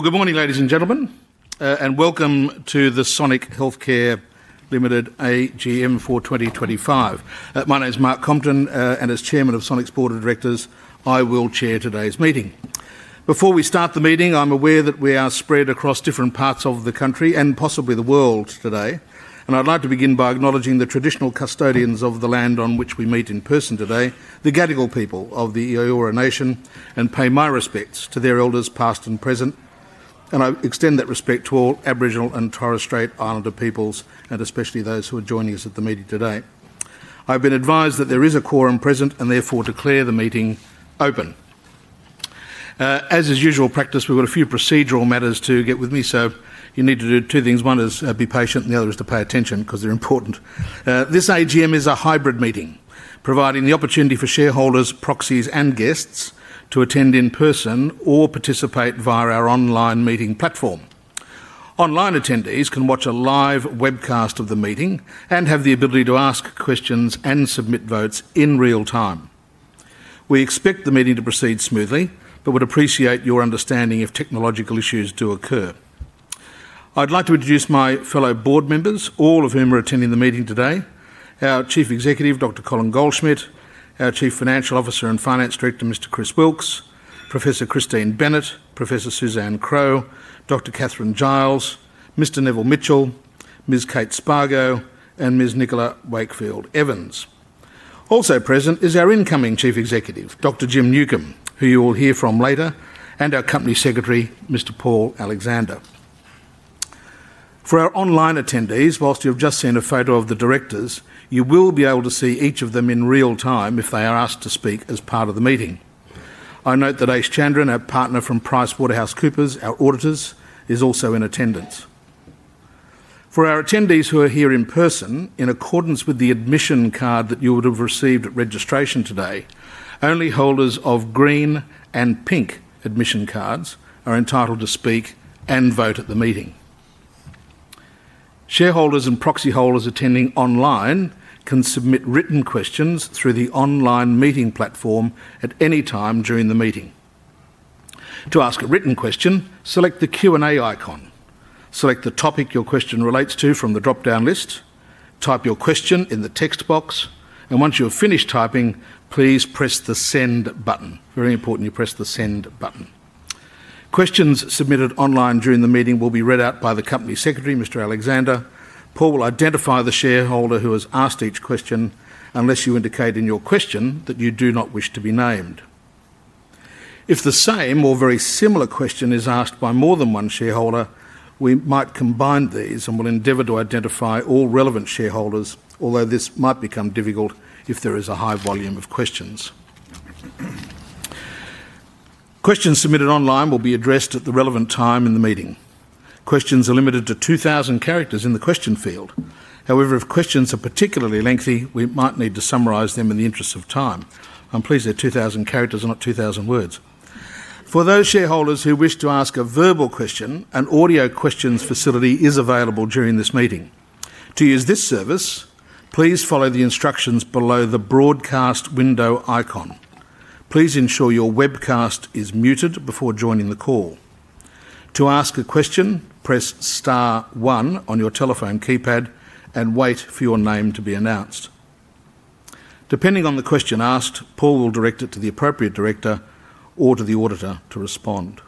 Good morning, ladies and gentlemen, and welcome to the Sonic Healthcare Limited AGM for 2025. My name is Mark Compton, and as Chairman of Sonic's Board of Directors, I will chair today's meeting. Before we start the meeting, I'm aware that we are spread across different parts of the country and possibly the world today, and I'd like to begin by acknowledging the traditional custodians of the land on which we meet in person today, the Gadigal people of the Eora Nation, and pay my respects to their elders past and present. I extend that respect to all Aboriginal and Torres Strait Islander peoples, and especially those who are joining us at the meeting today. I've been advised that there is a quorum present, and therefore declare the meeting open. As is usual practice, we've got a few procedural matters to get with me, so you need to do two things. One is be patient, and the other is to pay attention because they're important. This AGM is a hybrid meeting, providing the opportunity for shareholders, proxies, and guests to attend in person or participate via our online meeting platform. Online attendees can watch a live webcast of the meeting and have the ability to ask questions and submit votes in real time. We expect the meeting to proceed smoothly but would appreciate your understanding if technological issues do occur. I'd like to introduce my fellow board members, all of whom are attending the meeting today: our Chief Executive, Dr. Colin Goldschmidt, our Chief Financial Officer and Finance Director, Mr. Chris Wilks, Professor Christine Bennett, Professor Suzanne Crowe, Dr. Katharine Giles, Mr. Neville Mitchell, Ms. Kate Spargo, and Ms. Nicola Wakefield Evans. Also present is our incoming Chief Executive, Dr. Jim Newcombe, who you will hear from later, and our Company Secretary, Mr. Paul Alexander. For our online attendees, whilst you have just seen a photo of the directors, you will be able to see each of them in real time if they are asked to speak as part of the meeting. I note that Ace Chandran, our partner from PricewaterhouseCoopers, our auditors, is also in attendance. For our attendees who are here in person, in accordance with the admission card that you would have received at registration today, only holders of green and pink admission cards are entitled to speak and vote at the meeting. Shareholders and proxy holders attending online can submit written questions through the online meeting platform at any time during the meeting. To ask a written question, select the Q&A icon. Select the topic your question relates to from the drop-down list, type your question in the text box, and once you've finished typing, please press the send button. Very important you press the send button. Questions submitted online during the meeting will be read out by the Company Secretary, Mr. Alexander. Paul will identify the shareholder who has asked each question unless you indicate in your question that you do not wish to be named. If the same or very similar question is asked by more than one shareholder, we might combine these and will endeavor to identify all relevant shareholders, although this might become difficult if there is a high volume of questions. Questions submitted online will be addressed at the relevant time in the meeting. Questions are limited to 2,000 characters in the question field. However, if questions are particularly lengthy, we might need to summarise them in the interest of time. I'm pleased they're 2,000 characters, not 2,000 words. For those shareholders who wish to ask a verbal question, an audio questions facility is available during this meeting. To use this service, please follow the instructions below the broadcast window icon. Please ensure your webcast is muted before joining the call. To ask a question, press star one on your telephone keypad and wait for your name to be announced. Depending on the question asked, Paul will direct it to the appropriate director or to the auditor to respond.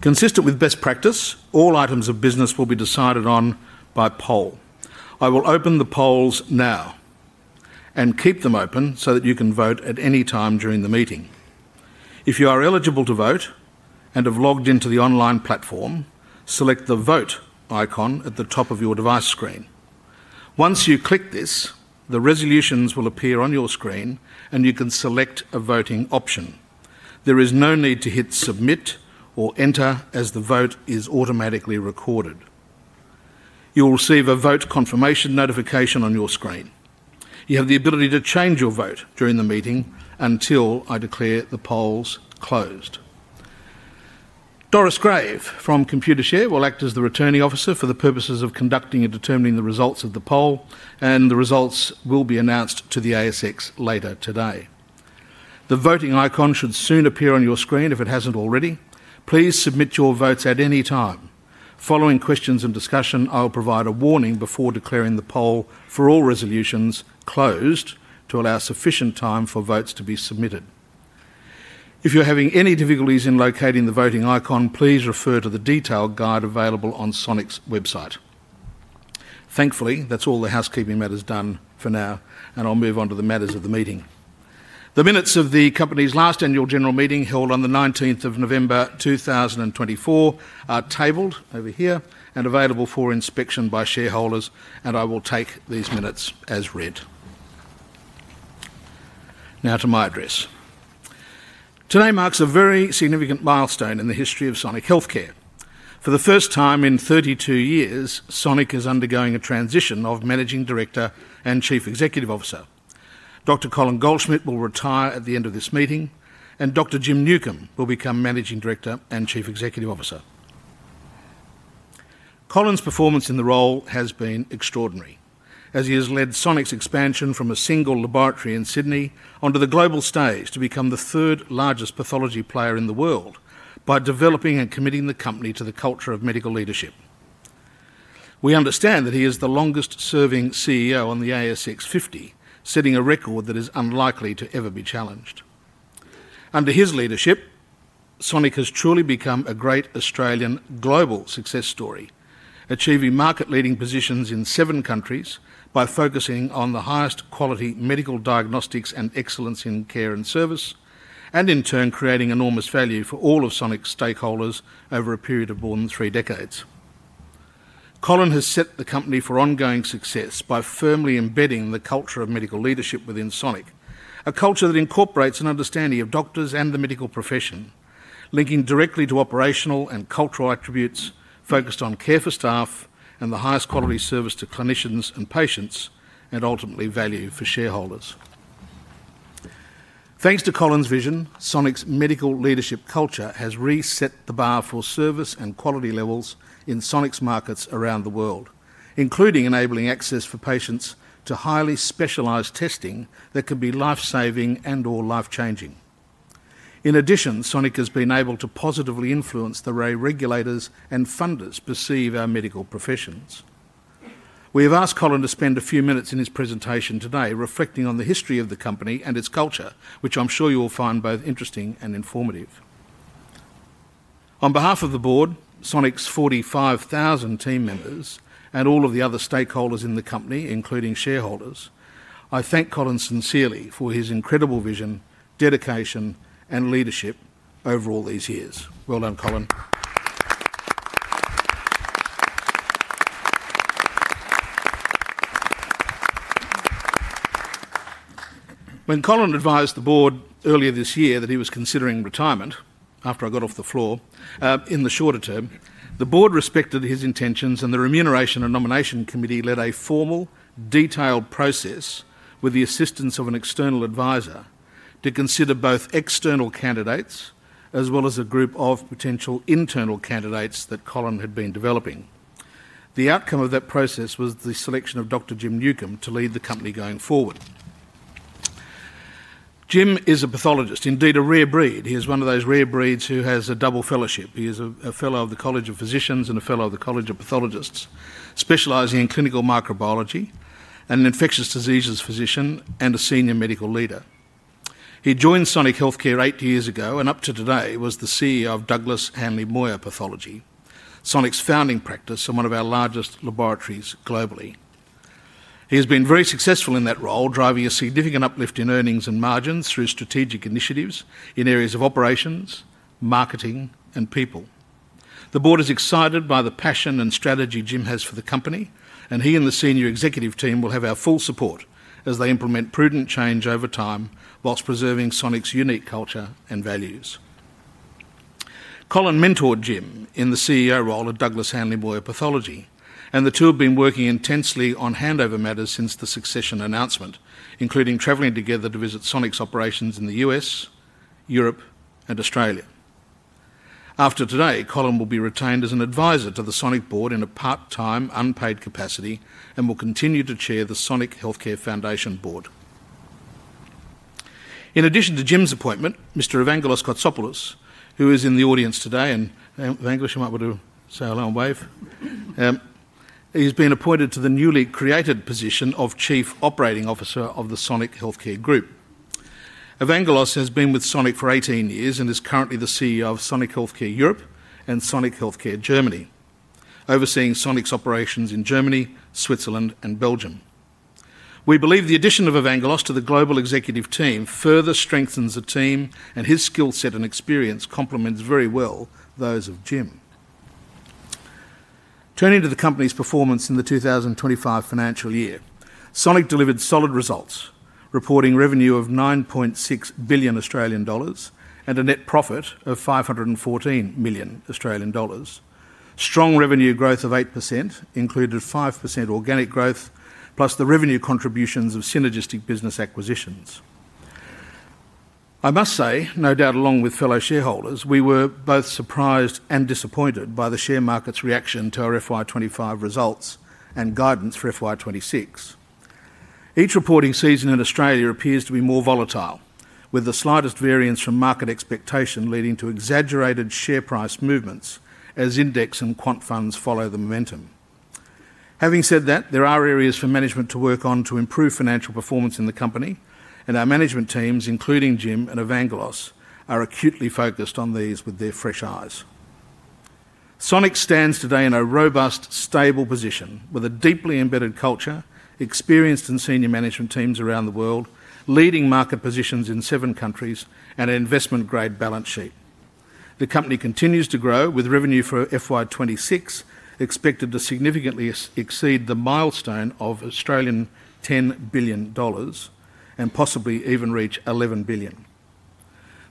Consistent with best practice, all items of business will be decided on by poll. I will open the polls now and keep them open so that you can vote at any time during the meeting. If you are eligible to vote and have logged into the online platform, select the vote icon at the top of your device screen. Once you click this, the resolutions will appear on your screen, and you can select a voting option. There is no need to hit submit or enter as the vote is automatically recorded. You will receive a vote confirmation notification on your screen. You have the ability to change your vote during the meeting until I declare the polls closed. Doris Grave from Computershare will act as the returning officer for the purposes of conducting and determining the results of the poll, and the results will be announced to the ASX later today. The voting icon should soon appear on your screen if it hasn't already. Please submit your votes at any time. Following questions and discussion, I'll provide a warning before declaring the poll for all resolutions closed to allow sufficient time for votes to be submitted. If you're having any difficulties in locating the voting icon, please refer to the detailed guide available on Sonic's website. Thankfully, that's all the housekeeping matters done for now, and I'll move on to the matters of the meeting. The minutes of the Company's last annual general meeting held on the 19th of November, 2024, are tabled over here and available for inspection by shareholders, and I will take these minutes as read. Now to my address. Today marks a very significant milestone in the history of Sonic Healthcare. For the first time in 32 years, Sonic is undergoing a transition of Managing Director and Chief Executive Officer. Dr. Colin Goldschmidt will retire at the end of this meeting, and Dr. Jim Newcombe will become Managing Director and Chief Executive Officer. Colin's performance in the role has been extraordinary, as he has led Sonic's expansion from a single laboratory in Sydney onto the global stage to become the third largest pathology player in the world by developing and committing the company to the culture of medical leadership. We understand that he is the longest-serving CEO on the ASX 50, setting a record that is unlikely to ever be challenged. Under his leadership, Sonic has truly become a great Australian global success story, achieving market-leading positions in seven countries by focusing on the highest quality medical diagnostics and excellence in care and service, and in turn creating enormous value for all of Sonic's stakeholders over a period of more than three decades. Colin has set the company for ongoing success by firmly embedding the culture of medical leadership within Sonic, a culture that incorporates an understanding of doctors and the medical profession, linking directly to operational and cultural attributes focused on care for staff and the highest quality service to clinicians and patients, and ultimately value for shareholders. Thanks to Colin's vision, Sonic's medical leadership culture has reset the bar for service and quality levels in Sonic's markets around the world, including enabling access for patients to highly specialized testing that can be life-saving and/or life-changing. In addition, Sonic has been able to positively influence the way regulators and funders perceive our medical professions. We have asked Colin to spend a few minutes in his presentation today reflecting on the history of the company and its culture, which I'm sure you will find both interesting and informative. On behalf of the board, Sonic's 45,000 team members, and all of the other stakeholders in the company, including shareholders, I thank Colin sincerely for his incredible vision, dedication, and leadership over all these years. Well done, Colin. When Colin advised the board earlier this year that he was considering retirement after I got off the floor, in the shorter term, the board respected his intentions, and the Remuneration and Nomination Committee led a formal, detailed process with the assistance of an external advisor to consider both external candidates as well as a group of potential internal candidates that Colin had been developing. The outcome of that process was the selection of Dr. Jim Newcombe to lead the company going forward. Jim is a pathologist, indeed a rare breed. He is one of those rare breeds who has a double fellowship. He is a fellow of the College of Physicians and a fellow of the College of Pathologists, specializing in clinical microbiology, an infectious diseases physician, and a senior medical leader. He joined Sonic Healthcare eight years ago and up to today was the CEO of Douglass Hanly Moir Pathology, Sonic's founding practice and one of our largest laboratories globally. He has been very successful in that role, driving a significant uplift in earnings and margins through strategic initiatives in areas of operations, marketing, and people. The board is excited by the passion and strategy Jim has for the company, and he and the senior executive team will have our full support as they implement prudent change over time whilst preserving Sonic's unique culture and values. Colin mentored Jim in the CEO role at Douglass Hanly Moir Pathology, and the two have been working intensely on handover matters since the succession announcement, including traveling together to visit Sonic's operations in the U.S., Europe, and Australia. After today, Colin will be retained as an advisor to the Sonic board in a part-time, unpaid capacity and will continue to chair the Sonic Healthcare Foundation board. In addition to Jim's appointment, Mr. Evangelos Kotsopoulos, who is in the audience today, and Evangelos, you might want to say hello and wave, he's been appointed to the newly created position of Chief Operating Officer of the Sonic Healthcare Group. Evangelos has been with Sonic for 18 years and is currently the CEO of Sonic Healthcare Europe and Sonic Healthcare Germany, overseeing Sonic's operations in Germany, Switzerland, and Belgium. We believe the addition of Evangelos to the global executive team further strengthens the team, and his skill set and experience complement very well those of Jim. Turning to the company's performance in the 2025 financial year, Sonic delivered solid results, reporting revenue of 9.6 billion Australian dollars and a net profit of 514 million Australian dollars. Strong revenue growth of 8% included 5% organic growth, plus the revenue contributions of synergistic business acquisitions. I must say, no doubt along with fellow shareholders, we were both surprised and disappointed by the share market's reaction to our FY 2025 results and guidance for FY 2026. Each reporting season in Australia appears to be more volatile, with the slightest variance from market expectation leading to exaggerated share price movements as index and quant funds follow the momentum. Having said that, there are areas for management to work on to improve financial performance in the company, and our management teams, including Jim and Evangelos, are acutely focused on these with their fresh eyes. Sonic stands today in a robust, stable position with a deeply embedded culture, experienced in senior management teams around the world, leading market positions in seven countries, and an investment-grade balance sheet. The company continues to grow, with revenue for FY 2026 expected to significantly exceed the milestone of 10 billion Australian dollars and possibly even reach 11 billion.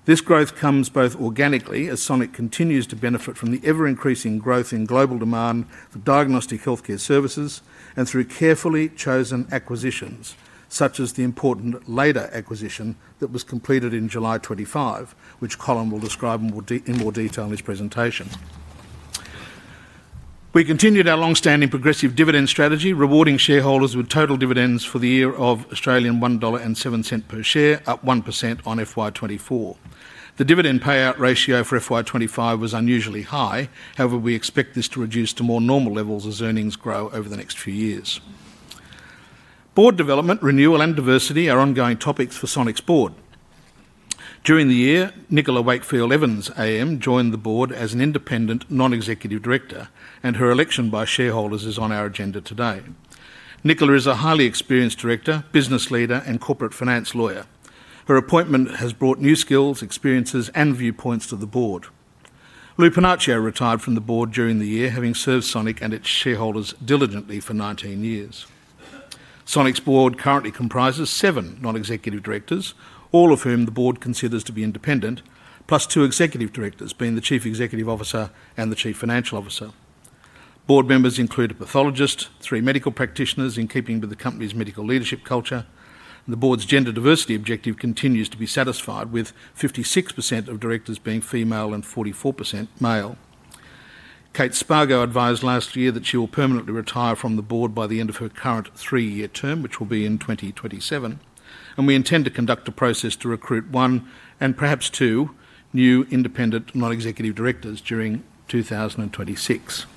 This growth comes both organically as Sonic continues to benefit from the ever-increasing growth in global demand for diagnostic healthcare services and through carefully chosen acquisitions, such as the important LADR acquisition that was completed in July 2025, which Colin will describe in more detail in his presentation. We continued our long-standing progressive dividend strategy, rewarding shareholders with total dividends for the year of 1.07 Australian dollars per share, up 1% on FY 2024. The dividend payout ratio for FY 2025 was unusually high. However, we expect this to reduce to more normal levels as earnings grow over the next few years. Board development, renewal, and diversity are ongoing topics for Sonic's board. During the year, Nicola Wakefield Evans AM joined the board as an independent non-executive director, and her election by shareholders is on our agenda today. Nicola is a highly experienced director, business leader, and corporate finance lawyer. Her appointment has brought new skills, experiences, and viewpoints to the board. Louis Panaccio retired from the board during the year, having served Sonic and its shareholders diligently for 19 years. Sonic's board currently comprises seven non-executive directors, all of whom the board considers to be independent, plus two executive directors, being the Chief Executive Officer and the Chief Financial Officer. Board members include a pathologist, three medical practitioners in keeping with the company's medical leadership culture. The board's gender diversity objective continues to be satisfied, with 56% of directors being female and 44% male. Kate Spargo advised last year that she will permanently retire from the board by the end of her current three-year term, which will be in 2027, and we intend to conduct a process to recruit one and perhaps two new independent non-executive directors during 2026.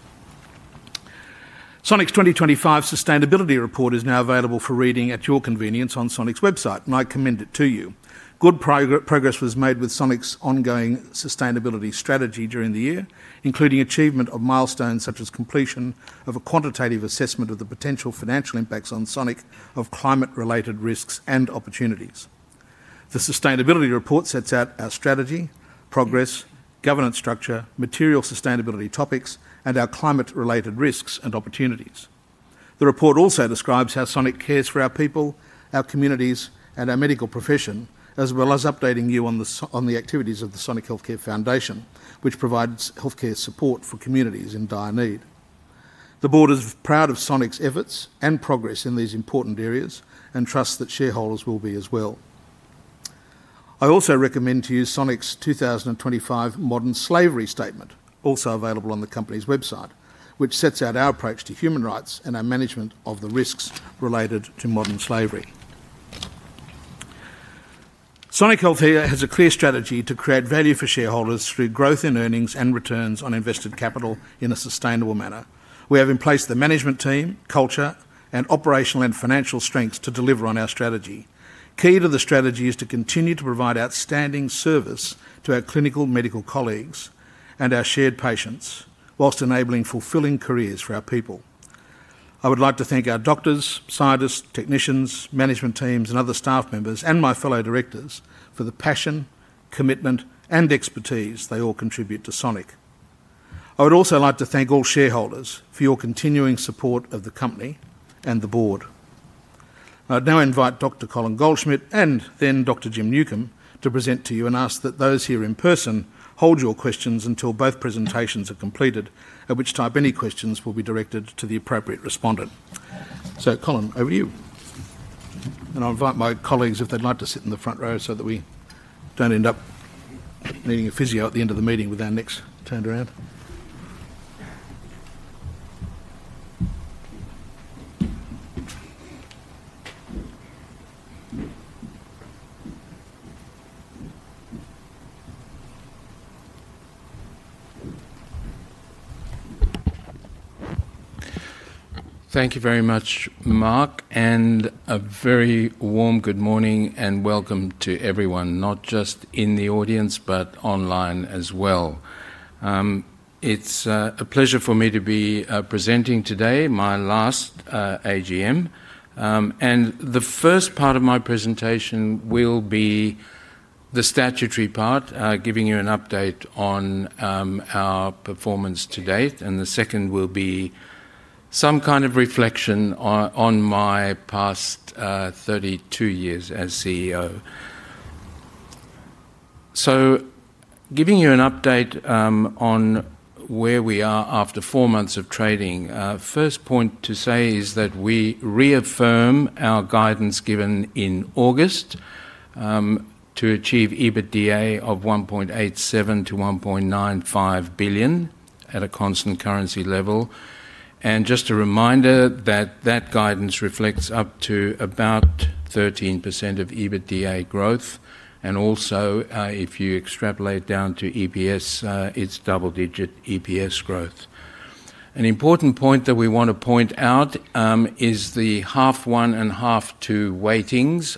Sonic's 2025 sustainability report is now available for reading at your convenience on Sonic's website, and I commend it to you. Good progress was made with Sonic's ongoing sustainability strategy during the year, including achievement of milestones such as completion of a quantitative assessment of the potential financial impacts on Sonic of climate-related risks and opportunities. The sustainability report sets out our strategy, progress, governance structure, material sustainability topics, and our climate-related risks and opportunities. The report also describes how Sonic cares for our people, our communities, and our medical profession, as well as updating you on the activities of the Sonic Healthcare Foundation, which provides healthcare support for communities in dire need. The board is proud of Sonic's efforts and progress in these important areas and trusts that shareholders will be as well. I also recommend to you Sonic's 2025 Modern Slavery Statement, also available on the company's website, which sets out our approach to human rights and our management of the risks related to modern slavery. Sonic Healthcare has a clear strategy to create value for shareholders through growth in earnings and returns on invested capital in a sustainable manner. We have in place the management team, culture, and operational and financial strengths to deliver on our strategy. Key to the strategy is to continue to provide outstanding service to our clinical medical colleagues and our shared patients, whilst enabling fulfilling careers for our people. I would like to thank our doctors, scientists, technicians, management teams, and other staff members, and my fellow directors for the passion, commitment, and expertise they all contribute to Sonic. I would also like to thank all shareholders for your continuing support of the company and the board. I'd now invite Dr. Colin Goldschmidt and then Dr. Jim Newcombe to present to you and ask that those here in person hold your questions until both presentations are completed, at which time any questions will be directed to the appropriate respondent. Colin, over to you. I'll invite my colleagues if they'd like to sit in the front row so that we don't end up needing a physio at the end of the meeting with our necks turned around. Thank you very much, Mark, and a very warm good morning and welcome to everyone, not just in the audience, but online as well. It's a pleasure for me to be presenting today, my last AGM, and the first part of my presentation will be the statutory part, giving you an update on our performance to date, and the second will be some kind of reflection on my past 32 years as CEO. Giving you an update on where we are after four months of trading. First point to say is that we reaffirm our guidance given in August to achieve EBITDA of 1.87 billion-1.95 billion at a constant currency level, and just a reminder that that guidance reflects up to about 13% of EBITDA growth, and also, if you extrapolate down to EPS, it's double-digit EPS growth. An important point that we want to point out is the half one and half two weightings.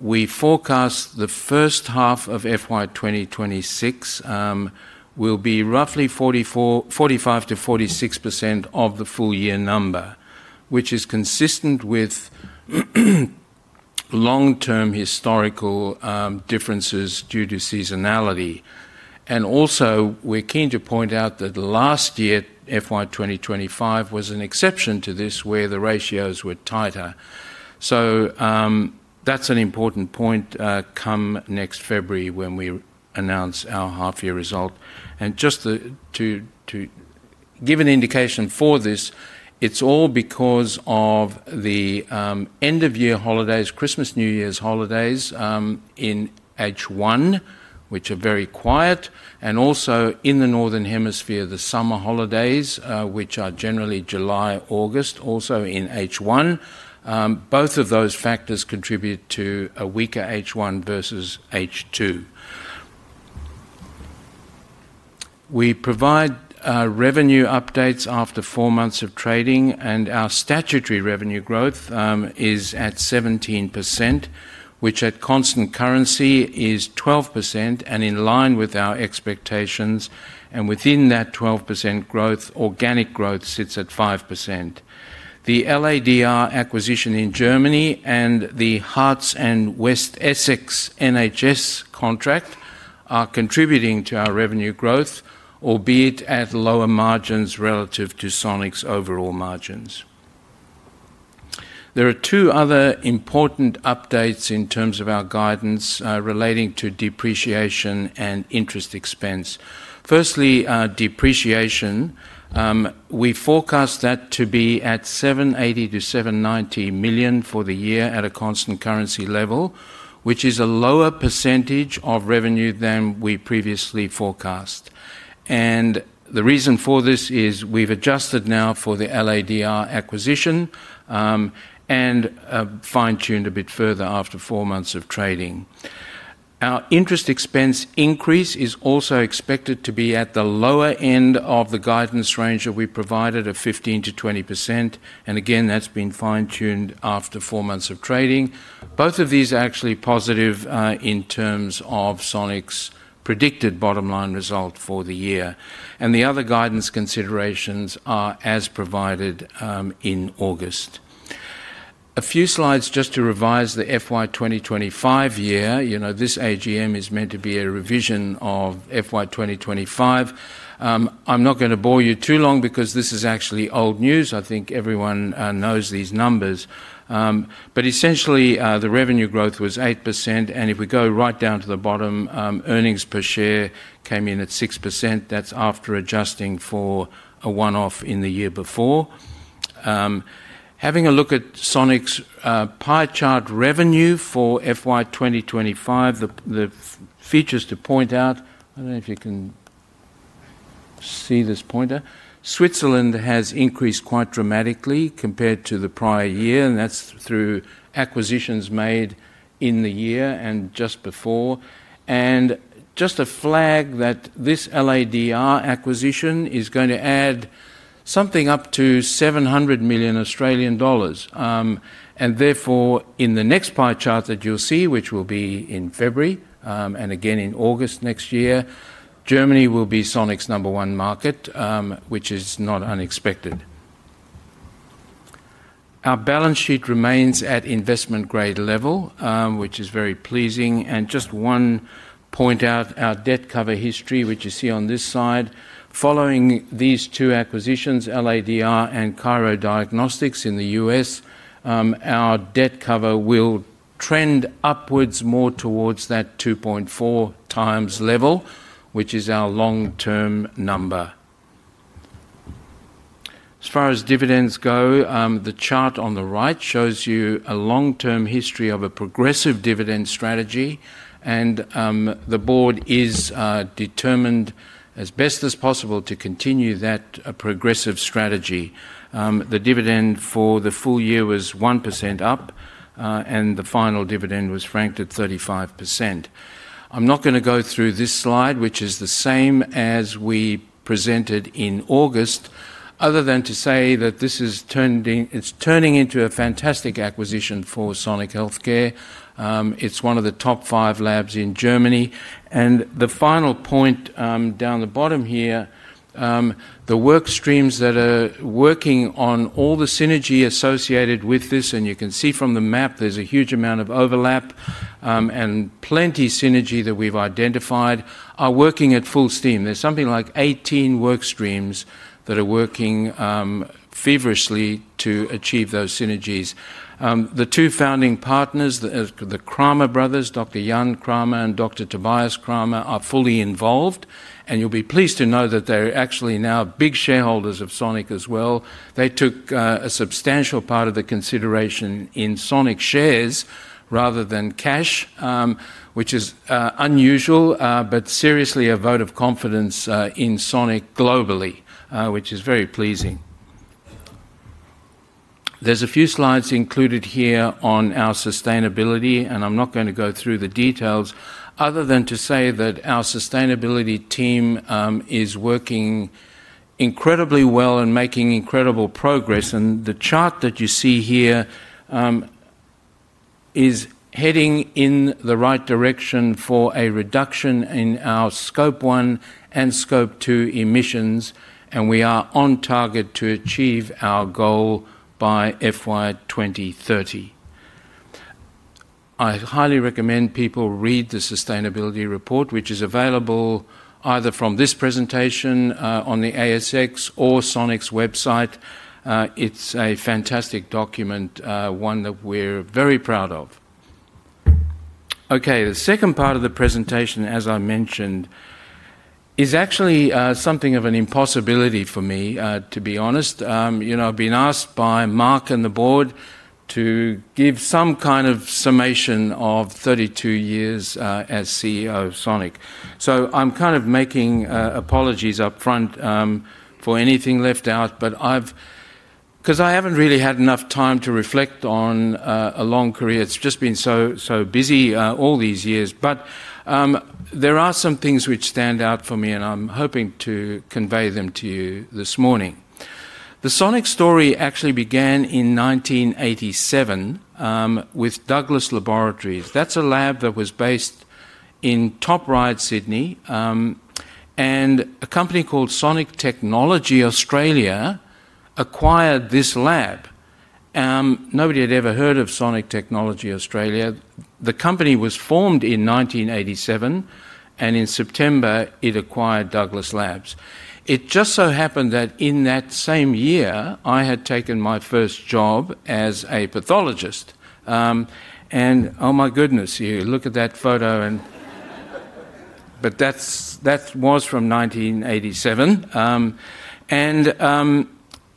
We forecast the first half of FY 2026 will be roughly 45%-46% of the full-year number, which is consistent with long-term historical differences due to seasonality. We are keen to point out that last year, FY 2025, was an exception to this where the ratios were tighter. That is an important point come next February when we announce our half-year result. Just to give an indication for this, it's all because of the end-of-year holidays, Christmas-New Year's holidays in H1, which are very quiet, and also in the northern hemisphere, the summer holidays, which are generally July-August, also in H1. Both of those factors contribute to a weaker H1 versus H2. We provide revenue updates after four months of trading, and our statutory revenue growth is at 17%, which at constant currency is 12%, and in line with our expectations. Within that 12% growth, organic growth sits at 5%. The LADR acquisition in Germany and the Herts and West Essex NHS contract are contributing to our revenue growth, albeit at lower margins relative to Sonic's overall margins. There are two other important updates in terms of our guidance relating to depreciation and interest expense. Firstly, depreciation. We forecast that to be at 780 million-790 million for the year at a constant currency level, which is a lower percentage of revenue than we previously forecast. The reason for this is we've adjusted now for the LADR acquisition and fine-tuned a bit further after four months of trading. Our interest expense increase is also expected to be at the lower end of the guidance range that we provided of 15%-20%, and again, that's been fine-tuned after four months of trading. Both of these are actually positive in terms of Sonic's predicted bottom line result for the year. The other guidance considerations are as provided in August. A few slides just to revise the FY 2025 year. This AGM is meant to be a revision of FY 2025. I'm not going to bore you too long because this is actually old news. I think everyone knows these numbers. Essentially, the revenue growth was 8%, and if we go right down to the bottom, earnings per share came in at 6%. That is after adjusting for a one-off in the year before. Having a look at Sonic's pie chart revenue for FY 2025, the features to point out, I do not know if you can see this pointer. Switzerland has increased quite dramatically compared to the prior year, and that is through acquisitions made in the year and just before. Just a flag that this LADR acquisition is going to add something up to 700 million Australian dollars. Therefore, in the next pie chart that you will see, which will be in February and again in August next year, Germany will be Sonic's number one market, which is not unexpected. Our balance sheet remains at investment-grade level, which is very pleasing. Just one point out, our debt cover history, which you see on this slide. Following these two acquisitions, LADR and Cairo Diagnostics in the U.S., our debt cover will trend upwards more towards that 2.4x level, which is our long-term number. As far as dividends go, the chart on the right shows you a long-term history of a progressive dividend strategy, and the board is determined as best as possible to continue that progressive strategy. The dividend for the full year was 1% up, and the final dividend was franked at 35%. I'm not going to go through this slide, which is the same as we presented in August, other than to say that this is turning into a fantastic acquisition for Sonic Healthcare. It's one of the top five labs in Germany. The final point down the bottom here, the work streams that are working on all the synergy associated with this, and you can see from the map there's a huge amount of overlap and plenty of synergy that we've identified, are working at full steam. There's something like 18 work streams that are working feverishly to achieve those synergies. The two founding partners, the Cramer brothers, Dr. Jan Cramer and Dr. Tobias Cramer, are fully involved, and you'll be pleased to know that they're actually now big shareholders of Sonic as well. They took a substantial part of the consideration in Sonic shares rather than cash, which is unusual, but seriously a vote of confidence in Sonic globally, which is very pleasing. There's a few slides included here on our sustainability, and I'm not going to go through the details other than to say that our sustainability team is working incredibly well and making incredible progress. The chart that you see here is heading in the right direction for a reduction in our scope one and scope two emissions, and we are on target to achieve our goal by FY 2030. I highly recommend people read the sustainability report, which is available either from this presentation on the ASX or Sonic's website. It's a fantastic document, one that we're very proud of. Okay, the second part of the presentation, as I mentioned, is actually something of an impossibility for me, to be honest. I've been asked by Mark and the board to give some kind of summation of 32 years as CEO of Sonic. I'm kind of making apologies upfront for anything left out, because I haven't really had enough time to reflect on a long career. It's just been so busy all these years. There are some things which stand out for me, and I'm hoping to convey them to you this morning. The Sonic story actually began in 1987 with Douglas Laboratories. That's a lab that was based in Top Ryde, Sydney, and a company called Sonic Technology Australia acquired this lab. Nobody had ever heard of Sonic Technology Australia. The company was formed in 1987, and in September, it acquired Douglas Labs. It just so happened that in that same year, I had taken my first job as a pathologist. Oh my goodness, you look at that photo, but that was from 1987.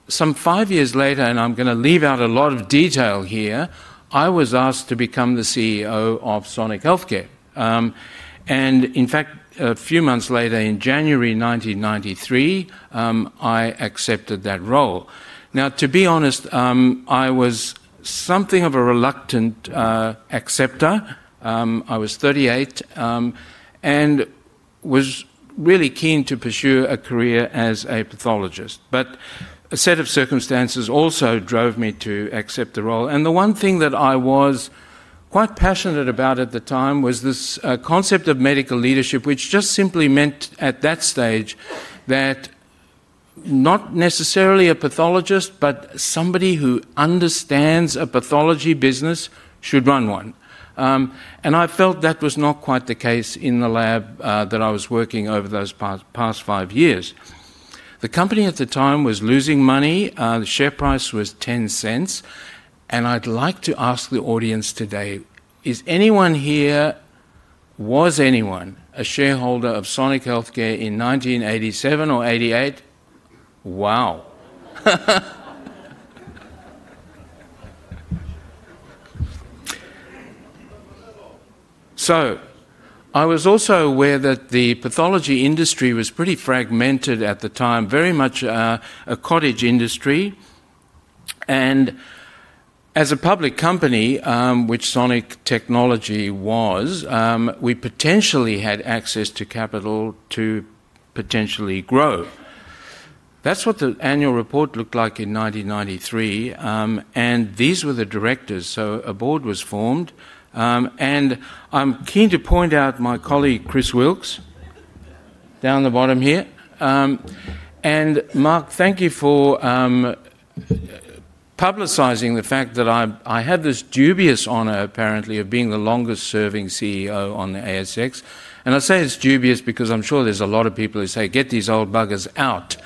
Some five years later, and I'm going to leave out a lot of detail here, I was asked to become the CEO of Sonic Healthcare. In fact, a few months later, in January 1993, I accepted that role. To be honest, I was something of a reluctant acceptor. I was 38 and was really keen to pursue a career as a pathologist. A set of circumstances also drove me to accept the role. The one thing that I was quite passionate about at the time was this concept of medical leadership, which just simply meant at that stage that not necessarily a pathologist, but somebody who understands a pathology business should run one. I felt that was not quite the case in the lab that I was working over those past five years. The company at the time was losing money. The share price was $0.10. I would like to ask the audience today, is anyone here, was anyone a shareholder of Sonic Healthcare in 1987 or 1988? Wow. I was also aware that the pathology industry was pretty fragmented at the time, very much a cottage industry. As a public company, which Sonic Technology was, we potentially had access to capital to potentially grow. That is what the annual report looked like in 1993. These were the directors. A board was formed. I am keen to point out my colleague, Chris Wilks, down the bottom here. Mark, thank you for publicizing the fact that I have this dubious honor, apparently, of being the longest-serving CEO on the ASX. I say it's dubious because I'm sure there's a lot of people who say, "Get these old buggers out."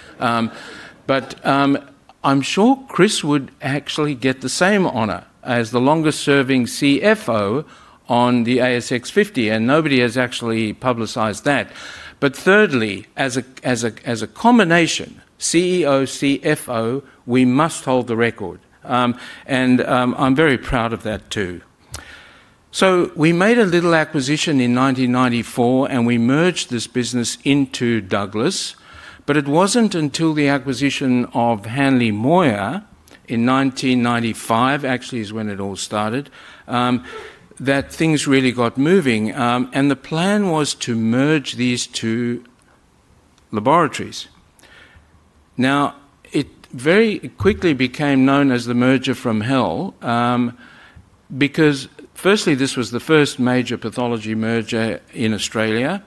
I'm sure Chris would actually get the same honor as the longest-serving CFO on the ASX 50, and nobody has actually publicized that. Thirdly, as a combination, CEO, CFO, we must hold the record. I'm very proud of that too. We made a little acquisition in 1994, and we merged this business into Douglas. It wasn't until the acquisition of Hanly Moir in 1995, actually is when it all started, that things really got moving. The plan was to merge these two laboratories. It very quickly became known as the merger from hell because, firstly, this was the first major pathology merger in Australia.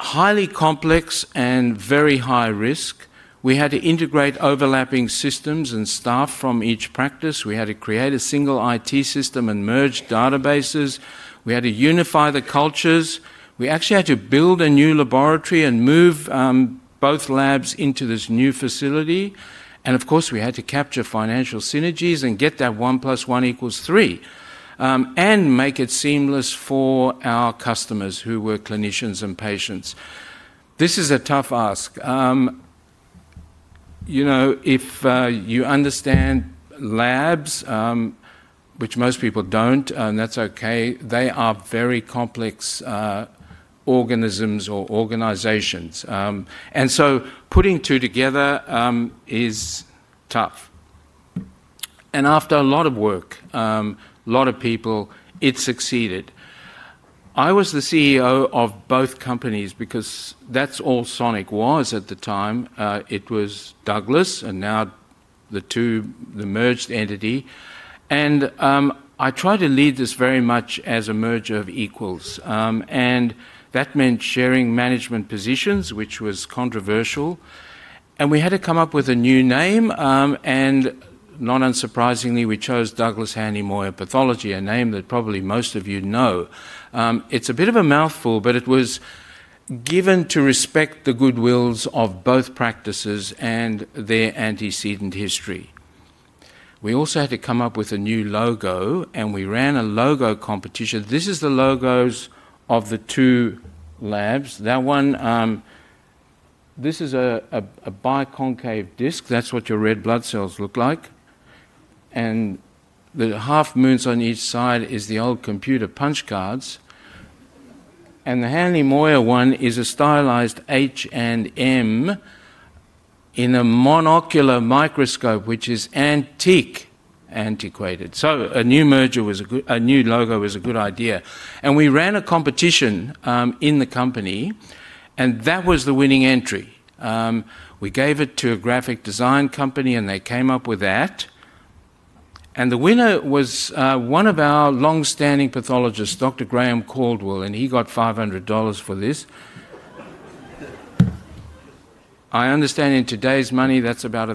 Highly complex and very high risk. We had to integrate overlapping systems and staff from each practice. We had to create a single IT system and merge databases. We had to unify the cultures. We actually had to build a new laboratory and move both labs into this new facility. Of course, we had to capture financial synergies and get that 1+1=3 and make it seamless for our customers who were clinicians and patients. This is a tough ask. If you understand labs, which most people do not, and that's okay, they are very complex organisms or organizations. Putting two together is tough. After a lot of work, a lot of people, it succeeded. I was the CEO of both companies because that's all Sonic was at the time. It was Douglas and now the merged entity. I tried to lead this very much as a merger of equals. That meant sharing management positions, which was controversial. We had to come up with a new name. Not unsurprisingly, we chose Douglass Hanly Moir Pathology, a name that probably most of you know. It's a bit of a mouthful, but it was given to respect the goodwills of both practices and their antecedent history. We also had to come up with a new logo, and we ran a logo competition. These are the logos of the two labs. This is a biconcave disc. That's what your red blood cells look like. The half-moons on each side are the old computer punch cards. The Hanly Moir one is a stylized H and M in a monocular microscope, which is antique, antiquated. A new merger, a new logo is a good idea. We ran a competition in the company, and that was the winning entry. We gave it to a graphic design company, and they came up with that. The winner was one of our long-standing pathologists, Dr. Grahame Caldwell, and he got $500 for this. I understand in today's money, that's about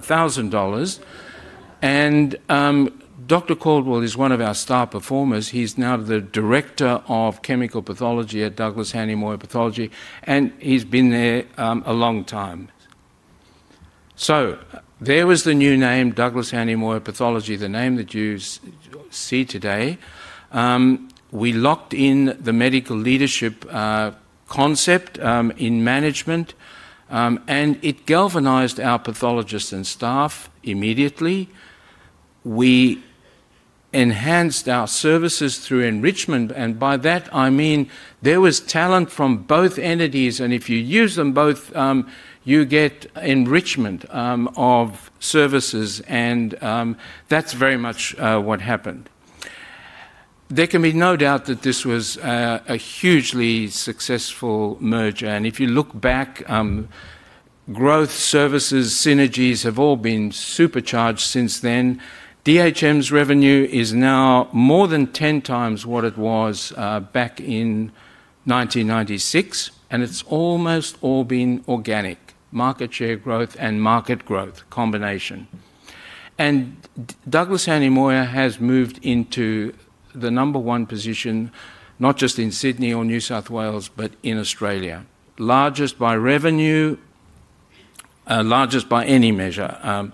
$1,000. Dr. Caldwell is one of our star performers. He's now the Director of Chemical Pathology at Douglass Hanly Moir Pathology, and he's been there a long time. There was the new name, Douglass Hanly Moir Pathology, the name that you see today. We locked in the medical leadership concept in management, and it galvanized our pathologists and staff immediately. We enhanced our services through enrichment, and by that, I mean there was talent from both entities, and if you use them both, you get enrichment of services, and that's very much what happened. There can be no doubt that this was a hugely successful merger. If you look back, growth, services, synergies have all been supercharged since then. DHM's revenue is now more than 10 times what it was back in 1996, and it's almost all been organic market share growth and market growth combination. Douglass Hanly Moir has moved into the number one position, not just in Sydney or New South Wales, but in Australia. Largest by revenue, largest by any measure.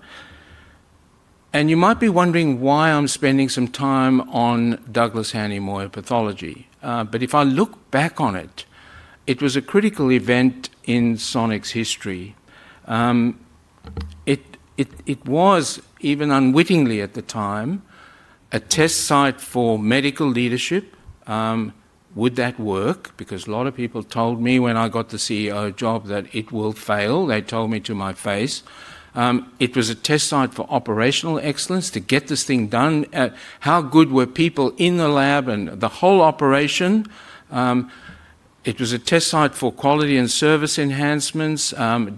You might be wondering why I'm spending some time on Douglass Hanly Moir Pathology. If I look back on it, it was a critical event in Sonic's history. It was, even unwittingly at the time, a test site for medical leadership. Would that work? A lot of people told me when I got the CEO job that it will fail. They told me to my face. It was a test site for operational excellence to get this thing done. How good were people in the lab and the whole operation? It was a test site for quality and service enhancements.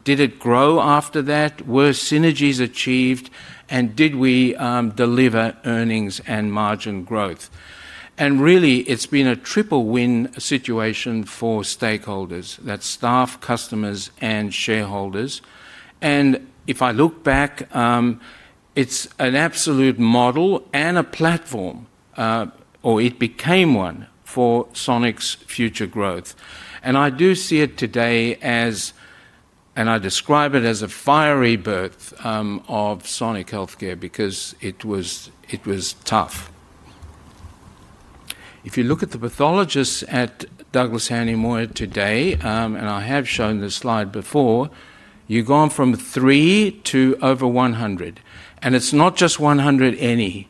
Did it grow after that? Were synergies achieved? Did we deliver earnings and margin growth? Really, it's been a triple-win situation for stakeholders, that's staff, customers, and shareholders. If I look back, it's an absolute model and a platform, or it became one for Sonic's future growth. I do see it today as, and I describe it as, a fiery birth of Sonic Healthcare because it was tough. If you look at the pathologists at Douglass Hanly Moir today, and I have shown this slide before, you've gone from three to over 100. It's not just 100 any.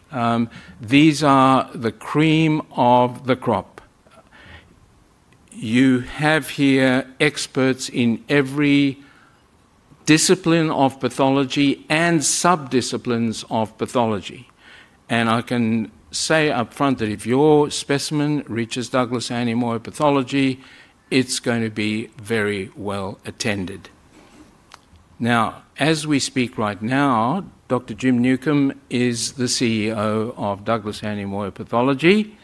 These are the cream of the crop. You have here experts in every discipline of pathology and sub-disciplines of pathology. I can say upfront that if your specimen reaches Douglass Hanly Moir Pathology, it's going to be very well attended. As we speak right now, Dr. Jim Newcombe is the CEO of Douglass Hanly Moir Pathology.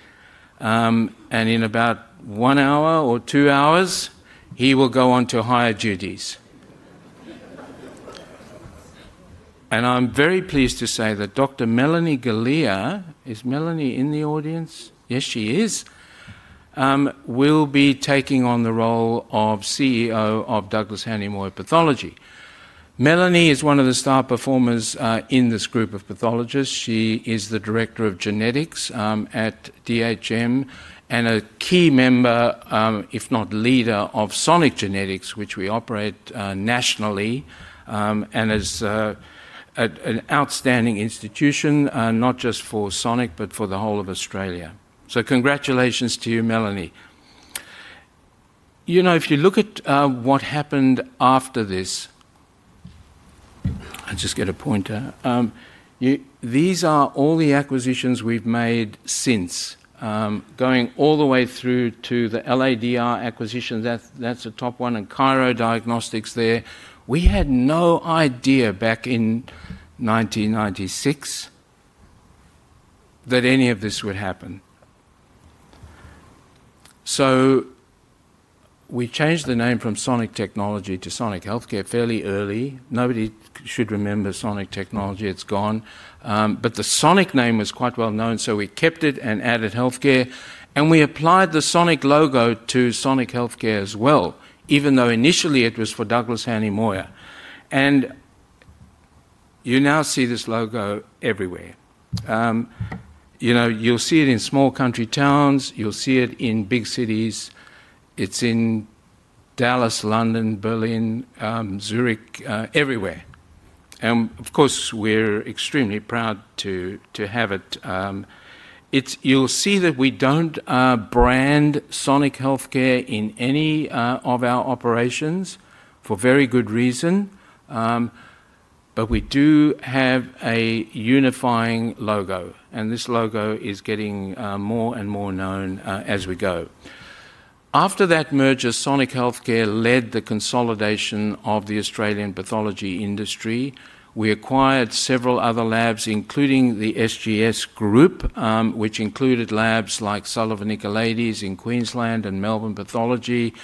In about one hour or two hours, he will go on to higher duties. I am very pleased to say that Dr. Melanie Galea—is Melanie in the audience? Yes, she is—will be taking on the role of CEO of Douglass Hanly Moir Pathology. Melanie is one of the star performers in this group of pathologists. She is the Director of Genetics at DHM and a key member, if not leader, of Sonic Genetics, which we operate nationally and is an outstanding institution, not just for Sonic, but for the whole of Australia. Congratulations to you, Melanie. If you look at what happened after this—I just get a pointer—these are all the acquisitions we've made since, going all the way through to the LADR acquisition. That's a top one. And Cairo Diagnostics there. We had no idea back in 1996 that any of this would happen. We changed the name from Sonic Technology to Sonic Healthcare fairly early. Nobody should remember Sonic Technology. It's gone. The Sonic name was quite well known, so we kept it and added Healthcare. We applied the Sonic logo to Sonic Healthcare as well, even though initially it was for Douglass Hanly Moir. You now see this logo everywhere. You'll see it in small country towns. You'll see it in big cities. It's in Dallas, London, Berlin, Zurich, everywhere. Of course, we're extremely proud to have it. You'll see that we don't brand Sonic Healthcare in any of our operations for very good reason. We do have a unifying logo. This logo is getting more and more known as we go. After that merger, Sonic Healthcare led the consolidation of the Australian pathology industry. We acquired several other labs, including the SGS Group, which included labs like Sullivan Nicolaides in Queensland and Melbourne Pathology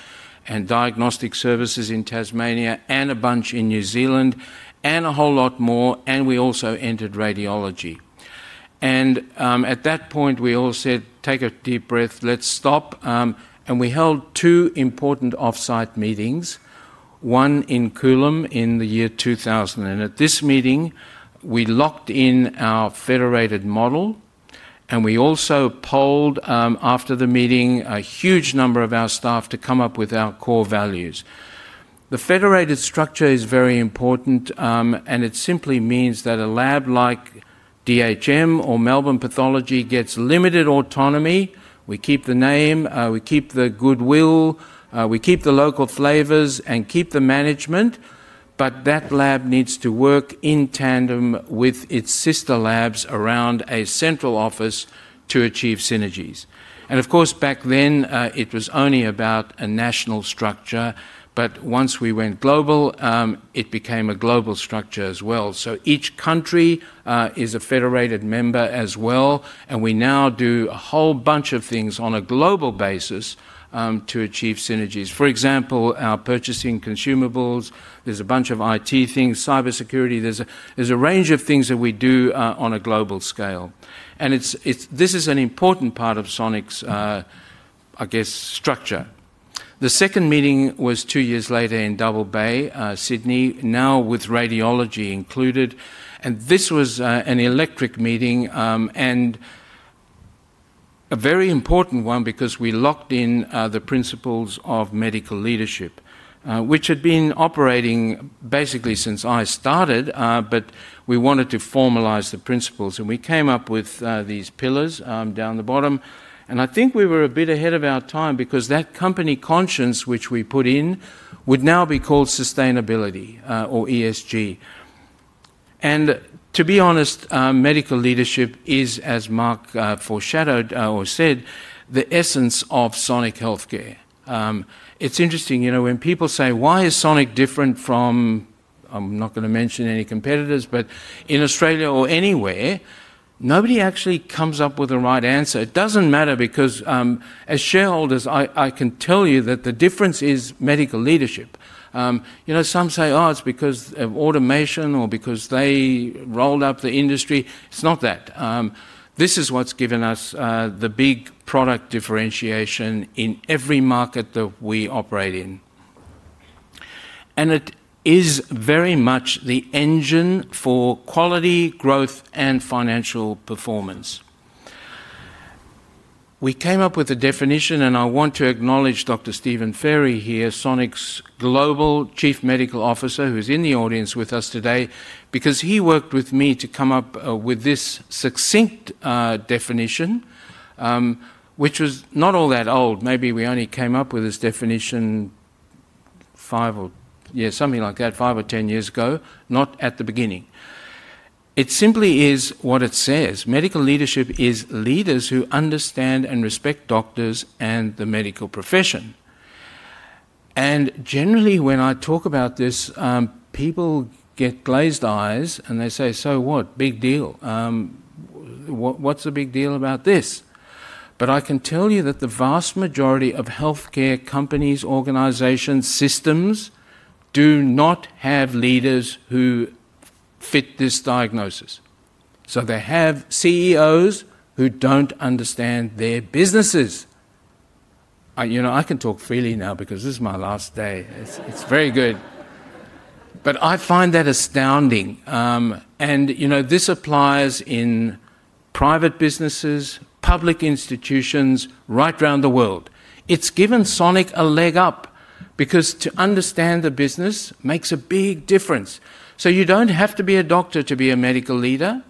and Diagnostic Services in Tasmania and a bunch in New Zealand and a whole lot more. We also entered radiology. At that point, we all said, "Take a deep breath. Let's stop." We held two important off-site meetings, one in Coolum in the year 2000. At this meeting, we locked in our federated model. We also polled after the meeting a huge number of our staff to come up with our core values. The federated structure is very important, and it simply means that a lab like DHM or Melbourne Pathology gets limited autonomy. We keep the name. We keep the goodwill. We keep the local flavors and keep the management. That lab needs to work in tandem with its sister labs around a central office to achieve synergies. Of course, back then, it was only about a national structure. Once we went global, it became a global structure as well. Each country is a federated member as well. We now do a whole bunch of things on a global basis to achieve synergies. For example, our purchasing consumables. There is a bunch of IT things, cybersecurity. There is a range of things that we do on a global scale. This is an important part of Sonic's, I guess, structure. The second meeting was two years later in Double Bay, Sydney, now with radiology included. This was an electric meeting and a very important one because we locked in the principles of medical leadership, which had been operating basically since I started. We wanted to formalize the principles. We came up with these pillars down the bottom. I think we were a bit ahead of our time because that company conscience, which we put in, would now be called sustainability or ESG. To be honest, medical leadership is, as Mark foreshadowed or said, the essence of Sonic Healthcare. It's interesting when people say, "Why is Sonic different from—" I'm not going to mention any competitors, but in Australia or anywhere, nobody actually comes up with the right answer. It doesn't matter because as shareholders, I can tell you that the difference is medical leadership. Some say, "Oh, it's because of automation or because they rolled up the industry." It's not that. This is what's given us the big product differentiation in every market that we operate in. It is very much the engine for quality, growth, and financial performance. We came up with a definition, and I want to acknowledge Dr. Stephen Fairy here, Sonic's global Chief Medical Officer, who's in the audience with us today, because he worked with me to come up with this succinct definition, which was not all that old. Maybe we only came up with this definition five or, yeah, something like that, five or ten years ago, not at the beginning. It simply is what it says. Medical leadership is leaders who understand and respect doctors and the medical profession. Generally, when I talk about this, people get glazed eyes, and they say, "So what? Big deal. What's the big deal about this? I can tell you that the vast majority of healthcare companies, organizations, systems do not have leaders who fit this diagnosis. They have CEOs who don't understand their businesses. I can talk freely now because this is my last day. It's very good. I find that astounding. This applies in private businesses, public institutions, right around the world. It's given Sonic a leg up because to understand the business makes a big difference. You don't have to be a doctor to be a medical leader.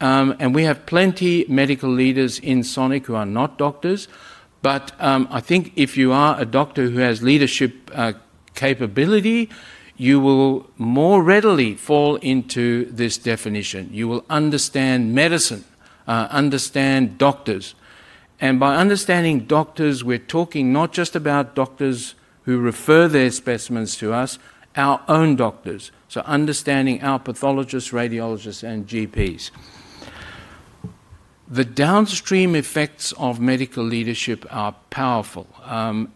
We have plenty of medical leaders in Sonic who are not doctors. I think if you are a doctor who has leadership capability, you will more readily fall into this definition. You will understand medicine, understand doctors. By understanding doctors, we're talking not just about doctors who refer their specimens to us, our own doctors. Understanding our pathologists, radiologists, and GPs. The downstream effects of medical leadership are powerful. I'll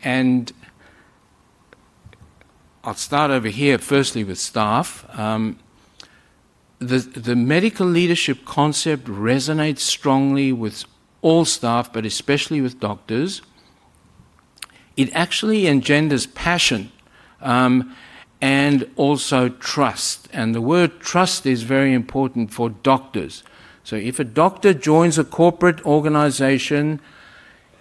start over here, firstly with staff. The medical leadership concept resonates strongly with all staff, but especially with doctors. It actually engenders passion and also trust. The word trust is very important for doctors. If a doctor joins a corporate organization,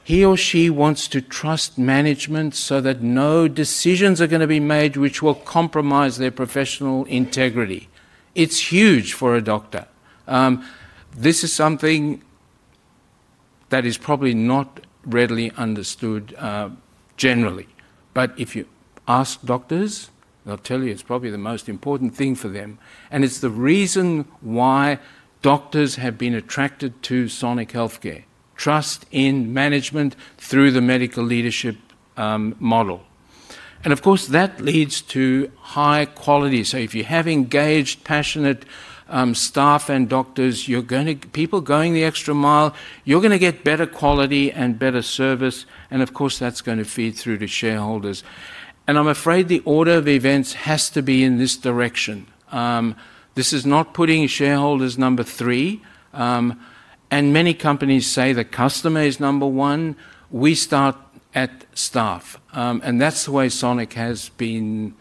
he or she wants to trust management so that no decisions are going to be made which will compromise their professional integrity. It's huge for a doctor. This is something that is probably not readily understood generally. If you ask doctors, they'll tell you it's probably the most important thing for them. It is the reason why doctors have been attracted to Sonic Healthcare: trust in management through the medical leadership model. Of course, that leads to high quality. If you have engaged, passionate staff and doctors, people going the extra mile, you are going to get better quality and better service. Of course, that is going to feed through to shareholders. I am afraid the order of events has to be in this direction. This is not putting shareholders number three. Many companies say the customer is number one. We start at staff. That is the way Sonic has been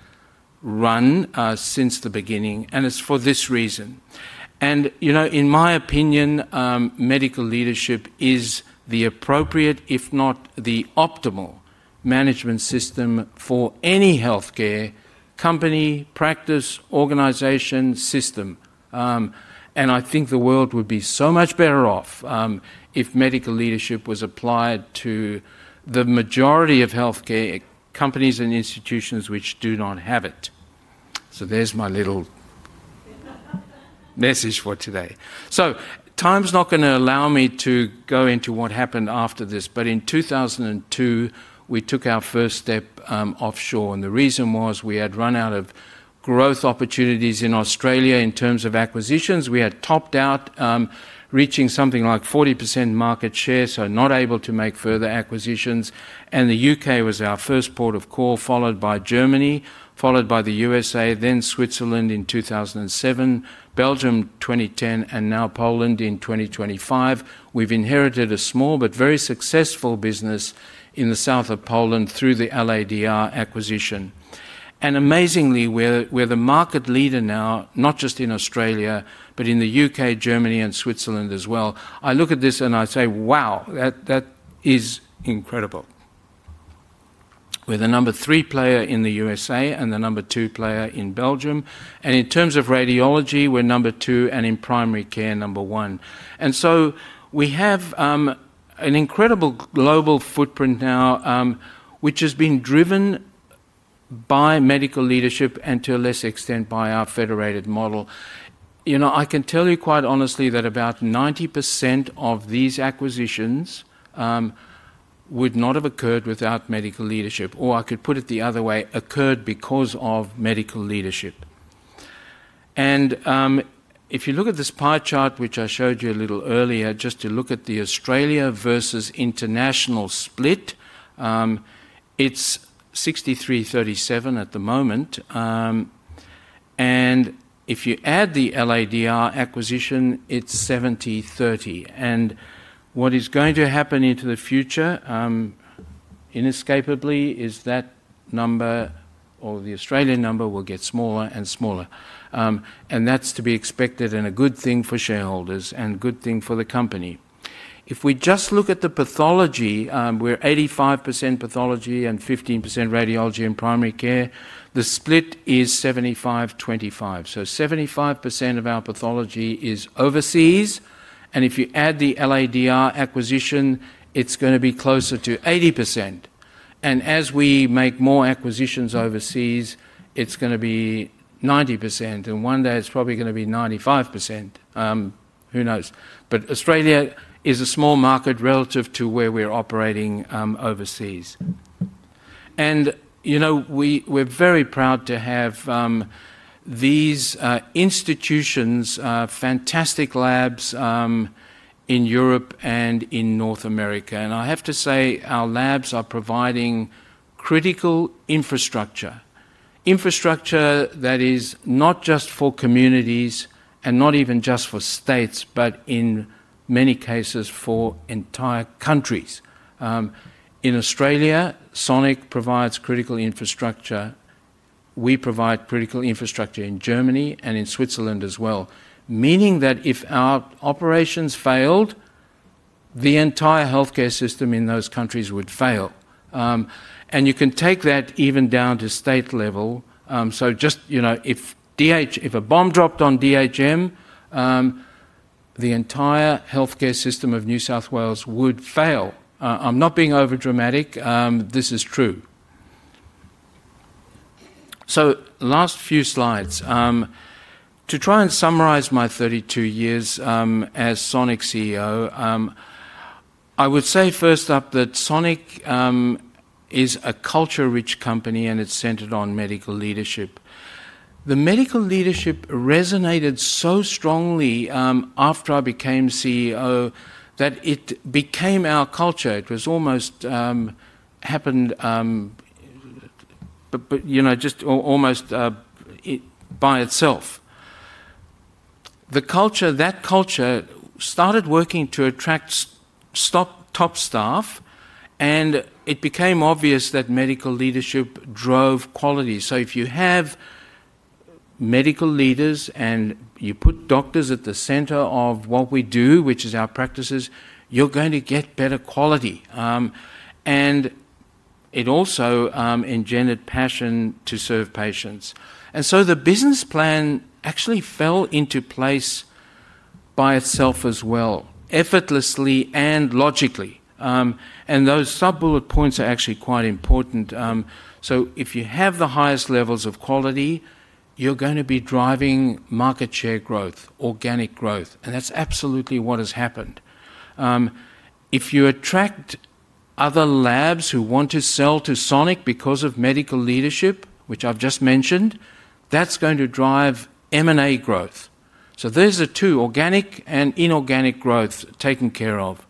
run since the beginning. It is for this reason. In my opinion, medical leadership is the appropriate, if not the optimal, management system for any healthcare company, practice, organization, or system. I think the world would be so much better off if medical leadership was applied to the majority of healthcare companies and institutions which do not have it. There is my little message for today. Time is not going to allow me to go into what happened after this. In 2002, we took our first step offshore. The reason was we had run out of growth opportunities in Australia in terms of acquisitions. We had topped out reaching something like 40% market share, so not able to make further acquisitions. The U.K. was our first port of call, followed by Germany, followed by the U.S., then Switzerland in 2007, Belgium 2010, and now Poland in 2025. We have inherited a small but very successful business in the south of Poland through the LADR acquisition. Amazingly, we're the market leader now, not just in Australia, but in the U.K., Germany, and Switzerland as well. I look at this and I say, "Wow, that is incredible." We're the number three player in the U.S.A. and the number two player in Belgium. In terms of radiology, we're number two, and in primary care, number one. We have an incredible global footprint now, which has been driven by medical leadership and, to a lesser extent, by our federated model. I can tell you quite honestly that about 90% of these acquisitions would not have occurred without medical leadership, or I could put it the other way, occurred because of medical leadership. If you look at this pie chart, which I showed you a little earlier, just to look at the Australia versus international split, it's 63:37 at the moment. If you add the LADR acquisition, it's 70-30. What is going to happen into the future, inescapably, is that number or the Australian number will get smaller and smaller. That's to be expected and a good thing for shareholders and a good thing for the company. If we just look at the pathology, we're 85% pathology and 15% radiology and primary care. The split is 75-25. So 75% of our pathology is overseas. If you add the LADR acquisition, it's going to be closer to 80%. As we make more acquisitions overseas, it's going to be 90%. One day, it's probably going to be 95%. Who knows? Australia is a small market relative to where we're operating overseas. We're very proud to have these institutions, fantastic labs in Europe and in North America. I have to say our labs are providing critical infrastructure, infrastructure that is not just for communities and not even just for states, but in many cases, for entire countries. In Australia, Sonic provides critical infrastructure. We provide critical infrastructure in Germany and in Switzerland as well, meaning that if our operations failed, the entire healthcare system in those countries would fail. You can take that even down to state level. Just if a bomb dropped on DHM, the entire healthcare system of New South Wales would fail. I'm not being overdramatic. This is true. Last few slides. To try and summarize my 32 years as Sonic CEO, I would say first up that Sonic is a culture-rich company, and it's centered on medical leadership. The medical leadership resonated so strongly after I became CEO that it became our culture. It almost happened just almost by itself. That culture started working to attract top staff, and it became obvious that medical leadership drove quality. If you have medical leaders and you put doctors at the center of what we do, which is our practices, you're going to get better quality. It also engendered passion to serve patients. The business plan actually fell into place by itself as well, effortlessly and logically. Those sub-bullet points are actually quite important. If you have the highest levels of quality, you're going to be driving market share growth, organic growth. That's absolutely what has happened. If you attract other labs who want to sell to Sonic because of medical leadership, which I've just mentioned, that's going to drive M&A growth. Those are two, organic and inorganic growth taken care of.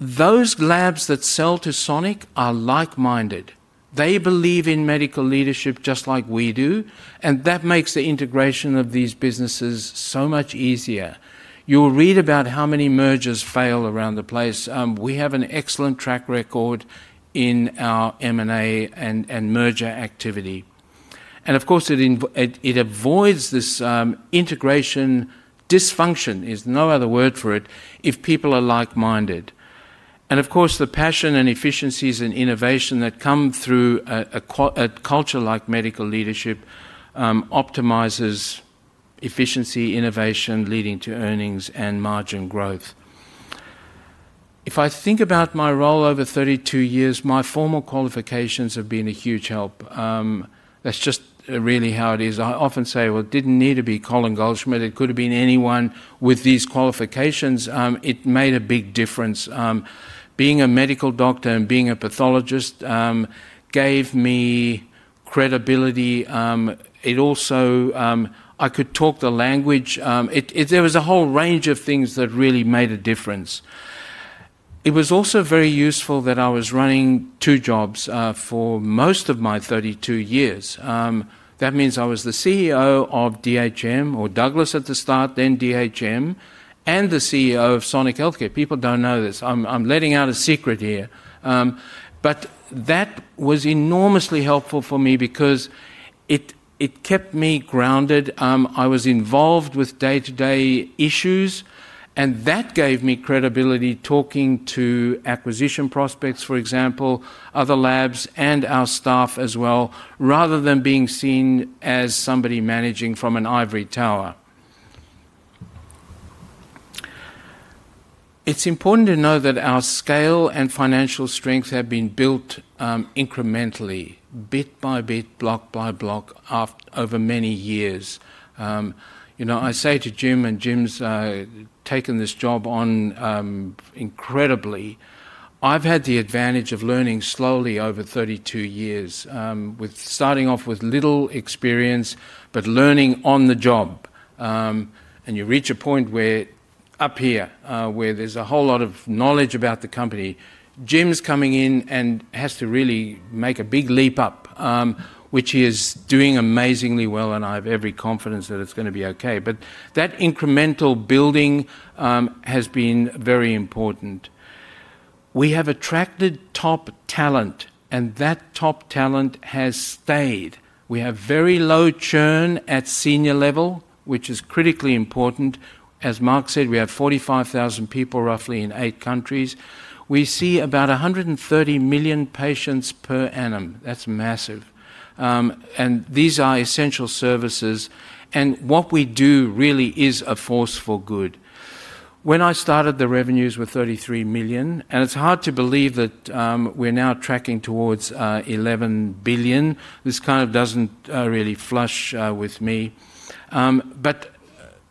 Those labs that sell to Sonic are like-minded. They believe in medical leadership just like we do, and that makes the integration of these businesses so much easier. You will read about how many mergers fail around the place. We have an excellent track record in our M&A and merger activity. It avoids this integration dysfunction. There is no other word for it if people are like-minded. The passion and efficiencies and innovation that come through a culture like medical leadership optimizes efficiency, innovation, leading to earnings and margin growth. If I think about my role over 32 years, my formal qualifications have been a huge help. That is just really how it is. I often say, "Well, it did not need to be Colin Goldschmidt. It could have been anyone with these qualifications." It made a big difference. Being a medical doctor and being a pathologist gave me credibility. It also meant I could talk the language. There was a whole range of things that really made a difference. It was also very useful that I was running two jobs for most of my 32 years. That means I was the CEO of DHM, or Douglas at the start, then DHM, and the CEO of Sonic Healthcare. People don't know this. I'm letting out a secret here. That was enormously helpful for me because it kept me grounded. I was involved with day-to-day issues, and that gave me credibility talking to acquisition prospects, for example, other labs, and our staff as well, rather than being seen as somebody managing from an ivory tower. It's important to know that our scale and financial strength have been built incrementally, bit by bit, block by block, over many years. I say to Jim, and Jim's taken this job on incredibly. I've had the advantage of learning slowly over 32 years, starting off with little experience, but learning on the job. You reach a point up here where there's a whole lot of knowledge about the company. Jim's coming in and has to really make a big leap up, which he is doing amazingly well. I have every confidence that it's going to be okay. That incremental building has been very important. We have attracted top talent, and that top talent has stayed. We have very low churn at senior level, which is critically important. As Mark said, we have 45,000 people roughly in eight countries. We see about 130 million patients per annum. That's massive. These are essential services. What we do really is a force for good. When I started, the revenues were 33 million. It's hard to believe that we're now tracking towards 11 billion. This kind of doesn't really flush with me.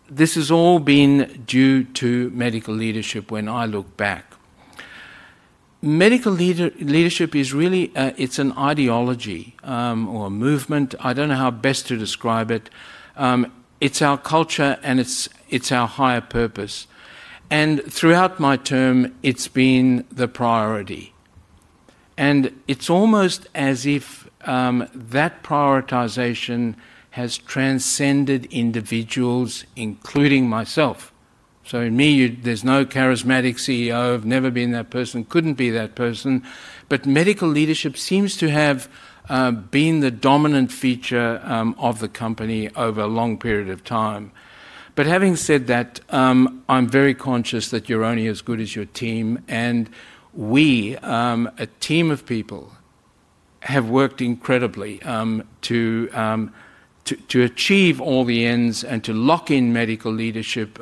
This has all been due to medical leadership when I look back. Medical leadership is really an ideology or a movement. I don't know how best to describe it. It's our culture, and it's our higher purpose. Throughout my term, it's been the priority. It's almost as if that prioritization has transcended individuals, including myself. In me, there's no charismatic CEO. I've never been that person. Couldn't be that person. Medical leadership seems to have been the dominant feature of the company over a long period of time. Having said that, I'm very conscious that you're only as good as your team. We, a team of people, have worked incredibly to achieve all the ends and to lock in medical leadership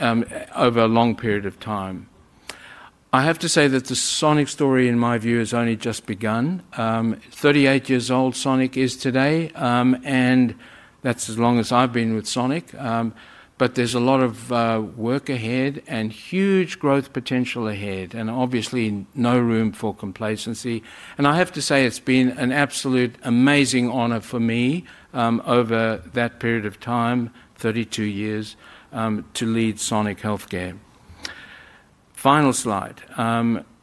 over a long period of time. I have to say that the Sonic story, in my view, has only just begun. Thirty-eight years old, Sonic is today. That is as long as I have been with Sonic. There is a lot of work ahead and huge growth potential ahead. Obviously, no room for complacency. I have to say it has been an absolutely amazing honor for me over that period of time, thirty-two years, to lead Sonic Healthcare. Final slide.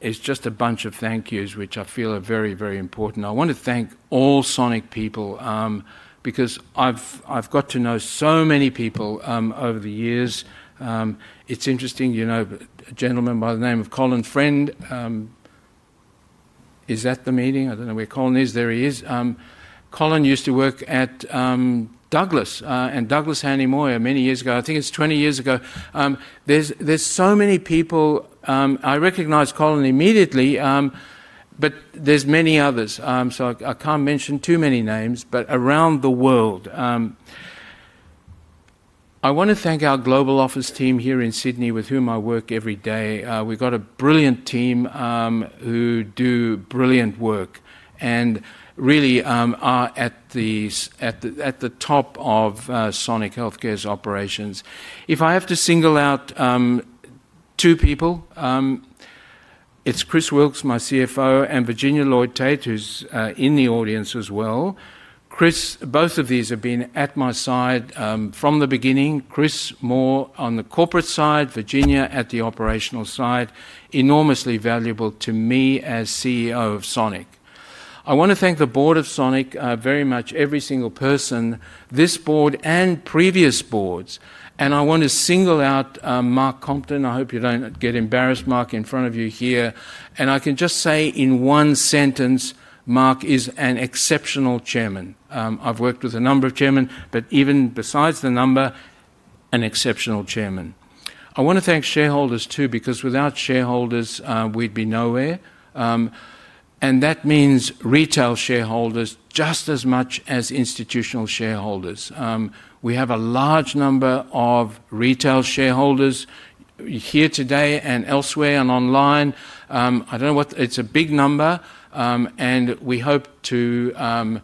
It is just a bunch of thank yous, which I feel are very, very important. I want to thank all Sonic people because I have got to know so many people over the years. It is interesting. A gentleman by the name of Colin Friend is at the meeting. I don't know where Colin is. There he is. Colin used to work at Douglass and Douglass Hanly Moir many years ago. I think it's 20 years ago. There's so many people. I recognize Colin immediately, but there's many others. I can't mention too many names, but around the world. I want to thank our global office team here in Sydney, with whom I work every day. We've got a brilliant team who do brilliant work and really are at the top of Sonic Healthcare's operations. If I have to single out two people, it's Chris Wilks, my CFO, and Virginia Lloyd-Tait, who's in the audience as well. Chris, both of these have been at my side from the beginning. Chris Moore on the corporate side, Virginia at the operational side. Enormously valuable to me as CEO of Sonic. I want to thank the board of Sonic very much, every single person, this board, and previous boards. I want to single out Mark Compton. I hope you don't get embarrassed, Mark, in front of you here. I can just say in one sentence, Mark is an exceptional chairman. I've worked with a number of chairmen, but even besides the number, an exceptional chairman. I want to thank shareholders too because without shareholders, we'd be nowhere. That means retail shareholders just as much as institutional shareholders. We have a large number of retail shareholders here today and elsewhere and online. I don't know what it's a big number, and we hope to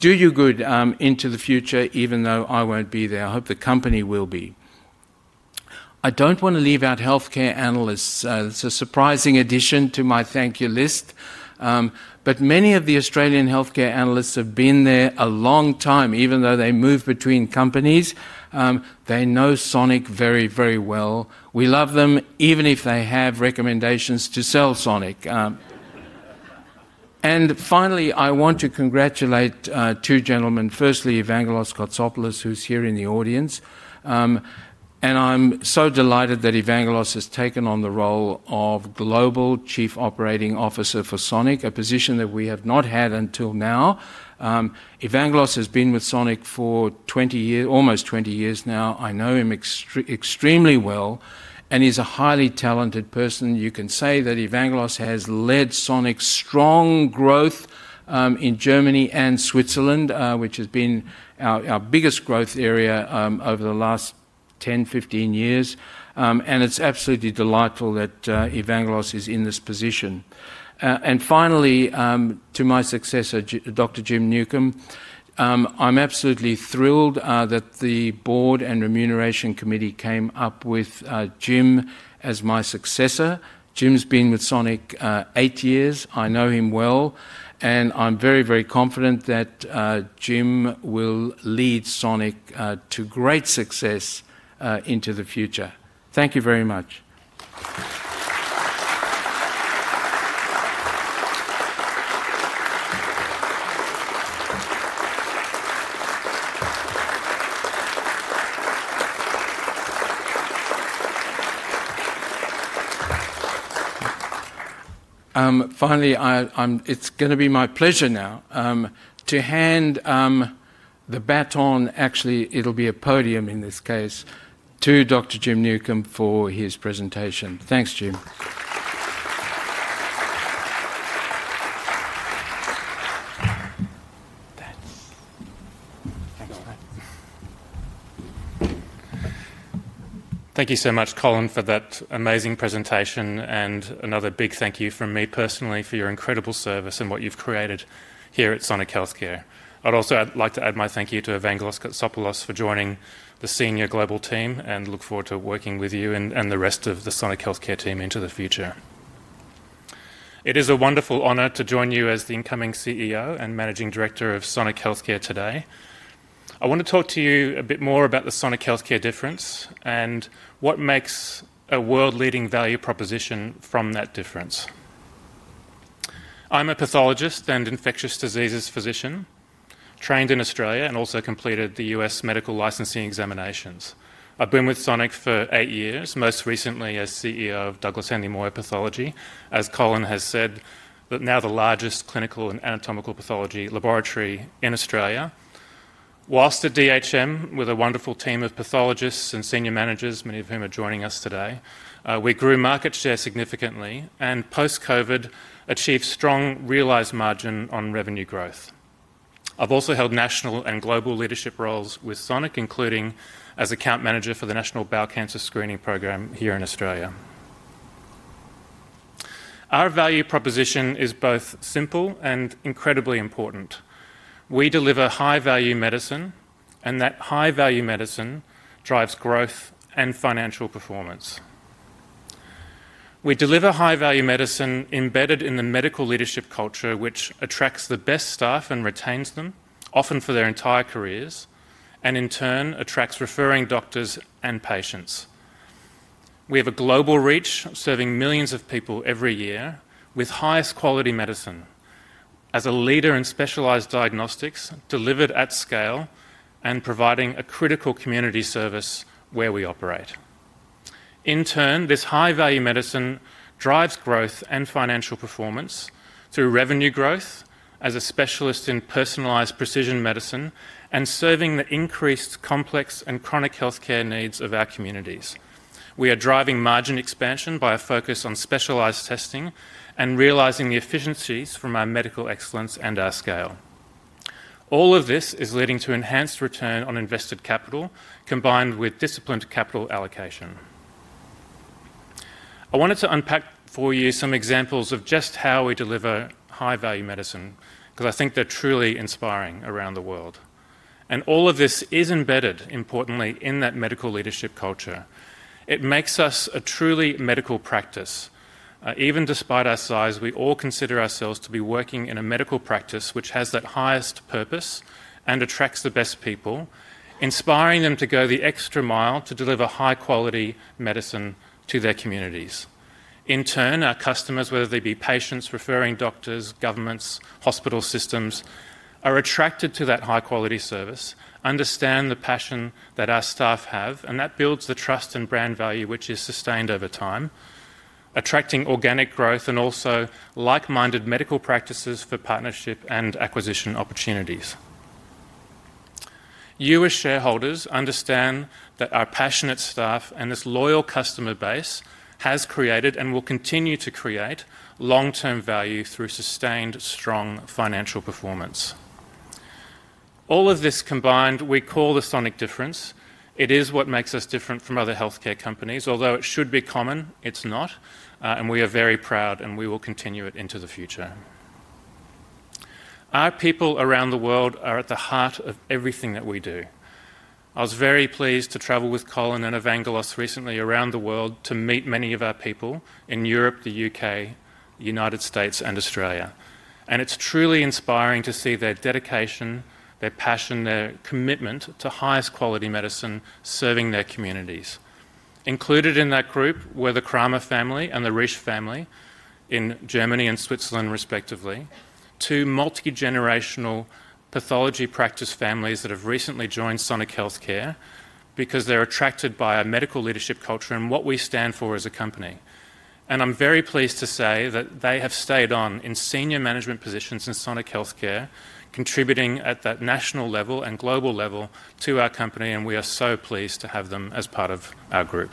do you good into the future, even though I won't be there. I hope the company will be. I don't want to leave out healthcare analysts. It's a surprising addition to my thank you list. Many of the Australian healthcare analysts have been there a long time. Even though they move between companies, they know Sonic very, very well. We love them, even if they have recommendations to sell Sonic. Finally, I want to congratulate two gentlemen. Firstly, Evangelos Kotsopoulos, who's here in the audience. I'm so delighted that Evangelos has taken on the role of Global Chief Operating Officer for Sonic, a position that we have not had until now. Evangelos has been with Sonic for almost 20 years now. I know him extremely well. He's a highly talented person. You can say that Evangelos has led Sonic's strong growth in Germany and Switzerland, which has been our biggest growth area over the last 10-15 years. It's absolutely delightful that Evangelos is in this position. Finally, to my successor, Dr. Jim Newcombe, I'm absolutely thrilled that the board and Remuneration Committee came up with Jim as my successor. Jim's been with Sonic eight years. I know him well. I'm very, very confident that Jim will lead Sonic to great success into the future. Thank you very much. Finally, it's going to be my pleasure now to hand the baton—actually, it'll be a podium in this case—to Dr. Jim Newcombe for his presentation. Thanks, Jim. Thank you so much, Colin, for that amazing presentation. A big thank you from me personally for your incredible service and what you've created here at Sonic Healthcare. I'd also like to add my thank you to Evangelos Kotsopoulos for joining the senior global team and look forward to working with you and the rest of the Sonic Healthcare team into the future. It is a wonderful honor to join you as the incoming CEO and Managing Director of Sonic Healthcare today. I want to talk to you a bit more about the Sonic Healthcare difference and what makes a world-leading value proposition from that difference. I'm a pathologist and infectious diseases physician trained in Australia and also completed the U.S. medical licensing examinations. I've been with Sonic for eight years, most recently as CEO of Douglass Hanly Moir Pathology, as Colin has said, now the largest clinical and anatomical pathology laboratory in Australia. Whilst at DHM with a wonderful team of pathologists and senior managers, many of whom are joining us today, we grew market share significantly and post-COVID achieved strong realized margin on revenue growth. I've also held national and global leadership roles with Sonic, including as account manager for the National Bowel Cancer Screening Program here in Australia. Our value proposition is both simple and incredibly important. We deliver high-value medicine, and that high-value medicine drives growth and financial performance. We deliver high-value medicine embedded in the medical leadership culture, which attracts the best staff and retains them, often for their entire careers, and in turn, attracts referring doctors and patients. We have a global reach serving millions of people every year with highest quality medicine as a leader in specialized diagnostics delivered at scale and providing a critical community service where we operate. In turn, this high-value medicine drives growth and financial performance through revenue growth as a specialist in personalized precision medicine and serving the increased complex and chronic healthcare needs of our communities. We are driving margin expansion by a focus on specialized testing and realizing the efficiencies from our medical excellence and our scale. All of this is leading to enhanced return on invested capital combined with disciplined capital allocation. I wanted to unpack for you some examples of just how we deliver high-value medicine because I think they're truly inspiring around the world. All of this is embedded, importantly, in that medical leadership culture. It makes us a truly medical practice. Even despite our size, we all consider ourselves to be working in a medical practice which has that highest purpose and attracts the best people, inspiring them to go the extra mile to deliver high-quality medicine to their communities. In turn, our customers, whether they be patients, referring doctors, governments, hospital systems, are attracted to that high-quality service, understand the passion that our staff have, and that builds the trust and brand value, which is sustained over time, attracting organic growth and also like-minded medical practices for partnership and acquisition opportunities. You, as shareholders, understand that our passionate staff and this loyal customer base has created and will continue to create long-term value through sustained strong financial performance. All of this combined, we call the Sonic difference. It is what makes us different from other healthcare companies. Although it should be common, it's not. We are very proud, and we will continue it into the future. Our people around the world are at the heart of everything that we do. I was very pleased to travel with Colin and Evangelos recently around the world to meet many of our people in Europe, the U.K., the United States, and Australia. It is truly inspiring to see their dedication, their passion, their commitment to highest quality medicine serving their communities. Included in that group were the Kramer family and the Risch family in Germany and Switzerland, respectively, two multi-generational pathology practice families that have recently joined Sonic Healthcare because they are attracted by our medical leadership culture and what we stand for as a company. I am very pleased to say that they have stayed on in senior management positions in Sonic Healthcare, contributing at that national level and global level to our company. We are so pleased to have them as part of our group.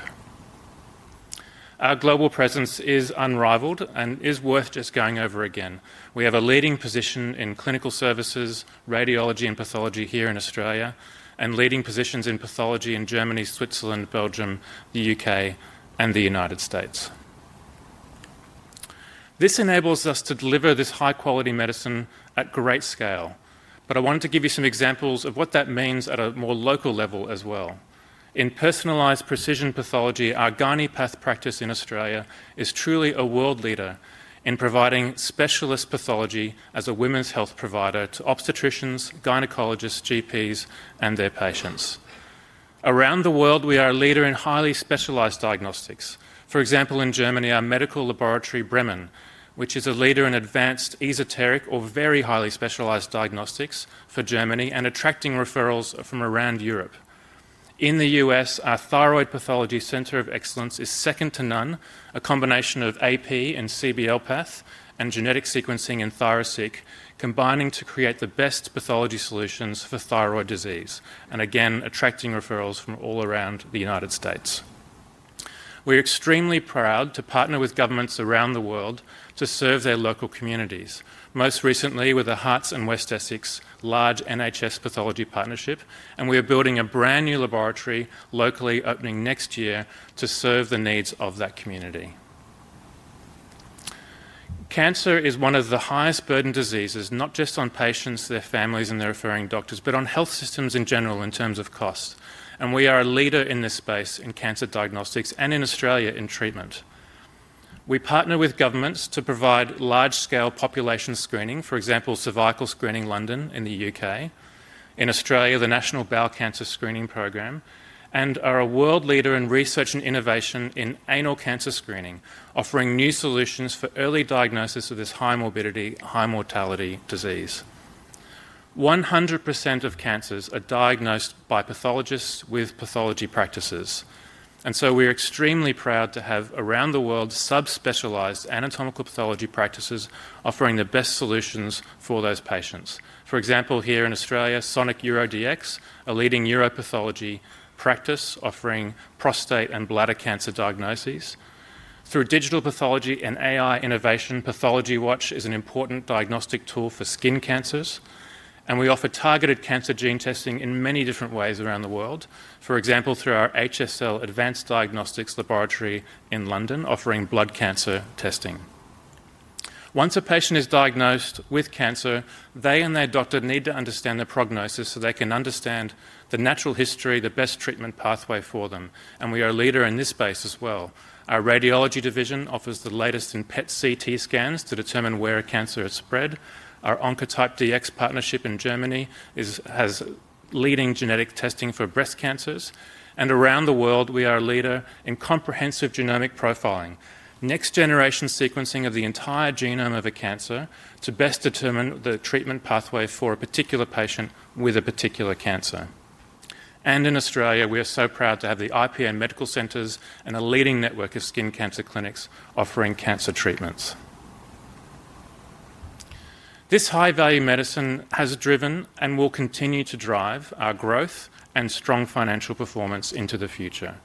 Our global presence is unrivaled and is worth just going over again. We have a leading position in clinical services, radiology, and pathology here in Australia, and leading positions in pathology in Germany, Switzerland, Belgium, the U.K., and the United States. This enables us to deliver this high-quality medicine at great scale. I wanted to give you some examples of what that means at a more local level as well. In personalized precision pathology, our Gynepath practice in Australia is truly a world leader in providing specialist pathology as a women's health provider to obstetricians, gynecologists, GPs, and their patients. Around the world, we are a leader in highly specialized diagnostics. For example, in Germany, our medical laboratory, Bremen, which is a leader in advanced esoteric or very highly specialized diagnostics for Germany and attracting referrals from around Europe. In the U.S., our Thyroid Pathology Center of Excellence is second to none, a combination of AP and CBL path and genetic sequencing and ThyroSeq, combining to create the best pathology solutions for thyroid disease, and again, attracting referrals from all around the United States. We're extremely proud to partner with governments around the world to serve their local communities, most recently with the Herts and West Essex Large NHS Pathology Partnership. We are building a brand new laboratory locally, opening next year to serve the needs of that community. Cancer is one of the highest burden diseases, not just on patients, their families, and their referring doctors, but on health systems in general in terms of cost. We are a leader in this space in cancer diagnostics and in Australia in treatment. We partner with governments to provide large-scale population screening, for example, Cervical Screening London in the U.K., in Australia, the National Bowel Cancer Screening Program, and are a world leader in research and innovation in anal cancer screening, offering new solutions for early diagnosis of this high morbidity, high mortality disease. 100% of cancers are diagnosed by pathologists with pathology practices. We are extremely proud to have around the world subspecialized anatomical pathology practices offering the best solutions for those patients. For example, here in Australia, Sonic Euro DX, a leading uropathology practice offering prostate and bladder cancer diagnoses. Through digital pathology and AI innovation, PathologyWatch is an important diagnostic tool for skin cancers. We offer targeted cancer gene testing in many different ways around the world, for example, through our HSL Advanced Diagnostics Laboratory in London, offering blood cancer testing. Once a patient is diagnosed with cancer, they and their doctor need to understand the prognosis so they can understand the natural history, the best treatment pathway for them. We are a leader in this space as well. Our radiology division offers the latest in PET CT scans to determine where a cancer is spread. Our Oncotype DX partnership in Germany has leading genetic testing for breast cancers. Around the world, we are a leader in comprehensive genomic profiling, next-generation sequencing of the entire genome of a cancer to best determine the treatment pathway for a particular patient with a particular cancer. In Australia, we are so proud to have the IPN Medical Centers and a leading network of skin cancer clinics offering cancer treatments. This high-value medicine has driven and will continue to drive our growth and strong financial performance into the future.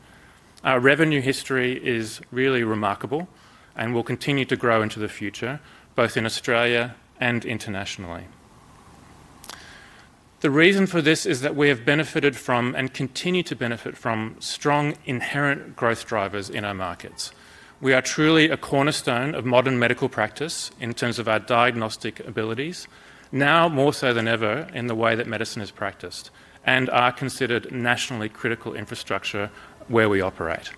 Our revenue history is really remarkable and will continue to grow into the future, both in Australia and internationally. The reason for this is that we have benefited from and continue to benefit from strong inherent growth drivers in our markets. We are truly a cornerstone of modern medical practice in terms of our diagnostic abilities, now more so than ever in the way that medicine is practiced and are considered nationally critical infrastructure where we operate.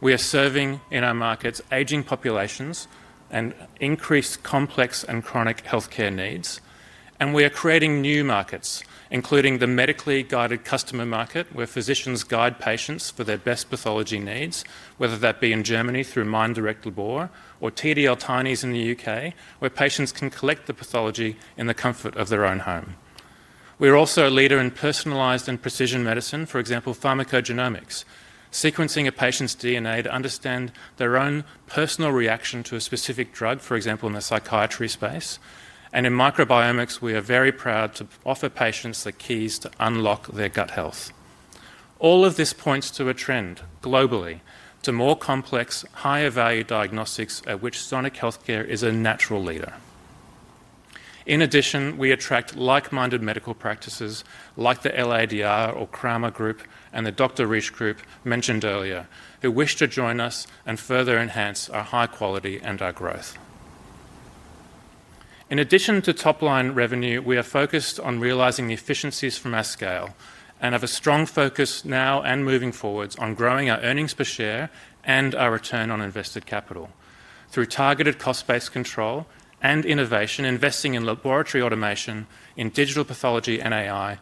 We are serving in our markets aging populations and increased complex and chronic healthcare needs. We are creating new markets, including the medically guided customer market where physicians guide patients for their best pathology needs, whether that be in Germany through Mindirect Labor or TDL Tinis in the U.K., where patients can collect the pathology in the comfort of their own home. We are also a leader in personalized and precision medicine, for example, pharmacogenomics, sequencing a patient's DNA to understand their own personal reaction to a specific drug, for example, in the psychiatry space. In microbiomics, we are very proud to offer patients the keys to unlock their gut health. All of this points to a trend globally to more complex, higher-value diagnostics at which Sonic Healthcare is a natural leader. In addition, we attract like-minded medical practices like the LADR or Kramer Group and the Dr. Risch Group mentioned earlier who wish to join us and further enhance our high quality and our growth. In addition to top-line revenue, we are focused on realizing the efficiencies from our scale and have a strong focus now and moving forwards on growing our earnings per share and our return on invested capital through targeted cost-based control and innovation, investing in laboratory automation, in digital pathology and AI,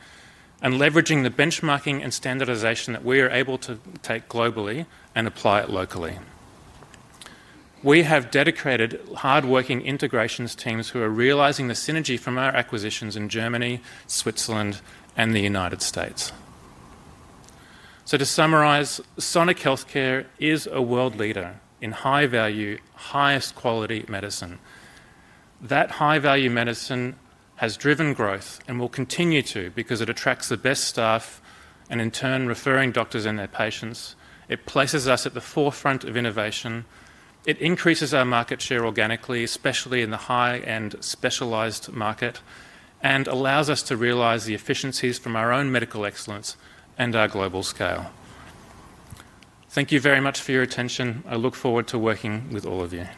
and leveraging the benchmarking and standardization that we are able to take globally and apply it locally. We have dedicated, hardworking integrations teams who are realizing the synergy from our acquisitions in Germany, Switzerland, and the United States. To summarize, Sonic Healthcare is a world leader in high-value, highest quality medicine. That high-value medicine has driven growth and will continue to because it attracts the best staff and, in turn, referring doctors and their patients. It places us at the forefront of innovation. It increases our market share organically, especially in the high-end specialized market, and allows us to realize the efficiencies from our own medical excellence and our global scale. Thank you very much for your attention. I look forward to working with all of you.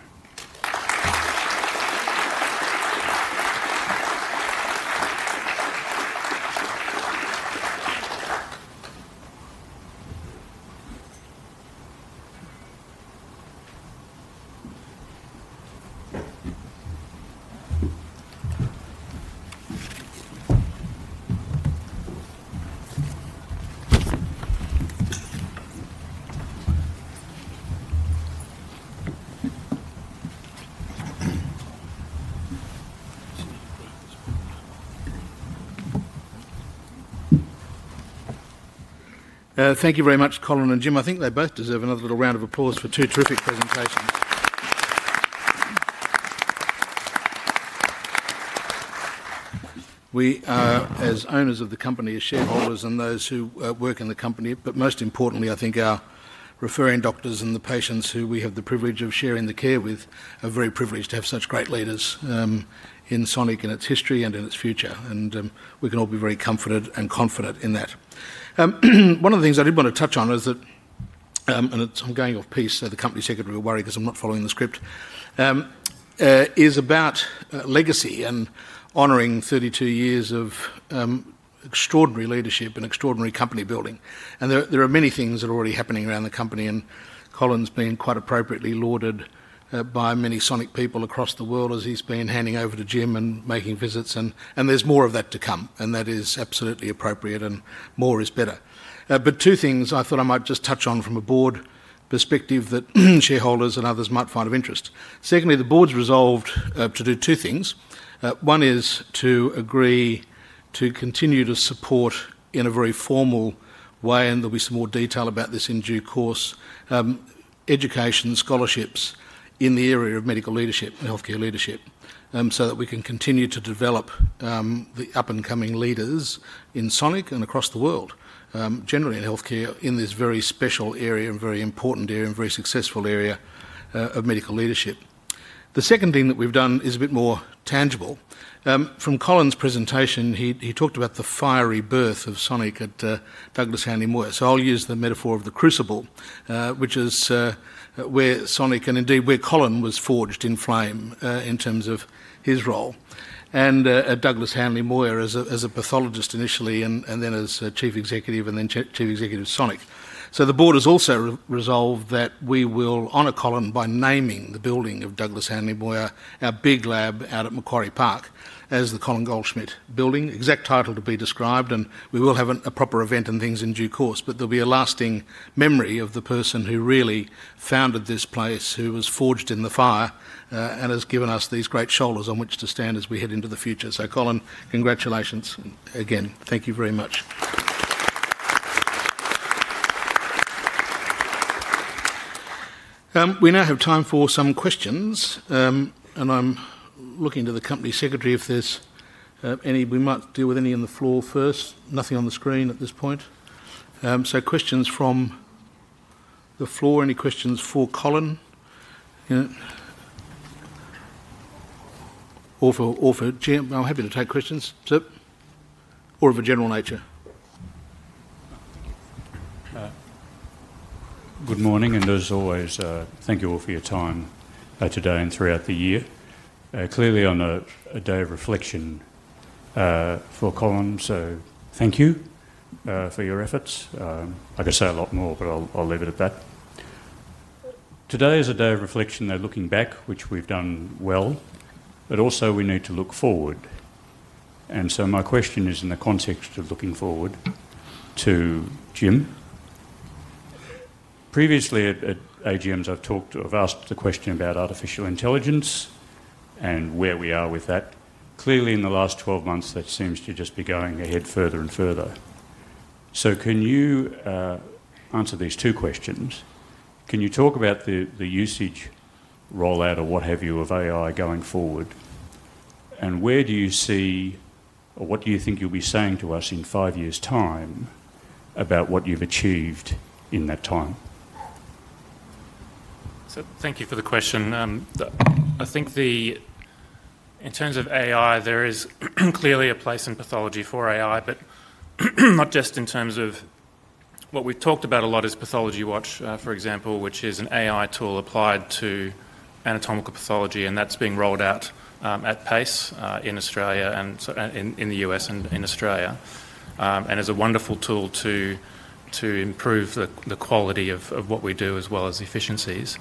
Thank you very much, Colin and Jim. I think they both deserve another little round of applause for two terrific presentations. We, as owners of the company, as shareholders and those who work in the company, but most importantly, I think our referring doctors and the patients who we have the privilege of sharing the care with are very privileged to have such great leaders in Sonic and its history and in its future. We can all be very comforted and confident in that. One of the things I did want to touch on is that, and I'm going off piece, so the Company Secretary will worry because I'm not following the script, is about legacy and honoring 32 years of extraordinary leadership and extraordinary company building. There are many things that are already happening around the company, and Colin's been quite appropriately lauded by many Sonic people across the world as he's been handing over to Jim and making visits. There is more of that to come. That is absolutely appropriate, and more is better. Two things I thought I might just touch on from a board perspective that shareholders and others might find of interest. Secondly, the board's resolved to do two things. One is to agree to continue to support in a very formal way, and there'll be some more detail about this in due course, education scholarships in the area of medical leadership and healthcare leadership so that we can continue to develop the up-and-coming leaders in Sonic and across the world, generally in healthcare in this very special area and very important area and very successful area of medical leadership. The second thing that we've done is a bit more tangible. From Colin's presentation, he talked about the fiery birth of Sonic at Douglass Hanly Moir. I will use the metaphor of the crucible, which is where Sonic and indeed where Colin was forged in flame in terms of his role. And Douglass Hanly Moir as a pathologist initially and then as Chief Executive and then Chief Executive of Sonic. The board has also resolved that we will honor Colin by naming the building of Douglass Hanly Moir, our big lab out at Macquarie Park, as the Colin Goldschmidt Building, exact title to be described. We will have a proper event and things in due course. There will be a lasting memory of the person who really founded this place, who was forged in the fire and has given us these great shoulders on which to stand as we head into the future. Colin, congratulations again. Thank you very much. We now have time for some questions. I'm looking to the company secretary if there's any. We might deal with any on the floor first. Nothing on the screen at this point. Questions from the floor? Any questions for Colin? Or for Jim? I'm happy to take questions. Or of a general nature. Good morning. As always, thank you all for your time today and throughout the year. Clearly, on a day of reflection for Colin, thank you for your efforts. I could say a lot more, but I'll leave it at that. Today is a day of reflection, looking back, which we've done well. Also, we need to look forward. My question is in the context of looking forward to Jim. Previously, at AGMs, I've asked the question about artificial intelligence and where we are with that. Clearly, in the last 12 months, that seems to just be going ahead further and further. Can you answer these two questions? Can you talk about the usage rollout or what have you of AI going forward? Where do you see or what do you think you'll be saying to us in five years' time about what you've achieved in that time? Thank you for the question. I think in terms of AI, there is clearly a place in pathology for AI, but not just in terms of what we've talked about a lot is PathologyWatch, for example, which is an AI tool applied to anatomical pathology. That's being rolled out at pace in Australia and in the U.S. and in Australia and is a wonderful tool to improve the quality of what we do as well as efficiencies.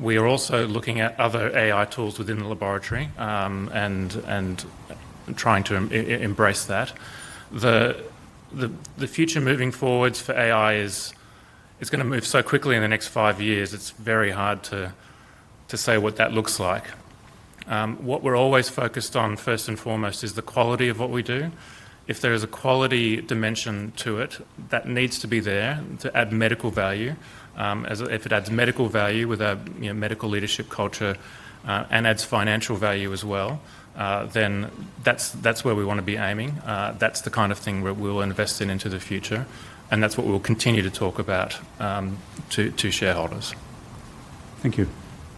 We are also looking at other AI tools within the laboratory and trying to embrace that. The future moving forwards for AI is going to move so quickly in the next five years, it's very hard to say what that looks like. What we're always focused on first and foremost is the quality of what we do. If there is a quality dimension to it, that needs to be there to add medical value. If it adds medical value with a medical leadership culture and adds financial value as well, then that's where we want to be aiming. That's the kind of thing we will invest in into the future. That's what we'll continue to talk about to shareholders. Thank you.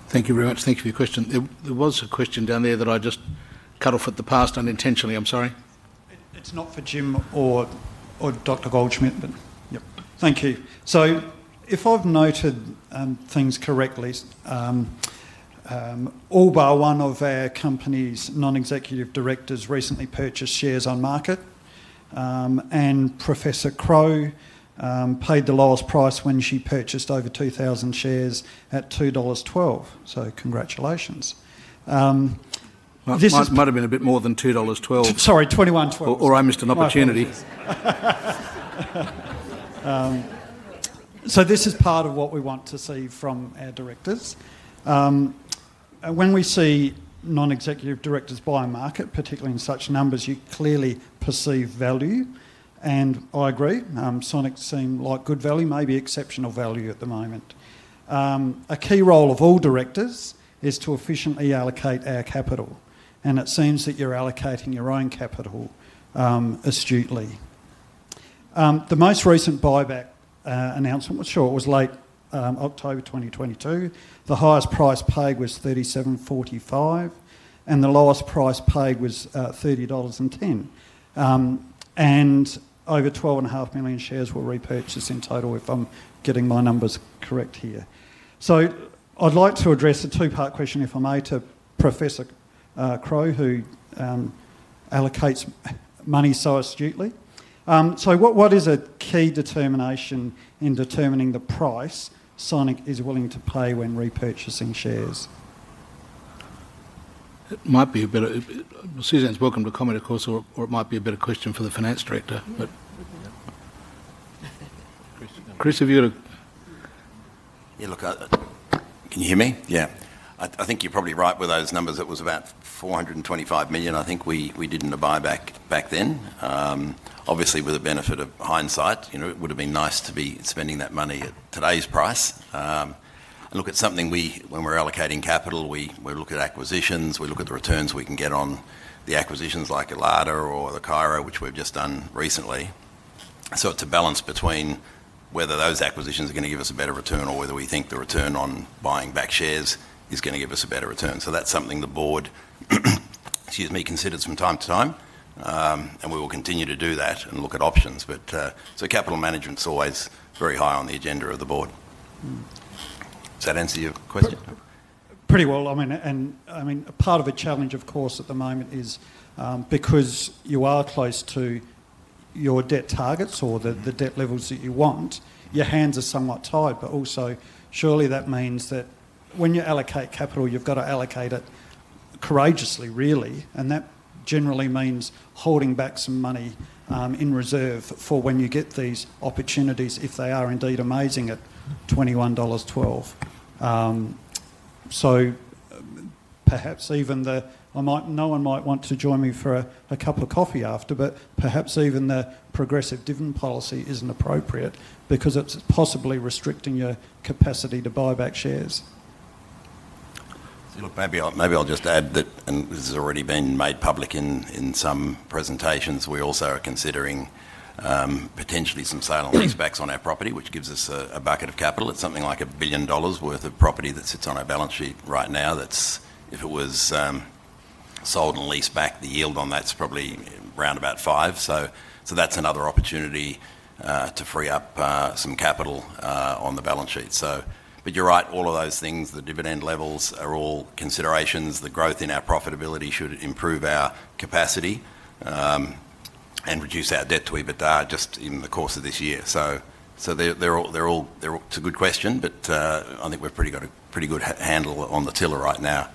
Thank you very much. Thank you for your question. There was a question down there that I just cut off at the pass unintentionally. I'm sorry. It's not for Jim or Dr. Goldschmidt, but yep. Thank you. If I've noted things correctly, Alba, one of our company's non-executive directors, recently purchased shares on market. Professor Crowe paid the lowest price when she purchased over 2,000 shares at 2.12 dollars. Congratulations. This might have been a bit more than 2.12 dollars. Sorry, 21.12. All right, Mr. Opportunity. This is part of what we want to see from our directors. When we see non-executive directors buy market, particularly in such numbers, you clearly perceive value. I agree. Sonic seems like good value, maybe exceptional value at the moment. A key role of all directors is to efficiently allocate our capital. It seems that you're allocating your own capital astutely. The most recent buyback announcement was short. It was late October 2022. The highest price paid was $37.45, and the lowest price paid was $30.10. Over 12.5 million shares were repurchased in total, if I'm getting my numbers correct here. I'd like to address a two-part question, if I may, to Professor Crowe, who allocates money so astutely. What is a key determination in determining the price Sonic is willing to pay when repurchasing shares? It might be a better Suzanne's welcome to comment, of course, or it might be a better question for the Finance Director. Chris, have you got a—. Yeah, look, can you hear me? Yeah. I think you're probably right with those numbers. It was about 425 million, I think, we did in the buyback back then. Obviously, with the benefit of hindsight, it would have been nice to be spending that money at today's price. Look at something when we're allocating capital, we look at acquisitions. We look at the returns we can get on the acquisitions like LADR or the Cairo, which we've just done recently. It is a balance between whether those acquisitions are going to give us a better return or whether we think the return on buying back shares is going to give us a better return. That is something the board, excuse me, considered from time to time. We will continue to do that and look at options. Capital management is always very high on the agenda of the board. Does that answer your question? Pretty well. I mean, part of the challenge, of course, at the moment is because you are close to your debt targets or the debt levels that you want, your hands are somewhat tied. Also, surely that means that when you allocate capital, you have to allocate it courageously, really. That generally means holding back some money in reserve for when you get these opportunities if they are indeed amazing at 21.12 dollars. Perhaps even the progressive dividend policy is not appropriate because it is possibly restricting your capacity to buy back shares. Look, maybe I'll just add that, and this has already been made public in some presentations, we also are considering potentially some sale and lease back on our property, which gives us a bucket of capital. It is something like 1 billion dollars worth of property that sits on our balance sheet right now. If it was sold and leased back, the yield on that is probably around about 5%. That is another opportunity to free up some capital on the balance sheet. You are right, all of those things, the dividend levels are all considerations. The growth in our profitability should improve our capacity and reduce our debt to where we are just in the course of this year. It's a good question, but I think we've got a pretty good handle on the tiller right now.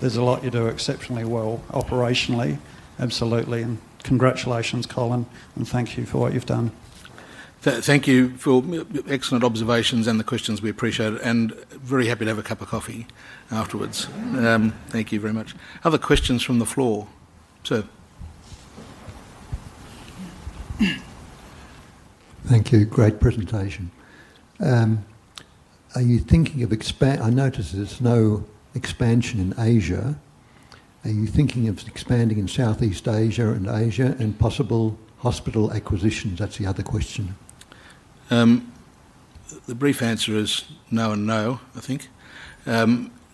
There's a lot you do exceptionally well operationally. Absolutely. Congratulations, Colin. Thank you for what you've done. Thank you for excellent observations and the questions. We appreciate it. Very happy to have a cup of coffee afterwards. Thank you very much. Other questions from the floor? Sir. Thank you. Great presentation. Are you thinking of expanding? I noticed there's no expansion in Asia. Are you thinking of expanding in Southeast Asia and Asia and possible hospital acquisitions? That's the other question. The brief answer is no and no, I think.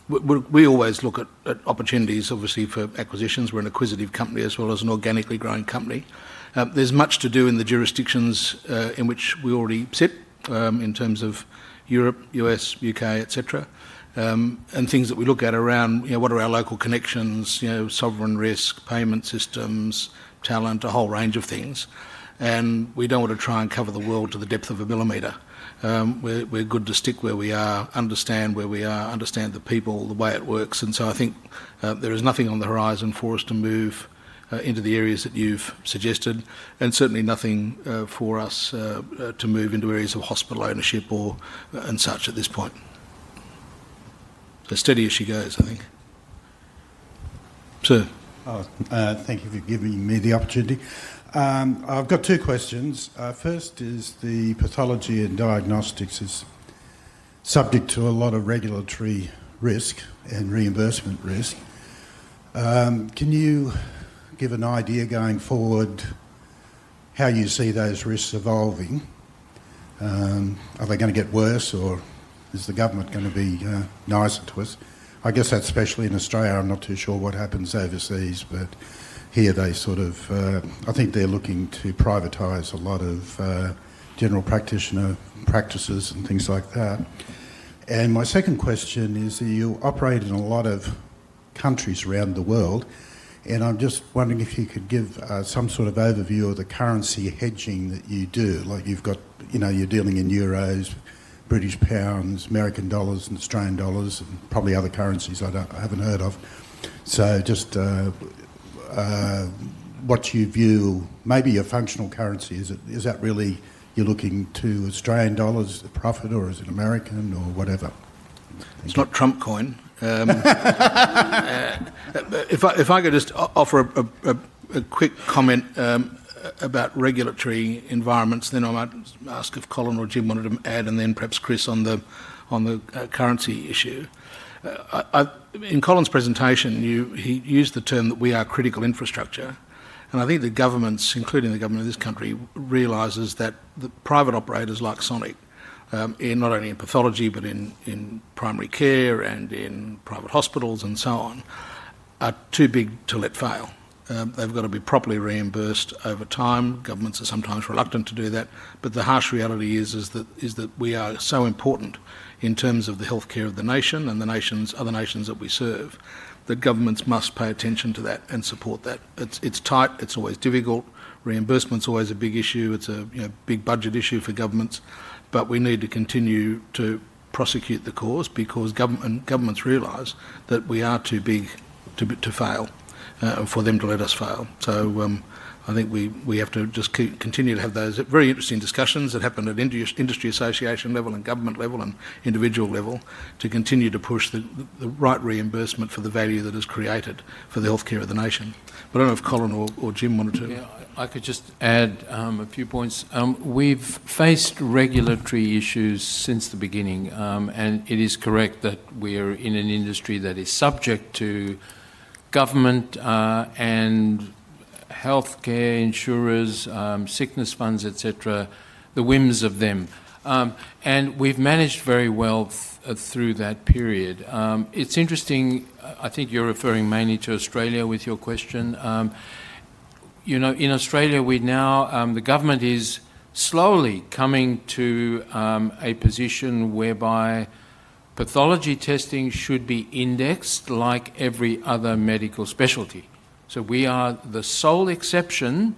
We always look at opportunities, obviously, for acquisitions. We're an acquisitive company as well as an organically growing company. There's much to do in the jurisdictions in which we already sit in terms of Europe, U.S., U.K., etc., and things that we look at around what are our local connections, sovereign risk, payment systems, talent, a whole range of things. We don't want to try and cover the world to the depth of a millimeter. We're good to stick where we are, understand where we are, understand the people, the way it works. I think there is nothing on the horizon for us to move into the areas that you've suggested, and certainly nothing for us to move into areas of hospital ownership or such at this point. As steady as she goes, I think. Sir. Thank you for giving me the opportunity. I've got two questions. First is the pathology and diagnostics is subject to a lot of regulatory risk and reimbursement risk. Can you give an idea going forward how you see those risks evolving? Are they going to get worse, or is the government going to be nicer to us? I guess that's especially in Australia. I'm not too sure what happens overseas, but here they sort of I think they're looking to privatize a lot of general practitioner practices and things like that. My second question is you operate in a lot of countries around the world, and I'm just wondering if you could give some sort of overview of the currency hedging that you do. You've got you're dealing in euros, British pounds, American dollars, and Australian dollars, and probably other currencies I haven't heard of. Just what you view, maybe your functional currency, is that really you're looking to Australian dollars for profit, or is it American or whatever? It's not Trump coin. If I could just offer a quick comment about regulatory environments, then I might ask if Colin or Jim wanted to add, and then perhaps Chris on the currency issue. In Colin's presentation, he used the term that we are critical infrastructure. I think the governments, including the government of this country, realize that the private operators like Sonic, not only in pathology but in primary care and in private hospitals and so on, are too big to let fail. They've got to be properly reimbursed over time. Governments are sometimes reluctant to do that. The harsh reality is that we are so important in terms of the healthcare of the nation and the other nations that we serve that governments must pay attention to that and support that. It's tight. It's always difficult. Reimbursement's always a big issue. It's a big budget issue for governments. We need to continue to prosecute the cause because governments realize that we are too big to fail for them to let us fail. I think we have to just continue to have those very interesting discussions that happen at industry association level and government level and individual level to continue to push the right reimbursement for the value that is created for the healthcare of the nation. I don't know if Colin or Jim wanted to. Yeah, I could just add a few points. We've faced regulatory issues since the beginning. It is correct that we are in an industry that is subject to government and healthcare insurers, sickness funds, etc., the whims of them. We have managed very well through that period. It's interesting, I think you're referring mainly to Australia with your question. In Australia, the government is slowly coming to a position whereby pathology testing should be indexed like every other medical specialty. We are the sole exception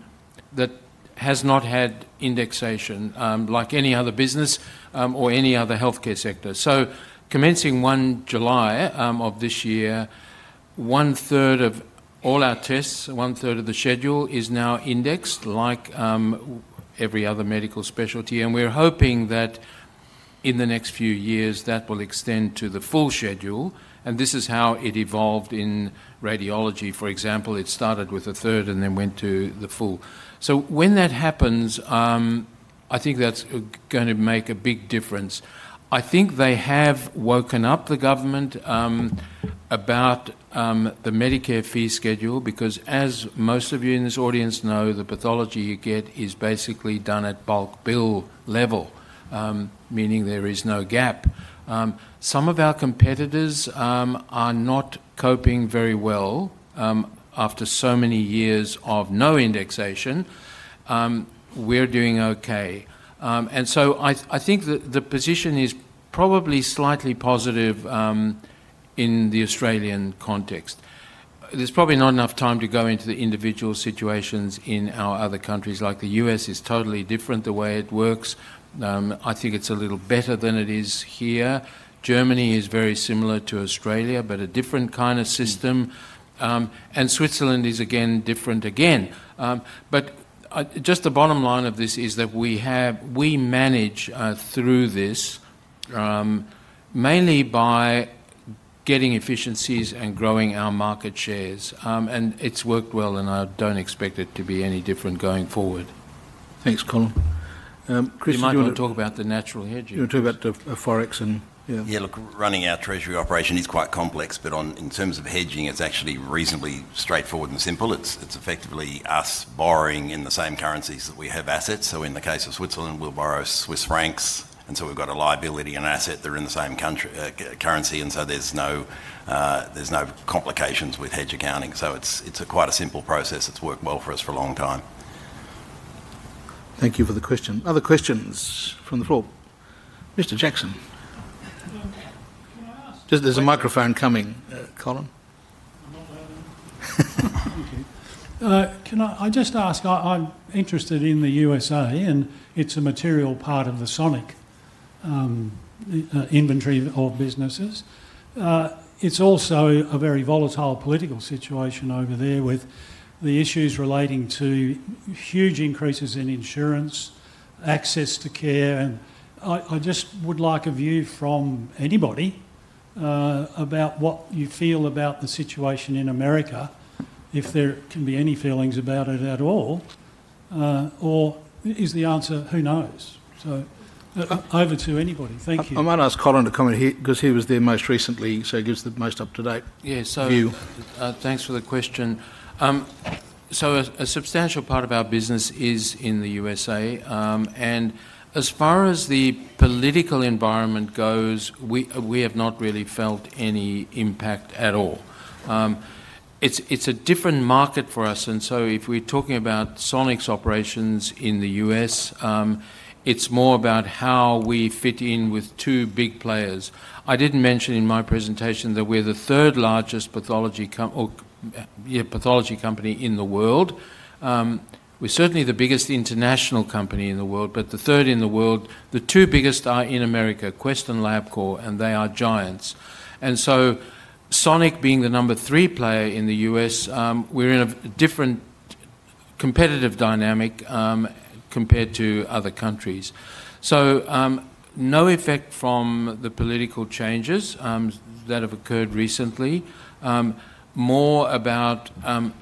that has not had indexation like any other business or any other healthcare sector. Commencing 1 July of this year, one-third of all our tests, one-third of the schedule is now indexed like every other medical specialty. We are hoping that in the next few years that will extend to the full schedule. This is how it evolved in radiology. For example, it started with a third and then went to the full. When that happens, I think that's going to make a big difference. I think they have woken up the government about the Medicare fee schedule because, as most of you in this audience know, the pathology you get is basically done at bulk bill level, meaning there is no gap. Some of our competitors are not coping very well after so many years of no indexation. We're doing okay. I think that the position is probably slightly positive in the Australian context. There's probably not enough time to go into the individual situations in our other countries. The U.S. is totally different the way it works. I think it's a little better than it is here. Germany is very similar to Australia, but a different kind of system. Switzerland is, again, different again. Just the bottom line of this is that we manage through this mainly by getting efficiencies and growing our market shares. It's worked well, and I don't expect it to be any different going forward. Thanks, Colin. Chris, do you want to talk about the natural hedging? You want to talk about the forex? Yeah, look, running our treasury operation is quite complex, but in terms of hedging, it's actually reasonably straightforward and simple. It's effectively us borrowing in the same currencies that we have assets. In the case of Switzerland, we'll borrow Swiss francs. We've got a liability and asset that are in the same currency, so there's no complications with hedge accounting. It's quite a simple process. It's worked well for us for a long time. Thank you for the question. Other questions from the floor? Mr. Jackson. There's a microphone coming, Colin. I just ask, I'm interested in the USA, and it's a material part of the Sonic inventory of businesses. It's also a very volatile political situation over there with the issues relating to huge increases in insurance, access to care. I just would like a view from anybody about what you feel about the situation in America, if there can be any feelings about it at all, or is the answer, who knows? Over to anybody. Thank you. I might ask Colin to come in here because he was there most recently, so he gives the most up-to-date view. Thanks for the question. A substantial part of our business is in the USA. As far as the political environment goes, we have not really felt any impact at all. It's a different market for us. If we're talking about Sonic's operations in the U.S., it's more about how we fit in with two big players. I didn't mention in my presentation that we're the third largest pathology company in the world. We're certainly the biggest international company in the world, but the third in the world, the two biggest are in America, Quest and LabCorp, and they are giants. Sonic, being the number three player in the US, we're in a different competitive dynamic compared to other countries. No effect from the political changes that have occurred recently, more about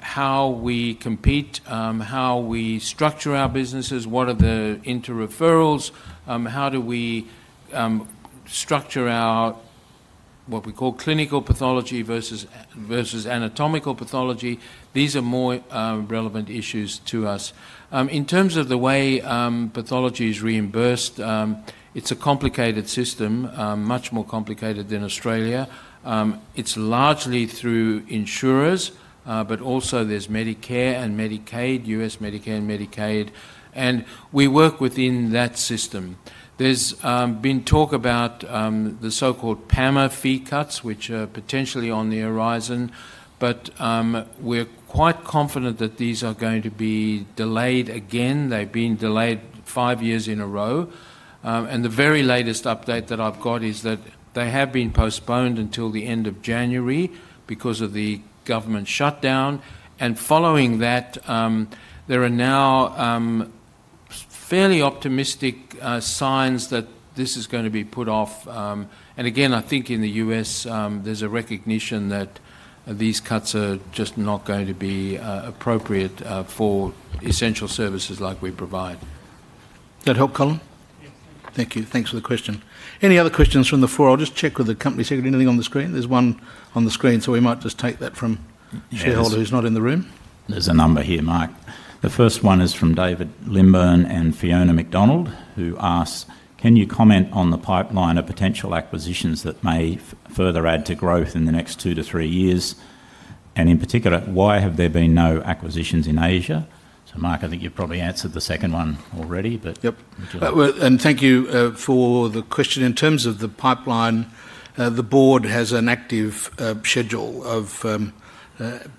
how we compete, how we structure our businesses, what are the inter-referrals, how do we structure our what we call clinical pathology versus anatomical pathology. These are more relevant issues to us. In terms of the way pathology is reimbursed, it's a complicated system, much more complicated than Australia. It's largely through insurers, but also there's Medicare and Medicaid, U.S. Medicare and Medicaid. We work within that system. There's been talk about the so-called PAMA fee cuts, which are potentially on the horizon, but we're quite confident that these are going to be delayed again. They've been delayed five years in a row. The very latest update that I've got is that they have been postponed until the end of January because of the government shutdown. Following that, there are now fairly optimistic signs that this is going to be put off. I think in the U.S., there's a recognition that these cuts are just not going to be appropriate for essential services like we provide. That help, Colin. Thank you. Thanks for the question. Any other questions from the floor? I'll just check with the company. Is there anything on the screen? There's one on the screen, so we might just take that from a shareholder who's not in the room. There's a number here, Mike. The first one is from David Limbern and Fiona McDonald, who asks, "Can you comment on the pipeline of potential acquisitions that may further add to growth in the next two to three years? And in particular, why have there been no acquisitions in Asia?" Mike, I think you've probably answered the second one already, but. Yep. Thank you for the question. In terms of the pipeline, the board has an active schedule of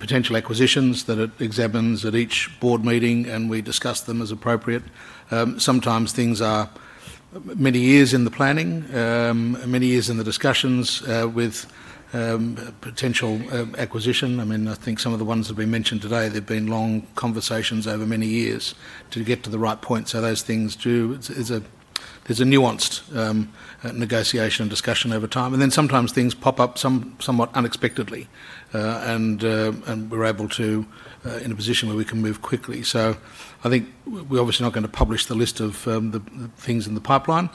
potential acquisitions that it examines at each board meeting, and we discuss them as appropriate. Sometimes things are many years in the planning, many years in the discussions with potential acquisition. I mean, I think some of the ones that we mentioned today, there've been long conversations over many years to get to the right point. Those things do—there's a nuanced negotiation and discussion over time. Sometimes things pop up somewhat unexpectedly, and we're able to—in a position where we can move quickly. I think we're obviously not going to publish the list of the things in the pipeline,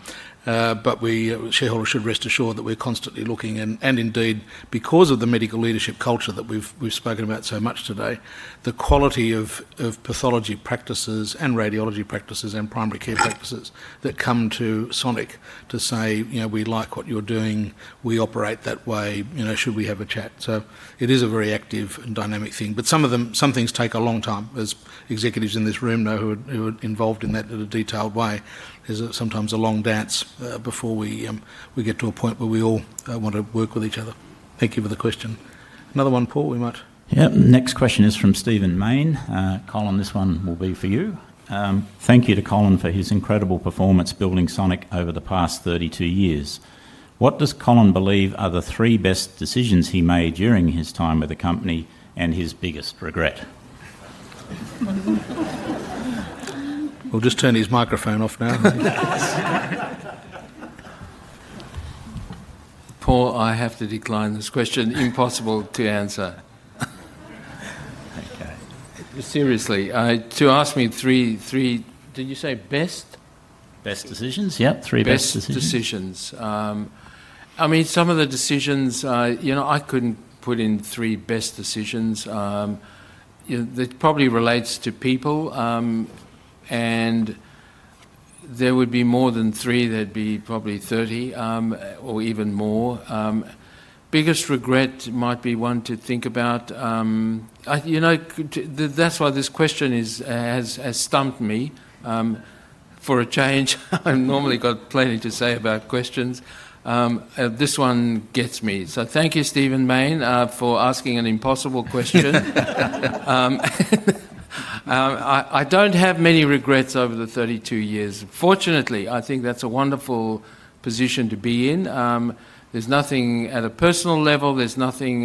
but shareholders should rest assured that we're constantly looking. Indeed, because of the medical leadership culture that we've spoken about so much today, the quality of pathology practices and radiology practices and primary care practices that come to Sonic to say, "We like what you're doing. We operate that way. Should we have a chat?" It is a very active and dynamic thing. Some things take a long time. As executives in this room know who are involved in that in a detailed way, there's sometimes a long dance before we get to a point where we all want to work with each other. Thank you for the question. Another one, Paul, we might. Yeah. Next question is from Stephen Mayne. Colin, this one will be for you. Thank you to Colin for his incredible performance building Sonic over the past 32 years. What does Colin believe are the three best decisions he made during his time with the company and his biggest regret? We'll just turn his microphone off now. Paul, I have to decline this question. Impossible to answer. Okay. Seriously, to ask me three--did you say best? Best decisions? Yep. Three best decisions. Best decisions. I mean, some of the decisions, I couldn't put in three best decisions. It probably relates to people, and there would be more than three. There'd be probably 30 or even more. Biggest regret might be one to think about. That's why this question has stumped me for a change. I've normally got plenty to say about questions. This one gets me. Thank you, Stephen Mayne, for asking an impossible question. I don't have many regrets over the 32 years. Fortunately, I think that's a wonderful position to be in. There's nothing at a personal level. There's nothing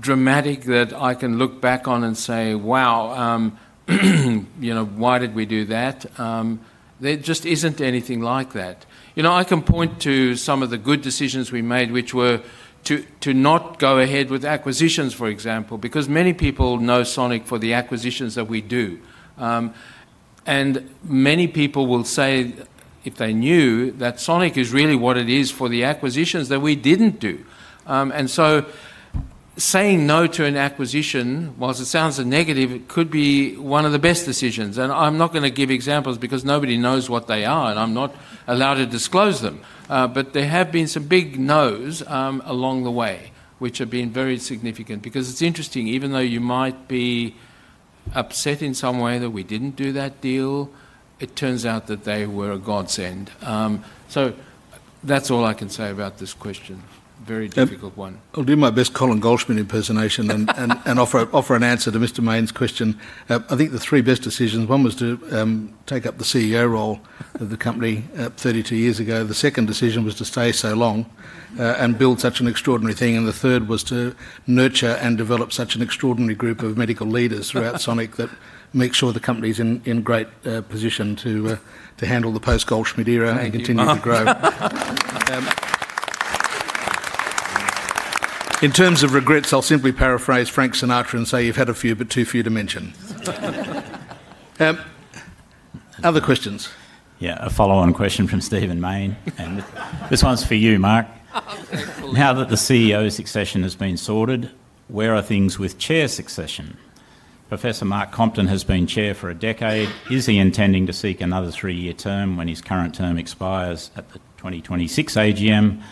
dramatic that I can look back on and say, "Wow, why did we do that?" There just isn't anything like that. I can point to some of the good decisions we made, which were to not go ahead with acquisitions, for example, because many people know Sonic for the acquisitions that we do. Many people will say, if they knew, that Sonic is really what it is for the acquisitions that we did not do. Saying no to an acquisition, while it sounds negative, could be one of the best decisions. I am not going to give examples because nobody knows what they are, and I am not allowed to disclose them. There have been some big no's along the way, which have been very significant because it is interesting, even though you might be upset in some way that we did not do that deal, it turns out that they were a godsend. That is all I can say about this question. Very difficult one. I will do my best Colin Goldschmidt impersonation and offer an answer to Mr. Mayne's question. I think the three best decisions, one was to take up the CEO role of the company 32 years ago. The second decision was to stay so long and build such an extraordinary thing. The third was to nurture and develop such an extraordinary group of medical leaders throughout Sonic that makes sure the company's in great position to handle the post-Goldschmidt era and continue to grow. In terms of regrets, I'll simply paraphrase Frank Sinatra and say you've had a few, but too few to mention. Other questions? Yeah. A follow-on question from Stephen Mayne. This one's for you, Mark. Now that the CEO succession has been sorted, where are things with chair succession? Professor Mark Compton has been chair for a decade. Is he intending to seek another three-year term when his current term expires at the 2026 AGM?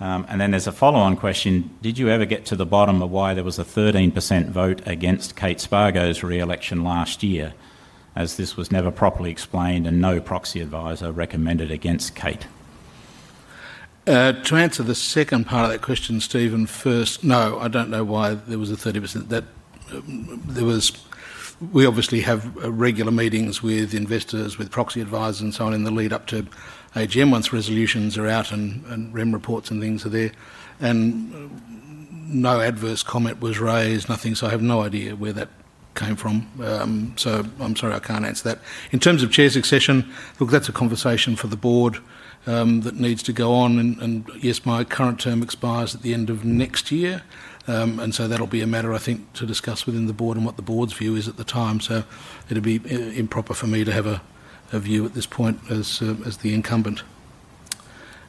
There is a follow-on question. Did you ever get to the bottom of why there was a 13% vote against Kate Spargo's re-election last year, as this was never properly explained and no proxy advisor recommended against Kate? To answer the second part of that question, Stephen, first, no, I don't know why there was a 13%. We obviously have regular meetings with investors, with proxy advisors, and so on in the lead-up to AGM once resolutions are out and rem reports and things are there. No adverse comment was raised, nothing. I have no idea where that came from. I'm sorry, I can't answer that. In terms of chair succession, look, that's a conversation for the board that needs to go on. Yes, my current term expires at the end of next year. That will be a matter, I think, to discuss within the board and what the board's view is at the time. It would be improper for me to have a view at this point as the incumbent.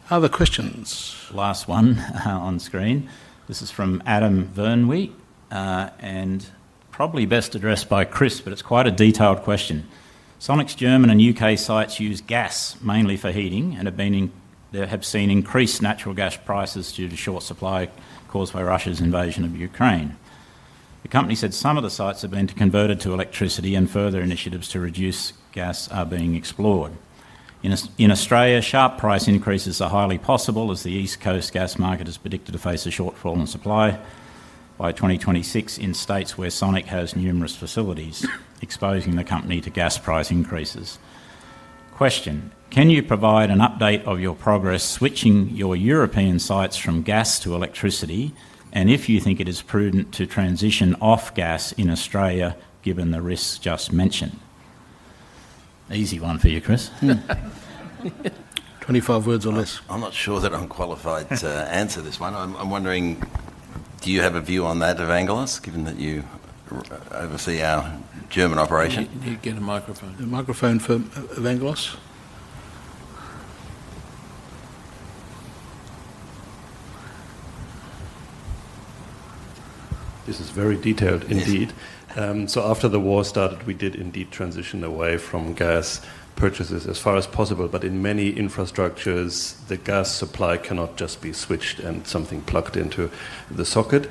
Other questions? Last one on screen. This is from Adam Vernewe and probably best addressed by Chris, but it's quite a detailed question. Sonic's German and U.K. sites use gas mainly for heating and have seen increased natural gas prices due to short supply caused by Russia's invasion of Ukraine. The company said some of the sites have been converted to electricity and further initiatives to reduce gas are being explored. In Australia, sharp price increases are highly possible as the East Coast gas market is predicted to face a shortfall in supply by 2026 in states where Sonic has numerous facilities, exposing the company to gas price increases. Question. Can you provide an update of your progress switching your European sites from gas to electricity and if you think it is prudent to transition off gas in Australia given the risks just mentioned? Easy one for you, Chris. Twenty-five words or less. I'm not sure that I'm qualified to answer this one. I'm wondering, do you have a view on that, Angelos, given that you oversee our German operation? You get a microphone. The microphone for Angelos. This is very detailed indeed. After the war started, we did indeed transition away from gas purchases as far as possible. In many infrastructures, the gas supply cannot just be switched and something plugged into the socket.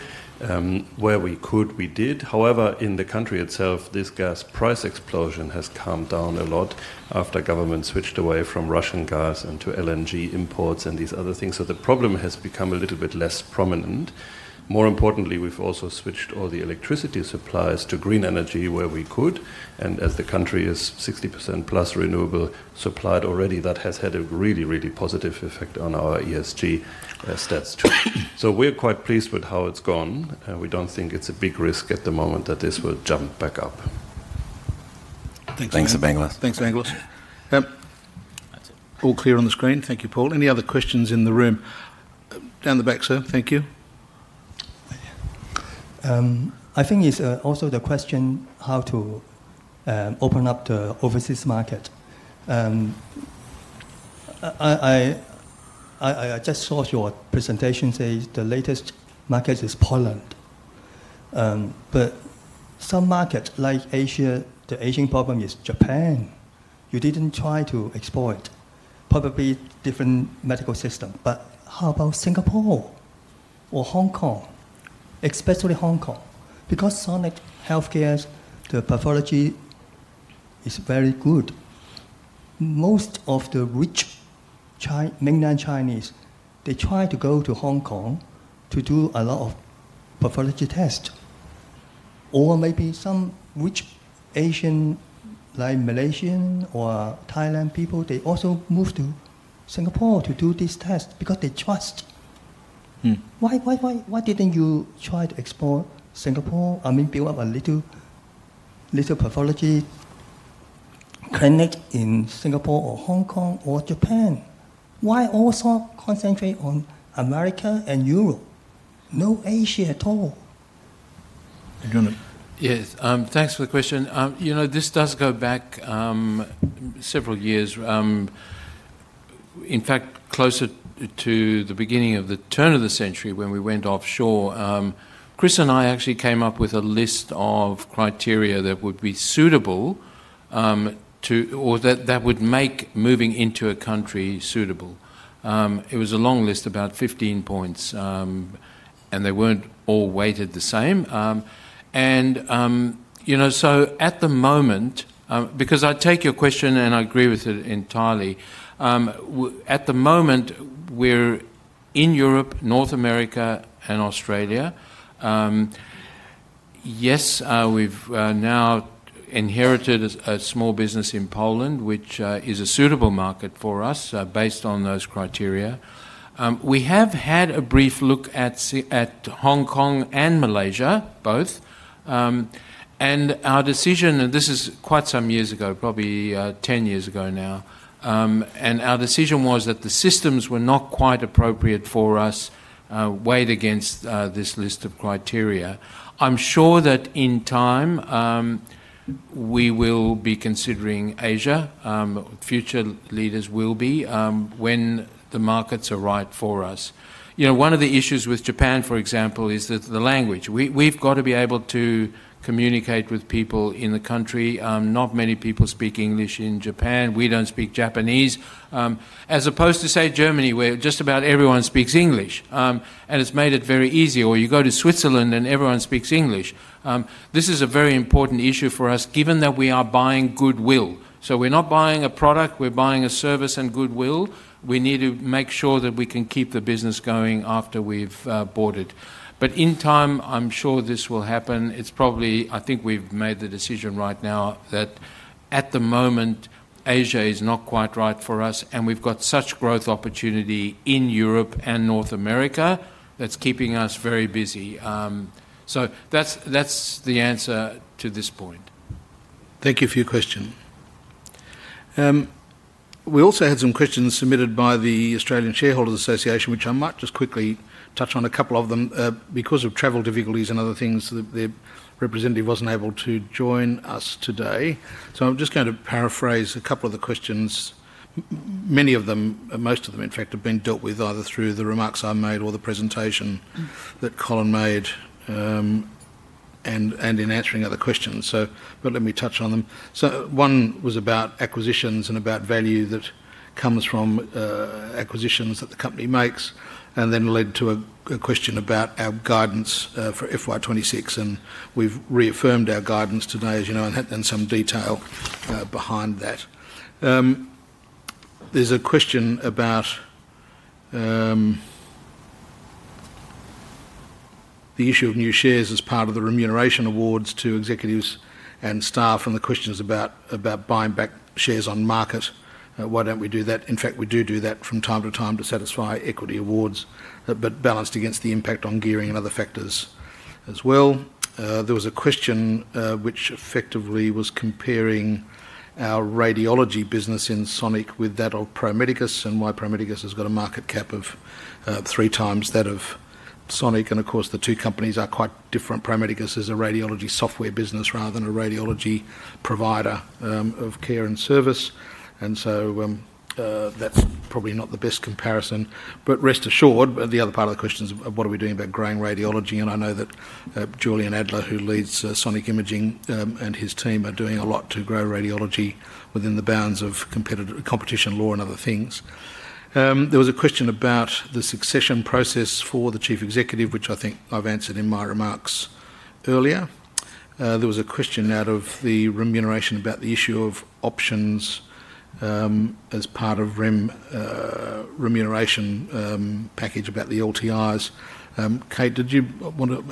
Where we could, we did. However, in the country itself, this gas price explosion has calmed down a lot after governments switched away from Russian gas and to LNG imports and these other things. The problem has become a little bit less prominent. More importantly, we've also switched all the electricity supplies to green energy where we could. As the country is 60%+ renewable supplied already, that has had a really, really positive effect on our ESG stats too. We're quite pleased with how it's gone. We don't think it's a big risk at the moment that this will jump back up. Thanks. Thanks for being with us. All clear on the screen. Thank you, Paul. Any other questions in the room? Down the back, sir. Thank you. I think it's also the question how to open up the overseas market. I just saw your presentation. The latest market is Poland. Some markets like Asia, the Asian problem is Japan. You did not try to explore it. Probably different medical system. How about Singapore or Hong Kong, especially Hong Kong? Because Sonic Healthcare, the pathology is very good. Most of the rich mainland Chinese, they try to go to Hong Kong to do a lot of pathology tests. Maybe some rich Asian like Malaysian or Thailand people, they also move to Singapore to do these tests because they trust. Why did you not try to explore Singapore? I mean, build up a little pathology clinic in Singapore or Hong Kong or Japan. Why also concentrate on America and Europe? No Asia at all. Yes. Thanks for the question. This does go back several years. In fact, closer to the beginning of the turn of the century when we went offshore, Chris and I actually came up with a list of criteria that would be suitable or that would make moving into a country suitable. It was a long list, about 15 points, and they were not all weighted the same. I take your question and I agree with it entirely. At the moment, we are in Europe, North America, and Australia. Yes, we have now inherited a small business in Poland, which is a suitable market for us based on those criteria. We have had a brief look at Hong Kong and Malaysia both. Our decision, and this is quite some years ago, probably 10 years ago now, was that the systems were not quite appropriate for us weighed against this list of criteria. I'm sure that in time, we will be considering Asia. Future leaders will be when the markets are right for us. One of the issues with Japan, for example, is the language. We've got to be able to communicate with people in the country. Not many people speak English in Japan. We don't speak Japanese. As opposed to, say, Germany, where just about everyone speaks English. It has made it very easy. You go to Switzerland and everyone speaks English. This is a very important issue for us given that we are buying goodwill. We are not buying a product. We are buying a service and goodwill. We need to make sure that we can keep the business going after we've bought it. In time, I'm sure this will happen. I think we've made the decision right now that at the moment, Asia is not quite right for us. We've got such growth opportunity in Europe and North America that's keeping us very busy. That's the answer to this point. Thank you for your question. We also had some questions submitted by the Australian Shareholders Association, which I might just quickly touch on a couple of them. Because of travel difficulties and other things, their representative wasn't able to join us today. I'm just going to paraphrase a couple of the questions. Many of them, most of them, in fact, have been dealt with either through the remarks I made or the presentation that Colin made and in answering other questions. Let me touch on them. One was about acquisitions and about value that comes from acquisitions that the company makes and then led to a question about our guidance for FY 2026. We have reaffirmed our guidance today, as you know, and had done some detail behind that. There is a question about the issue of new shares as part of the remuneration awards to executives and staff and the questions about buying back shares on market. Why do we not do that? In fact, we do do that from time to time to satisfy equity awards, but balanced against the impact on gearing and other factors as well. There was a question which effectively was comparing our radiology business in Sonic with that of Promedicus and why Promedicus has got a market cap of three times that of Sonic. Of course, the two companies are quite different. Promedicus is a radiology software business rather than a radiology provider of care and service. That is probably not the best comparison. Rest assured, the other part of the question is, what are we doing about growing radiology? I know that Julian Adler, who leads Sonic Imaging and his team, are doing a lot to grow radiology within the bounds of competition law and other things. There was a question about the succession process for the Chief Executive, which I think I've answered in my remarks earlier. There was a question out of the remuneration about the issue of options as part of remuneration package about the LTIs. Kate, did you want to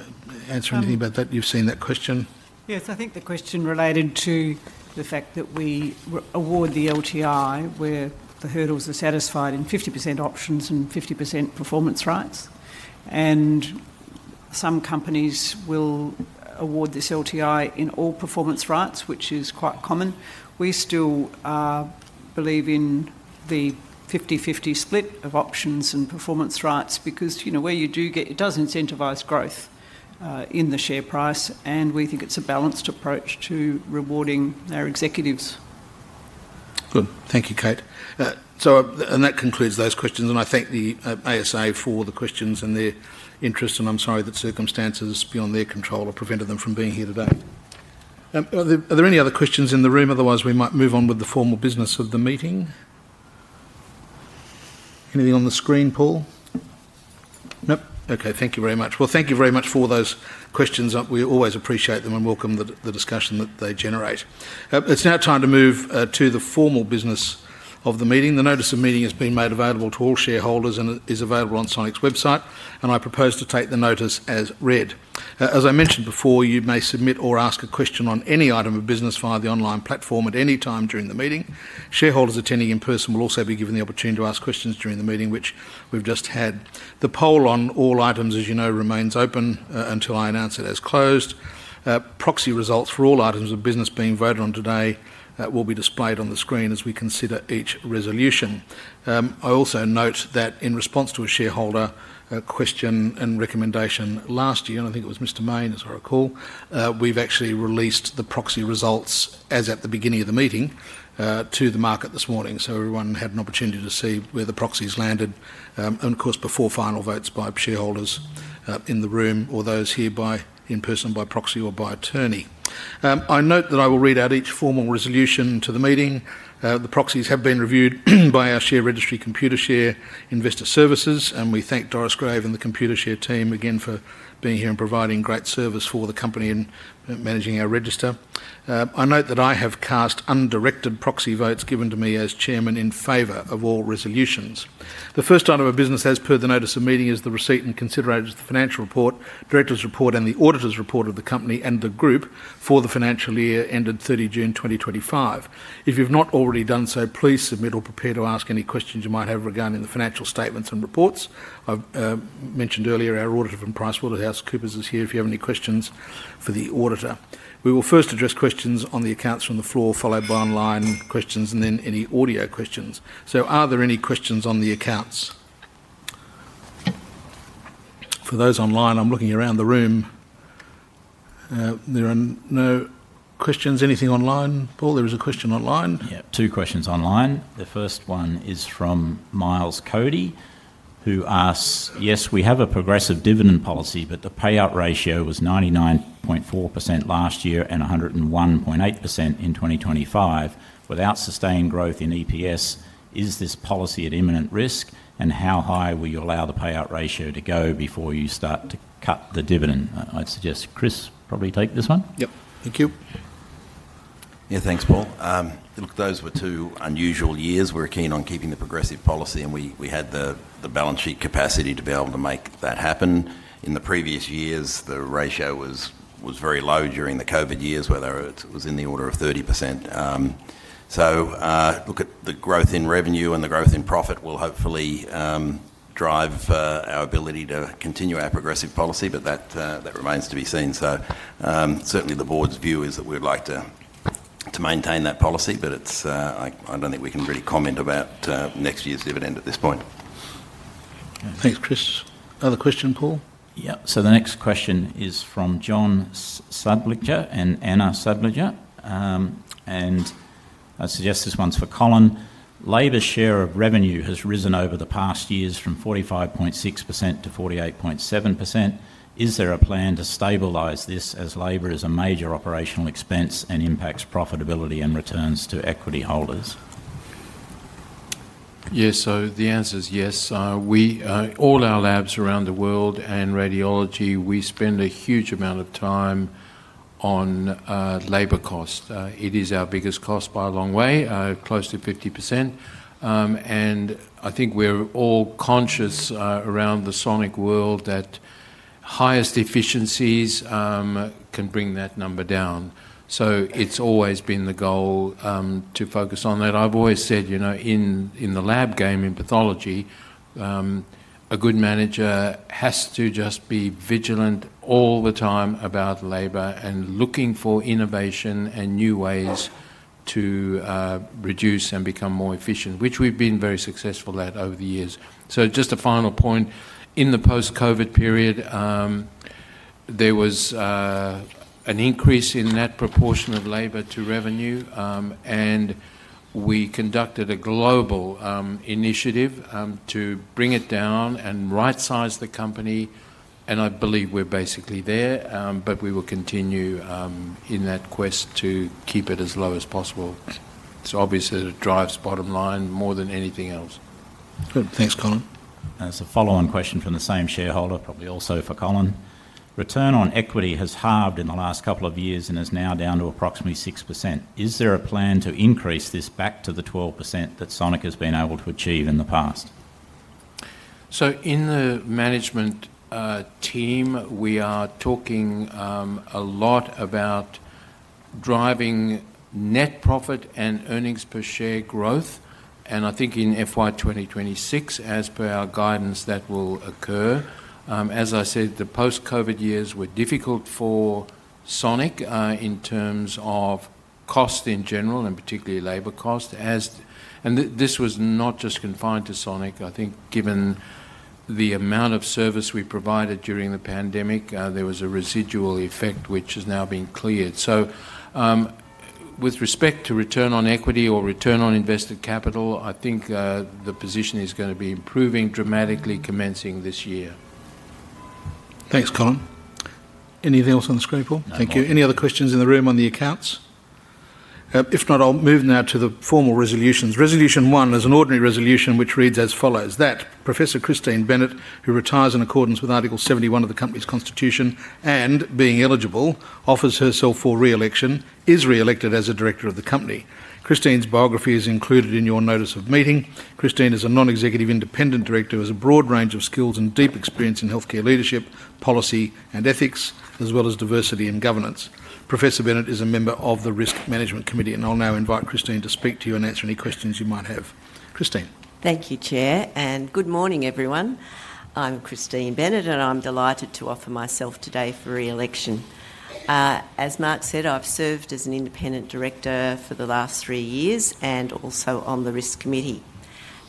answer anything about that? You've seen that question. Yes. I think the question related to the fact that we award the LTI where the hurdles are satisfied in 50% options and 50% performance rights. Some companies will award this LTI in all performance rights, which is quite common. We still believe in the 50/50 split of options and performance rights because where you do get, it does incentivize growth in the share price. We think it's a balanced approach to rewarding our executives. Good. Thank you, Kate. That concludes those questions. I thank the ASA for the questions and their interest. I'm sorry that circumstances beyond their control have prevented them from being here today. Are there any other questions in the room? Otherwise, we might move on with the formal business of the meeting. Anything on the screen, Paul? Nope? Okay. Thank you very much. Thank you very much for those questions. We always appreciate them and welcome the discussion that they generate. It's now time to move to the formal business of the meeting. The notice of meeting has been made available to all shareholders and is available on Sonic's website. I propose to take the notice as read. As I mentioned before, you may submit or ask a question on any item of business via the online platform at any time during the meeting. Shareholders attending in person will also be given the opportunity to ask questions during the meeting, which we've just had. The poll on all items, as you know, remains open until I announce it as closed. Proxy results for all items of business being voted on today will be displayed on the screen as we consider each resolution. I also note that in response to a shareholder question and recommendation last year, and I think it was Mr. Mayne, as I recall, we've actually released the proxy results as at the beginning of the meeting to the market this morning. Everyone had an opportunity to see where the proxies landed. Of course, before final votes by shareholders in the room or those here in person by proxy or by attorney, I note that I will read out each formal to the meeting. The proxies have been reviewed by our share registry, Computershare Investor Services. We thank Doris Grave and the Computershare team again for being here and providing great service for the company and managing our register. I note that I have cast undirected proxy votes given to me as Chairman in favor of all resolutions. The first item of business as per the notice of meeting is the receipt and consideration of the financial report, Director's report, and the auditor's report of the company and the group for the financial year ended 30 June 2025. If you've not already done so, please submit or prepare to ask any questions you might have regarding the financial statements and reports. I've mentioned earlier our auditor from PricewaterhouseCoopers is here if you have any questions for the auditor. We will first address questions on the accounts from the floor, followed by online questions, and then any audio questions. Are there any questions on the accounts? For those online, I'm looking around the room. There are no questions. Anything online, Paul? There was a question online. Two questions online. The first one is from Miles Cody, who asks, "Yes, we have a progressive dividend policy, but the payout ratio was 99.4% last year and 101.8% in 2025. Without sustained growth in EPS, is this policy at imminent risk? How high will you allow the payout ratio to go before you start to cut the dividend? I'd suggest Chris probably take this one. Yep. Thank you. Yeah. Thanks, Paul. Look, those were two unusual years. We're keen on keeping the progressive policy, and we had the balance sheet capacity to be able to make that happen. In the previous years, the ratio was very low during the COVID years where it was in the order of 30%. Look at the growth in revenue and the growth in profit will hopefully drive our ability to continue our progressive policy, but that remains to be seen. Certainly, the board's view is that we'd like to maintain that policy, but I don't think we can really comment about next year's dividend at this point. Thanks, Chris. Other question, Paul? Yeah. The next question is from John Sadler and Anna Sadler. I suggest this one's for Colin. Labor's share of revenue has risen over the past years from 45.6%-48.7%. Is there a plan to stabilize this as labor is a major operational expense and impacts profitability and returns to equity holders? Yes. The answer is yes. All our labs around the world and radiology, we spend a huge amount of time on labor cost. It is our biggest cost by a long way, close to 50%. I think we're all conscious around the Sonic world that highest efficiencies can bring that number down. It's always been the goal to focus on that. I've always said in the lab game in pathology, a good manager has to just be vigilant all the time about labor and looking for innovation and new ways to reduce and become more efficient, which we've been very successful at over the years. Just a final point. In the post-COVID period, there was an increase in that proportion of labor to revenue. We conducted a global initiative to bring it down and right-size the company. I believe we're basically there, but we will continue in that quest to keep it as low as possible. It's obvious that it drives bottom line more than anything else. Good. Thanks, Colin. There's a follow-on question from the same shareholder, probably also for Colin. Return on equity has halved in the last couple of years and is now down to approximately 6%. Is there a plan to increase this back to the 12% that Sonic has been able to achieve in the past? In the management team, we are talking a lot about driving net profit and earnings per share growth. I think in FY 2026, as per our guidance, that will occur. As I said, the post-COVID years were difficult for Sonic in terms of cost in general, and particularly labor cost. This was not just confined to Sonic. I think given the amount of service we provided during the pandemic, there was a residual effect which has now been cleared. With respect to return on equity or return on invested capital, I think the position is going to be improving dramatically commencing this year. Thanks, Colin. Anything else on the screen, Paul? Thank you. Any other questions in the room on the accounts? If not, I'll move now to the formal resolutions. Resolution 1 is an ordinary resolution which reads as follows. That Professor Christine Bennett, who retires in accordance with Article 71 of the company's constitution and being eligible, offers herself for re-election, is re-elected as a director of the company. Christine's biography is included in your notice of meeting. Christine is a non-executive independent director with a broad range of skills and deep experience in healthcare leadership, policy, and ethics, as well as diversity and governance. Professor Bennett is a member of the Risk Management Committee. I now invite Christine to speak to you and answer any questions you might have. Christine. Thank you, Chair. Good morning, everyone. I'm Christine Bennett, and I'm delighted to offer myself today for re-election. As Mark said, I've served as an independent director for the last three years and also on the Risk Committee.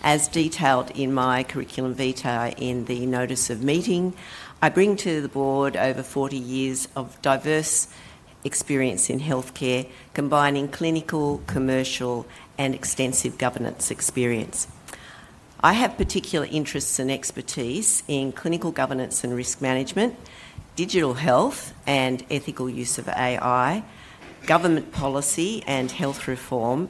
As detailed in my curriculum vitae in the notice of meeting, I bring to the board over 40 years of diverse experience in healthcare, combining clinical, commercial, and extensive governance experience. I have particular interests and expertise in clinical governance and risk management, digital health and ethical use of AI, government policy and health reform,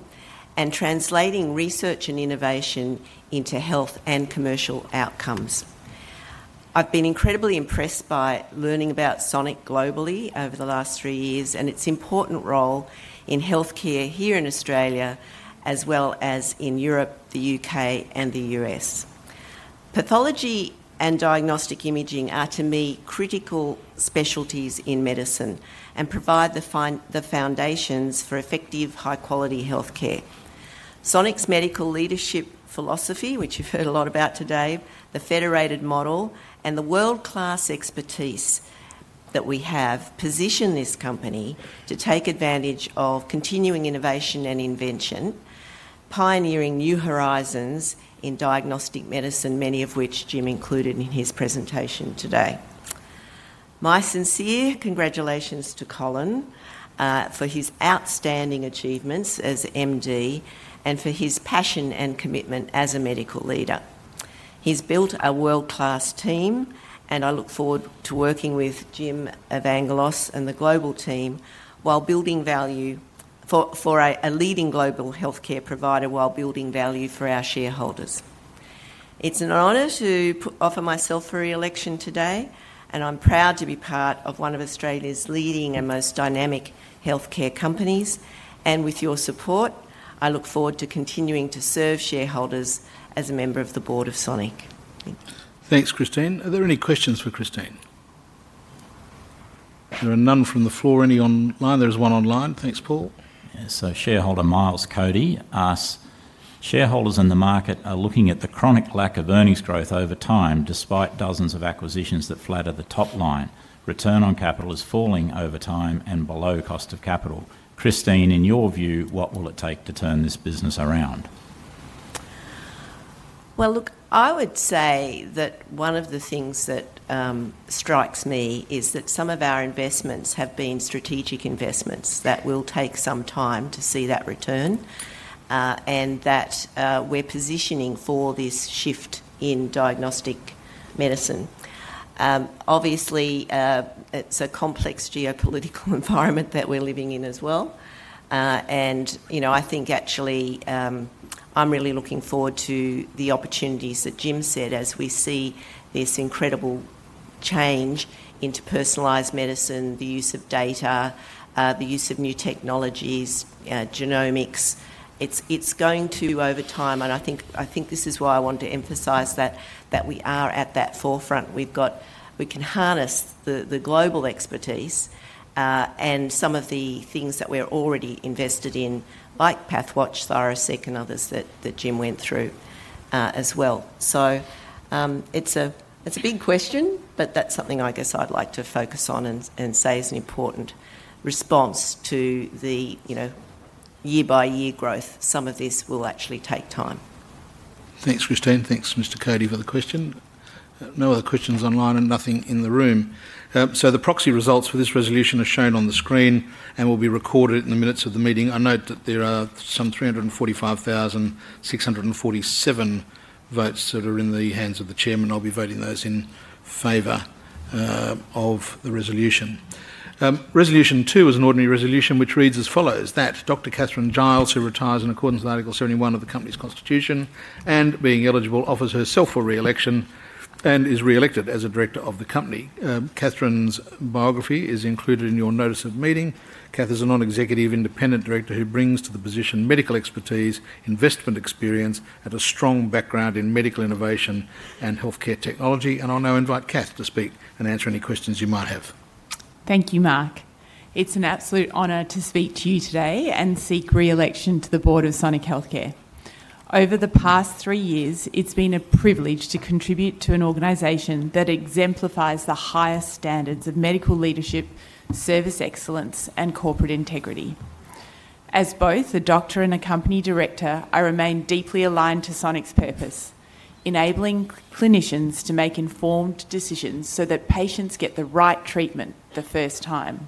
and translating research and innovation into health and commercial outcomes. I've been incredibly impressed by learning about Sonic globally over the last three years and its important role in healthcare here in Australia as well as in Europe, the U.K., and the U.S. Pathology and diagnostic imaging are, to me, critical specialties in medicine and provide the foundations for effective, high-quality healthcare. Sonic's medical leadership philosophy, which you've heard a lot about today, the federated model, and the world-class expertise that we have position this company to take advantage of continuing innovation and invention, pioneering new horizons in diagnostic medicine, many of which Jim included in his presentation today. My sincere congratulations to Colin for his outstanding achievements as MD and for his passion and commitment as a medical leader. He's built a world-class team, and I look forward to working with Jim, Evangelos, and the global team while building value for a leading global healthcare provider while building value for our shareholders. It's an honor to offer myself for re-election today, and I'm proud to be part of one of Australia's leading and most dynamic healthcare companies. With your support, I look forward to continuing to serve shareholders as a member of the board of Sonic. Thank you. Thanks, Christine. Are there any questions for Christine? There are none from the floor. Any online? There is one online. Thanks, Paul. Shareholder Miles Cody asks, "Shareholders in the market are looking at the chronic lack of earnings growth over time despite dozens of acquisitions that flatter the top line. Return on capital is falling over time and below cost of capital. Christine, in your view, what will it take to turn this business around?" I would say that one of the things that strikes me is that some of our investments have been strategic investments that will take some time to see that return and that we're positioning for this shift in diagnostic medicine. Obviously, it's a complex geopolitical environment that we're living in as well. I think actually I'm really looking forward to the opportunities that Jim said as we see this incredible change into personalized medicine, the use of data, the use of new technologies, genomics. It's going to over time. I think this is why I want to emphasize that we are at that forefront. We can harness the global expertise and some of the things that we're already invested in, like PathologyWatch, ThyroSeq, and others that Jim went through as well. It's a big question, but that's something I guess I'd like to focus on and say is an important response to the year-by-year growth. Some of this will actually take time. Thanks, Christine. Thanks, Mr. Cody, for the question. No other questions online and nothing in the room. The proxy results for this resolution are shown on the screen and will be recorded in the minutes of the meeting. I note that there are some 345,647 votes that are in the hands of the chairman. I'll be voting those in favor of the resolution. Resolution 2 is an ordinary resolution which reads as follows, that Dr. Katharine Giles, who retires in accordance with Article 71 of the company's constitution and being eligible, offers herself for re-election and is re-elected as a director of the company. Kathryn's biography is included in your notice of meeting. Kath is a non-executive independent director who brings to the position medical expertise, investment experience, and a strong background in medical innovation and healthcare technology. I now invite Kath to speak and answer any questions you might have. Thank you, Mark. It's an absolute honor to speak to you today and seek re-election to the board of Sonic Healthcare. Over the past three years, it's been a privilege to contribute to an organization that exemplifies the highest standards of medical leadership, service excellence, and corporate integrity. As both a doctor and a company director, I remain deeply aligned to Sonic's purpose, enabling clinicians to make informed decisions so that patients get the right treatment the first time.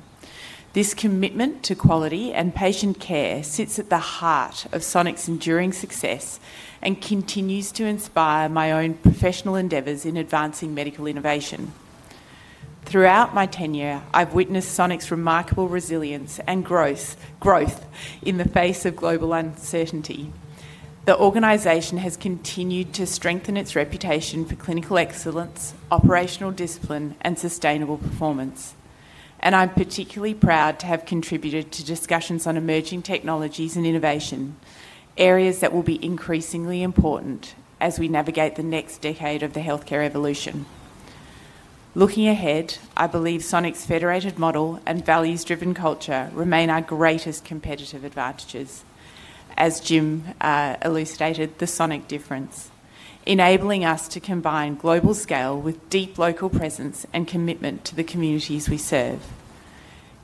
This commitment to quality and patient care sits at the heart of Sonic's enduring success and continues to inspire my own professional endeavors in advancing medical innovation. Throughout my tenure, I've witnessed Sonic's remarkable resilience and growth in the face of global uncertainty. The organization has continued to strengthen its reputation for clinical excellence, operational discipline, and sustainable performance. I am particularly proud to have contributed to discussions on emerging technologies and innovation, areas that will be increasingly important as we navigate the next decade of the healthcare evolution. Looking ahead, I believe Sonic's federated model and values-driven culture remain our greatest competitive advantages, as Jim elucidated the Sonic difference, enabling us to combine global scale with deep local presence and commitment to the communities we serve.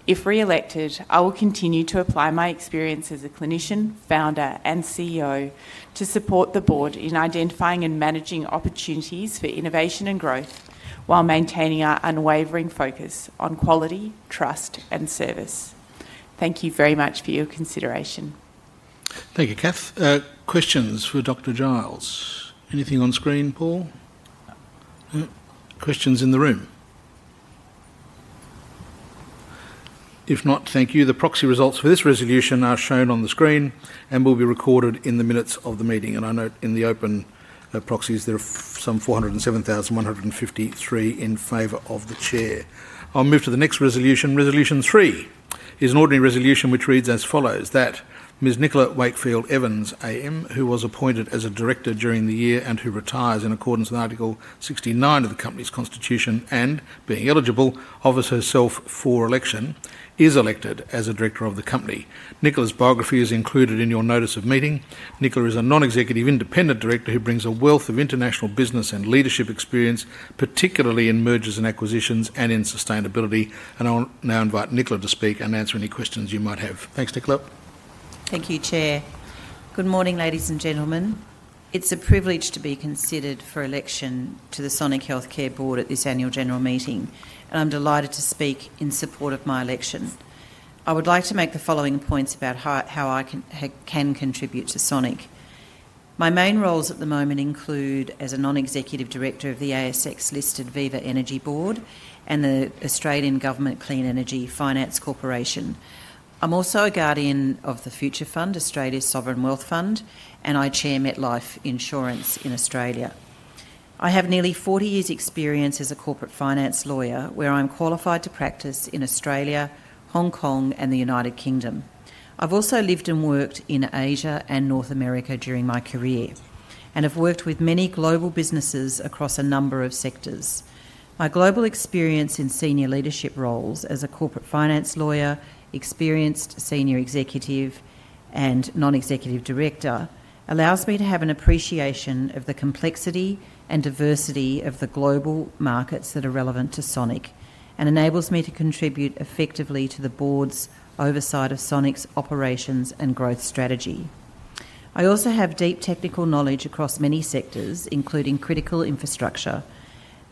If re-elected, I will continue to apply my experience as a clinician, founder, and CEO to support the board in identifying and managing opportunities for innovation and growth while maintaining our unwavering focus on quality, trust, and service. Thank you very much for your consideration. Thank you, Kath. Questions for Dr. Giles? Anything on screen, Paul? No? Questions in the room? If not, thank you. The proxy results for this resolution are shown on the screen and will be recorded in the minutes of the meeting. I note in the open proxies there are some 407,153 in favor of the chair. I'll move to the next resolution. Resolution 3 is an ordinary resolution which reads as follows, that Ms. Nicola Wakefield Evans, AM, who was appointed as a director during the year and who retires in accordance with Article 69 of the company's constitution and being eligible, offers herself for re-election, is elected as a director of the company. Nicola's biography is included in your notice of meeting. Nicola is a non-executive independent director who brings a wealth of international business and leadership experience, particularly in mergers and acquisitions and in sustainability. I'll now invite Nicola to speak and answer any questions you might have. Thanks, Nicola. Thank you, Chair. Good morning, ladies and gentlemen. It's a privilege to be considered for election to the Sonic Healthcare Board at this annual general meeting. I am delighted to speak in support of my election. I would like to make the following points about how I can contribute to Sonic. My main roles at the moment include as a non-executive director of the ASX-listed Viva Energy Board and the Australian Government Clean Energy Finance Corporation. I am also a guardian of the Future Fund, Australia's sovereign wealth fund, and I chair MetLife Insurance in Australia. I have nearly 40 years' experience as a corporate finance lawyer, where I am qualified to practice in Australia, Hong Kong, and the United Kingdom. I have also lived and worked in Asia and North America during my career and have worked with many global businesses across a number of sectors. My global experience in senior leadership roles as a corporate finance lawyer, experienced senior executive, and non-executive director allows me to have an appreciation of the complexity and diversity of the global markets that are relevant to Sonic and enables me to contribute effectively to the board's oversight of Sonic's operations and growth strategy. I also have deep technical knowledge across many sectors, including critical infrastructure,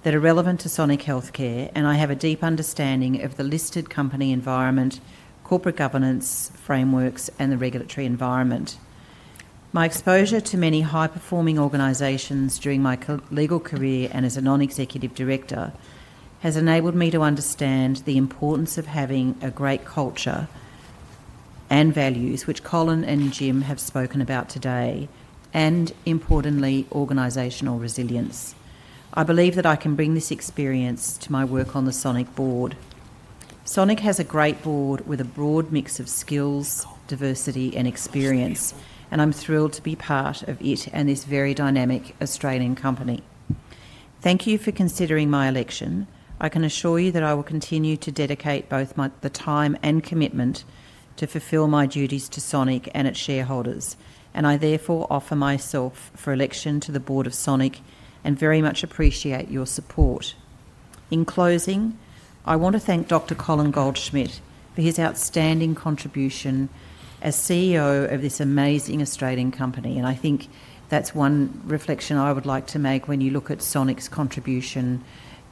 that are relevant to Sonic Healthcare, and I have a deep understanding of the listed company environment, corporate governance frameworks, and the regulatory environment. My exposure to many high-performing organizations during my legal career and as a non-executive director has enabled me to understand the importance of having a great culture and values, which Colin and Jim have spoken about today, and importantly, organizational resilience. I believe that I can bring this experience to my work on the Sonic board. Sonic has a great board with a broad mix of skills, diversity, and experience, and I'm thrilled to be part of it and this very dynamic Australian company. Thank you for considering my election. I can assure you that I will continue to dedicate both the time and commitment to fulfill my duties to Sonic and its shareholders. I therefore offer myself for election to the board of Sonic and very much appreciate your support. In closing, I want to thank Dr. Colin Goldschmidt for his outstanding contribution as CEO of this amazing Australian company. I think that's one reflection I would like to make when you look at Sonic's contribution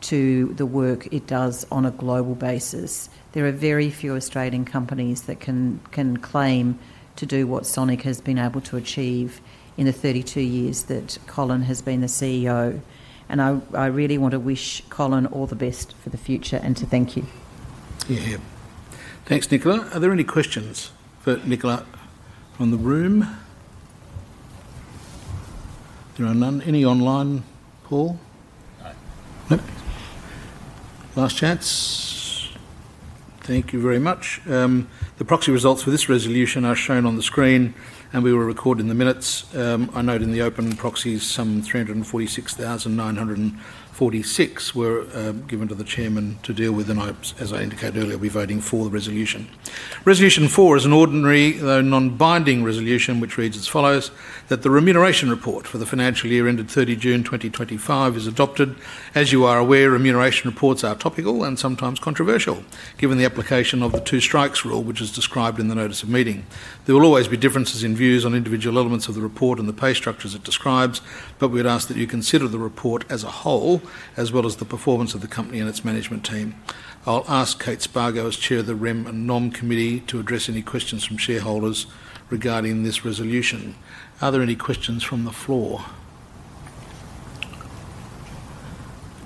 to the work it does on a global basis. There are very few Australian companies that can claim to do what Sonic has been able to achieve in the 32 years that Colin has been the CEO. I really want to wish Colin all the best for the future and to thank you. Yeah. Thanks, Nicola. Are there any questions for Nicola from the room? There are none. Any online, Paul? No. Last chance. Thank you very much. The proxy results for this resolution are shown on the screen, and we will record in the minutes. I note in the open proxies some 346,946 were given to the chairman to deal with. As I indicated earlier, we're voting for the resolution. Resolution 4 is an ordinary, though non-binding, resolution which reads as follows, that the remuneration report for the financial year ended 30 June 2025 is adopted. As you are aware, remuneration reports are topical and sometimes controversial, given the application of the two-strikes rule, which is described in the notice of meeting. There will always be differences in views on individual elements of the report and the pay structures it describes, but we'd ask that you consider the report as a whole, as well as the performance of the company and its management team. I'll ask Kate Spargo as Chair of the Rem and Nom Committee to address any questions from shareholders regarding this resolution. Are there any questions from the floor?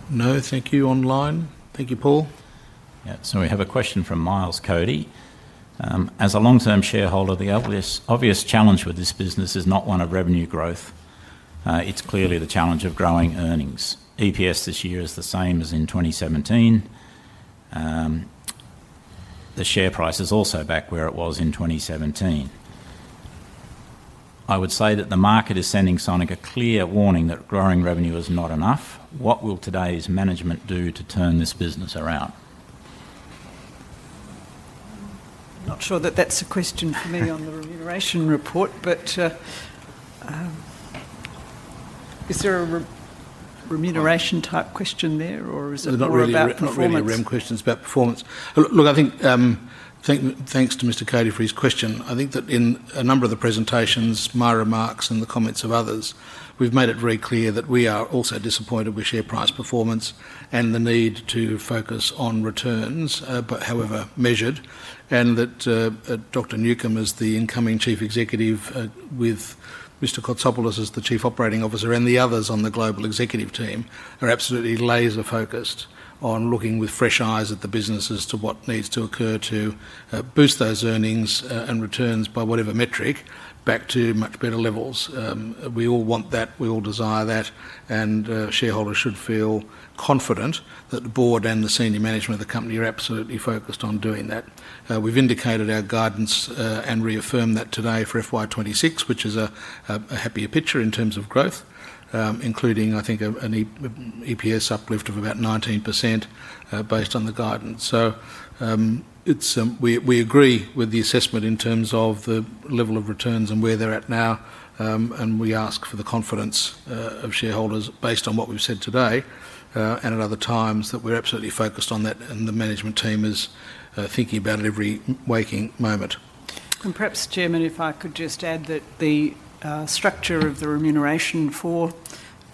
No. Thank you. Online. Thank you, Paul. Yeah. We have a question from Miles Cody. As a long-term shareholder, the obvious challenge with this business is not one of revenue growth. It's clearly the challenge of growing earnings. EPS this year is the same as in 2017. The share price is also back where it was in 2017. I would say that the market is sending Sonic a clear warning that growing revenue is not enough. What will today's management do to turn this business around? Not sure that that's a question for me on the remuneration report, but is there a remuneration type question there, or is it more about performance? Not really about remuneration questions, but performance. Look, I think thanks to Mr. Cody for his question. I think that in a number of the presentations, my remarks, and the comments of others, we've made it very clear that we are also disappointed with share price performance and the need to focus on returns, however measured, and that Dr. Newcombe as the incoming Chief Executive with Mr. Kotsopoulos as the Chief Operating Officer and the others on the global executive team are absolutely laser-focused on looking with fresh eyes at the business as to what needs to occur to boost those earnings and returns by whatever metric back to much better levels. We all want that. We all desire that. Shareholders should feel confident that the Board and the senior management of the company are absolutely focused on doing that. We've indicated our guidance and reaffirmed that today for FY 2026, which is a happier picture in terms of growth, including, I think, an EPS uplift of about 19% based on the guidance. We agree with the assessment in terms of the level of returns and where they're at now. We ask for the confidence of shareholders based on what we've said today and at other times that we're absolutely focused on that, and the management team is thinking about it every waking moment. Perhaps, Chairman, if I could just add that the structure of the remuneration for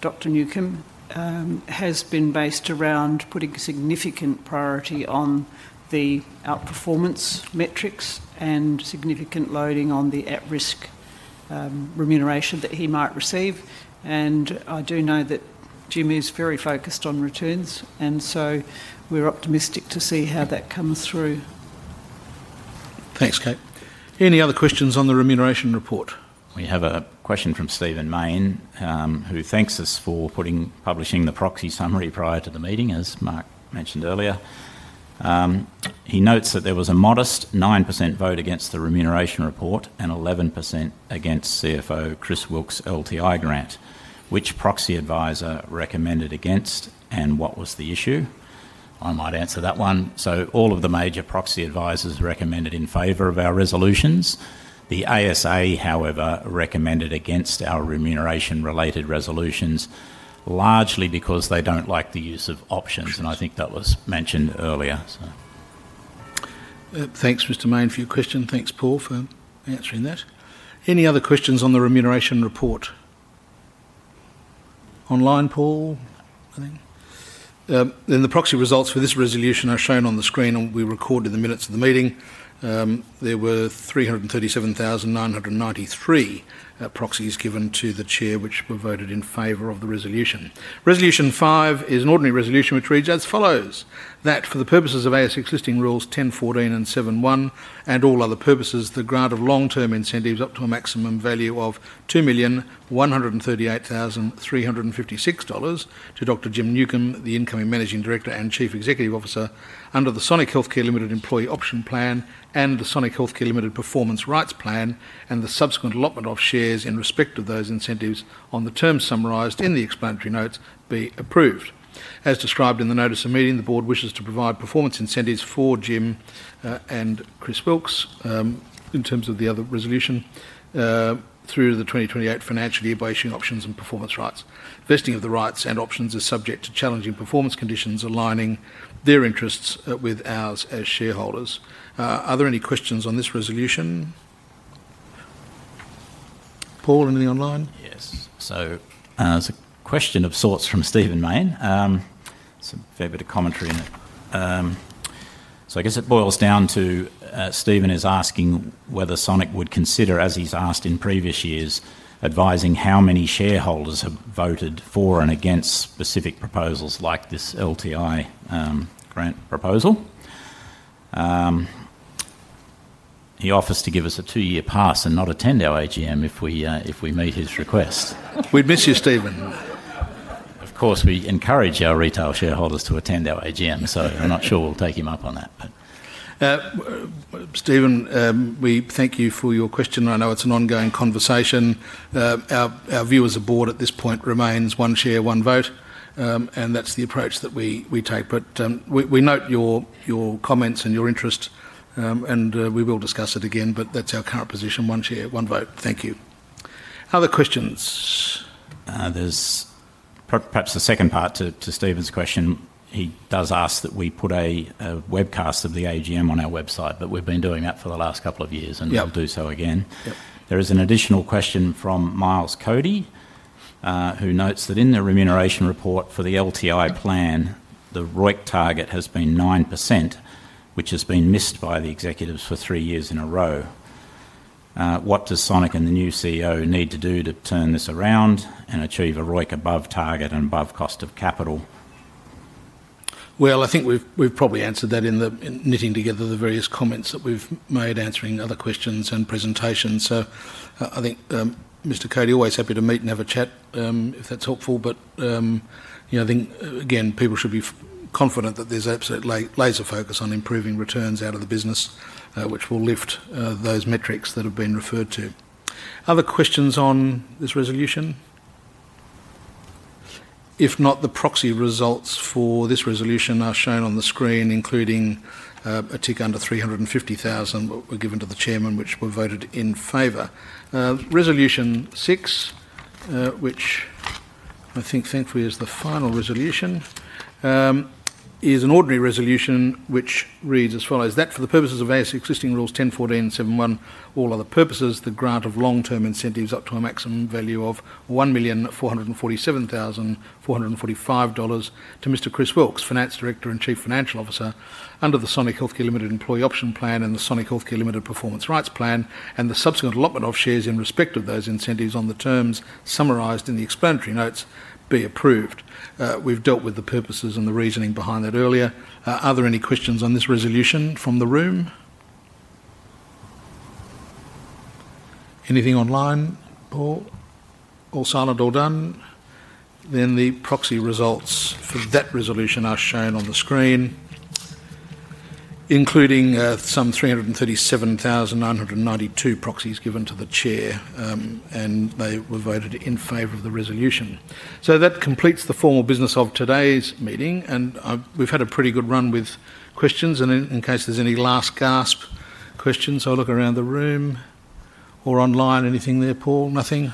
Dr. Newcombe has been based around putting significant priority on the outperformance metrics and significant loading on the at-risk remuneration that he might receive. I do know that Jim is very focused on returns, and we are optimistic to see how that comes through. Thanks, Kate. Any other questions on the remuneration report? We have a question from Stephen Mayne, who thanks us for publishing the proxy summary prior to the meeting, as Mark mentioned earlier. He notes that there was a modest 9% vote against the remuneration report and 11% against CFO Chris Wilks' LTI grant. Which proxy advisor recommended against, and what was the issue? I might answer that one. All of the major proxy advisors recommended in favor of our resolutions. The ASA, however, recommended against our remuneration-related resolutions, largely because they do not like the use of options. I think that was mentioned earlier. Thanks, Mr. Mayne, for your question. Thanks, Paul, for answering that. Any other questions on the remuneration report? Online, Paul? The proxy results for this resolution are shown on the screen, and we recorded the minutes of the meeting. There were 337,993 proxies given to the chair, which were voted in favor of the resolution. Resolution 5 is an ordinary resolution, which reads as follows: that for the purposes of ASX listing rules 10.14 and 7.1, and all other purposes, the grant of long-term incentives up to a maximum value of $2,138,356 to Dr. Jim Newcombe, the Incoming Managing Director and Chief Executive Officer, under the Sonic Healthcare Employee Option Plan and the Sonic Healthcare Performance Rights Plan, and the subsequent allotment of shares in respect of those incentives on the terms summarized in the explanatory notes be approved. As described in the notice of meeting, the board wishes to provide performance incentives for Jim and Chris Wilks in terms of the other resolution through the 2028 financial year by issuing options and performance rights. Vesting of the rights and options is subject to challenging performance conditions aligning their interests with ours as shareholders. Are there any questions on this resolution? Paul, any online? Yes. There is a question of sorts from Stephen Mayne. It is a fair bit of commentary in it. I guess it boils down to Stephen is asking whether Sonic would consider, as he has asked in previous years, advising how many shareholders have voted for and against specific proposals like this LTI grant proposal. He offers to give us a two-year pass and not attend our AGM if we meet his request. We miss you, Stephen. Of course, we encourage our retail shareholders to attend our AGM, so I'm not sure we'll take him up on that. Stephen, we thank you for your question. I know it's an ongoing conversation. Our view as a board at this point remains one share, one vote, and that's the approach that we take. We note your comments and your interest, and we will discuss it again, but that's our current position: one share, one vote. Thank you. Other questions? There's perhaps a second part to Stephen's question. He does ask that we put a webcast of the AGM on our website, but we've been doing that for the last couple of years and will do so again. There is an additional question from Miles Cody, who notes that in the remuneration report for the LTI plan, the ROIC target has been 9%, which has been missed by the executives for three years in a row. What does Sonic and the new CEO need to do to turn this around and achieve a ROIC above target and above cost of capital? I think we've probably answered that in knitting together the various comments that we've made answering other questions and presentations. I think Mr. Cody is always happy to meet and have a chat if that's helpful. I think, again, people should be confident that there's absolute laser focus on improving returns out of the business, which will lift those metrics that have been referred to. Other questions on this resolution? If not, the proxy results for this resolution are shown on the screen, including a tick under 350,000, but were given to the Chairman, which were voted in favor. Resolution 6, which I think, thankfully, is the final resolution, is an ordinary resolution, which reads as follows: that for the purposes of ASX-listing rules 10.14 and 7.1, all other purposes, the grant of long-term incentives up to a maximum value of 1,447,445 dollars to Mr. Chris Wilks, Finance Director and Chief Financial Officer, under the Sonic Healthcare Employee Option Plan and the Sonic Healthcare Performance Rights Plan, and the subsequent allotment of shares in respect of those incentives on the terms summarized in the explanatory notes be approved. We've dealt with the purposes and the reasoning behind that earlier. Are there any questions on this resolution from the room? Anything online? All silent, all done. The proxy results for that resolution are shown on the screen, including some 337,992 proxies given to the chair, and they were voted in favor of the resolution. That completes the formal business of today's meeting, and we've had a pretty good run with questions. In case there's any last gasp questions, I'll look around the room or online. Anything there, Paul? Nothing?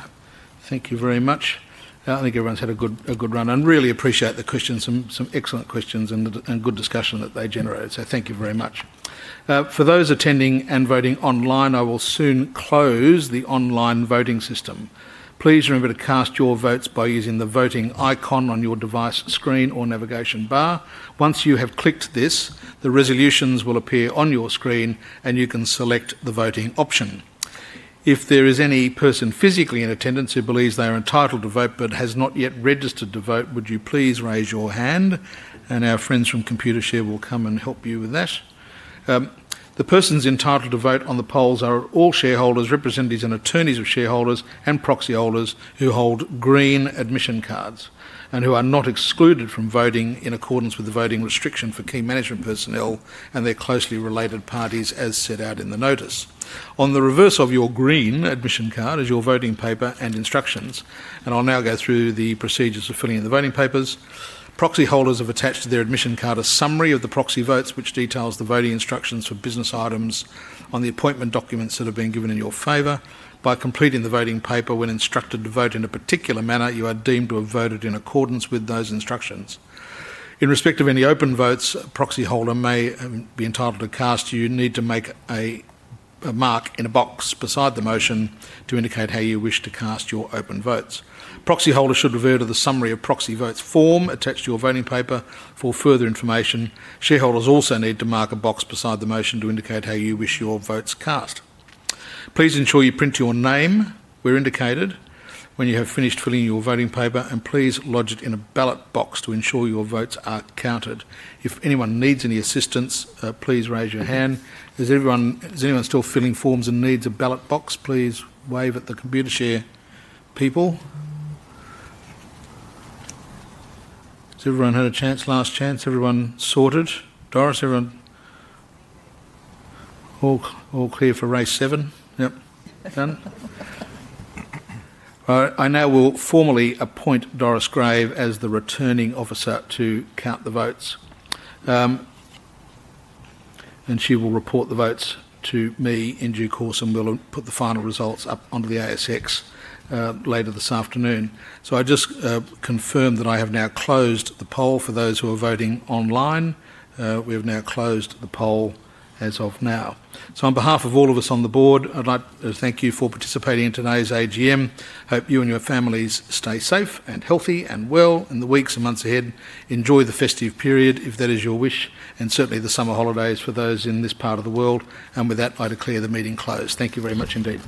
Thank you very much. I think everyone's had a good run. I really appreciate the questions, some excellent questions and good discussion that they generated. Thank you very much. For those attending and voting online, I will soon close the online voting system. Please remember to cast your votes by using the voting icon on your device screen or navigation bar. Once you have clicked this, the resolutions will appear on your screen, and you can select the voting option. If there is any person physically in attendance who believes they are entitled to vote but has not yet registered to vote, would you please raise your hand, and our friends from Computershare will come and help you with that. The persons entitled to vote on the polls are all shareholders, representatives, and attorneys of shareholders and proxy holders who hold green admission cards and who are not excluded from voting in accordance with the voting restriction for key management personnel and their closely related parties, as set out in the notice. On the reverse of your green admission card is your voting paper and instructions. I will now go through the procedures for filling in the voting papers. Proxy holders have attached to their admission card a summary of the proxy votes, which details the voting instructions for business items on the appointment documents that have been given in your favor. By completing the voting paper, when instructed to vote in a particular manner, you are deemed to have voted in accordance with those instructions. In respect of any open votes a proxy holder may be entitled to cast, you need to make a mark in a box beside the motion to indicate how you wish to cast your open votes. Proxy holders should refer to the summary of proxy votes form attached to your voting paper for further information. Shareholders also need to mark a box beside the motion to indicate how you wish your votes cast. Please ensure you print your name where indicated when you have finished filling your voting paper, and please lodge it in a ballot box to ensure your votes are counted. If anyone needs any assistance, please raise your hand. Is anyone still filling forms and needs a ballot box? Please wave at the Computershare people. Has everyone had a chance? Last chance? Everyone sorted? Doris? Everyone all clear for race seven? Yep. Done? All right. I now will formally appoint Doris Grave as the returning officer to count the votes, and she will report the votes to me in due course, and we will put the final results up onto the ASX later this afternoon. I just confirm that I have now closed the poll for those who are voting online. We have now closed the poll as of now. On behalf of all of us on the board, I'd like to thank you for participating in today's AGM. Hope you and your families stay safe and healthy and well in the weeks and months ahead. Enjoy the festive period, if that is your wish, and certainly the summer holidays for those in this part of the world. With that, I declare the meeting closed. Thank you very much indeed.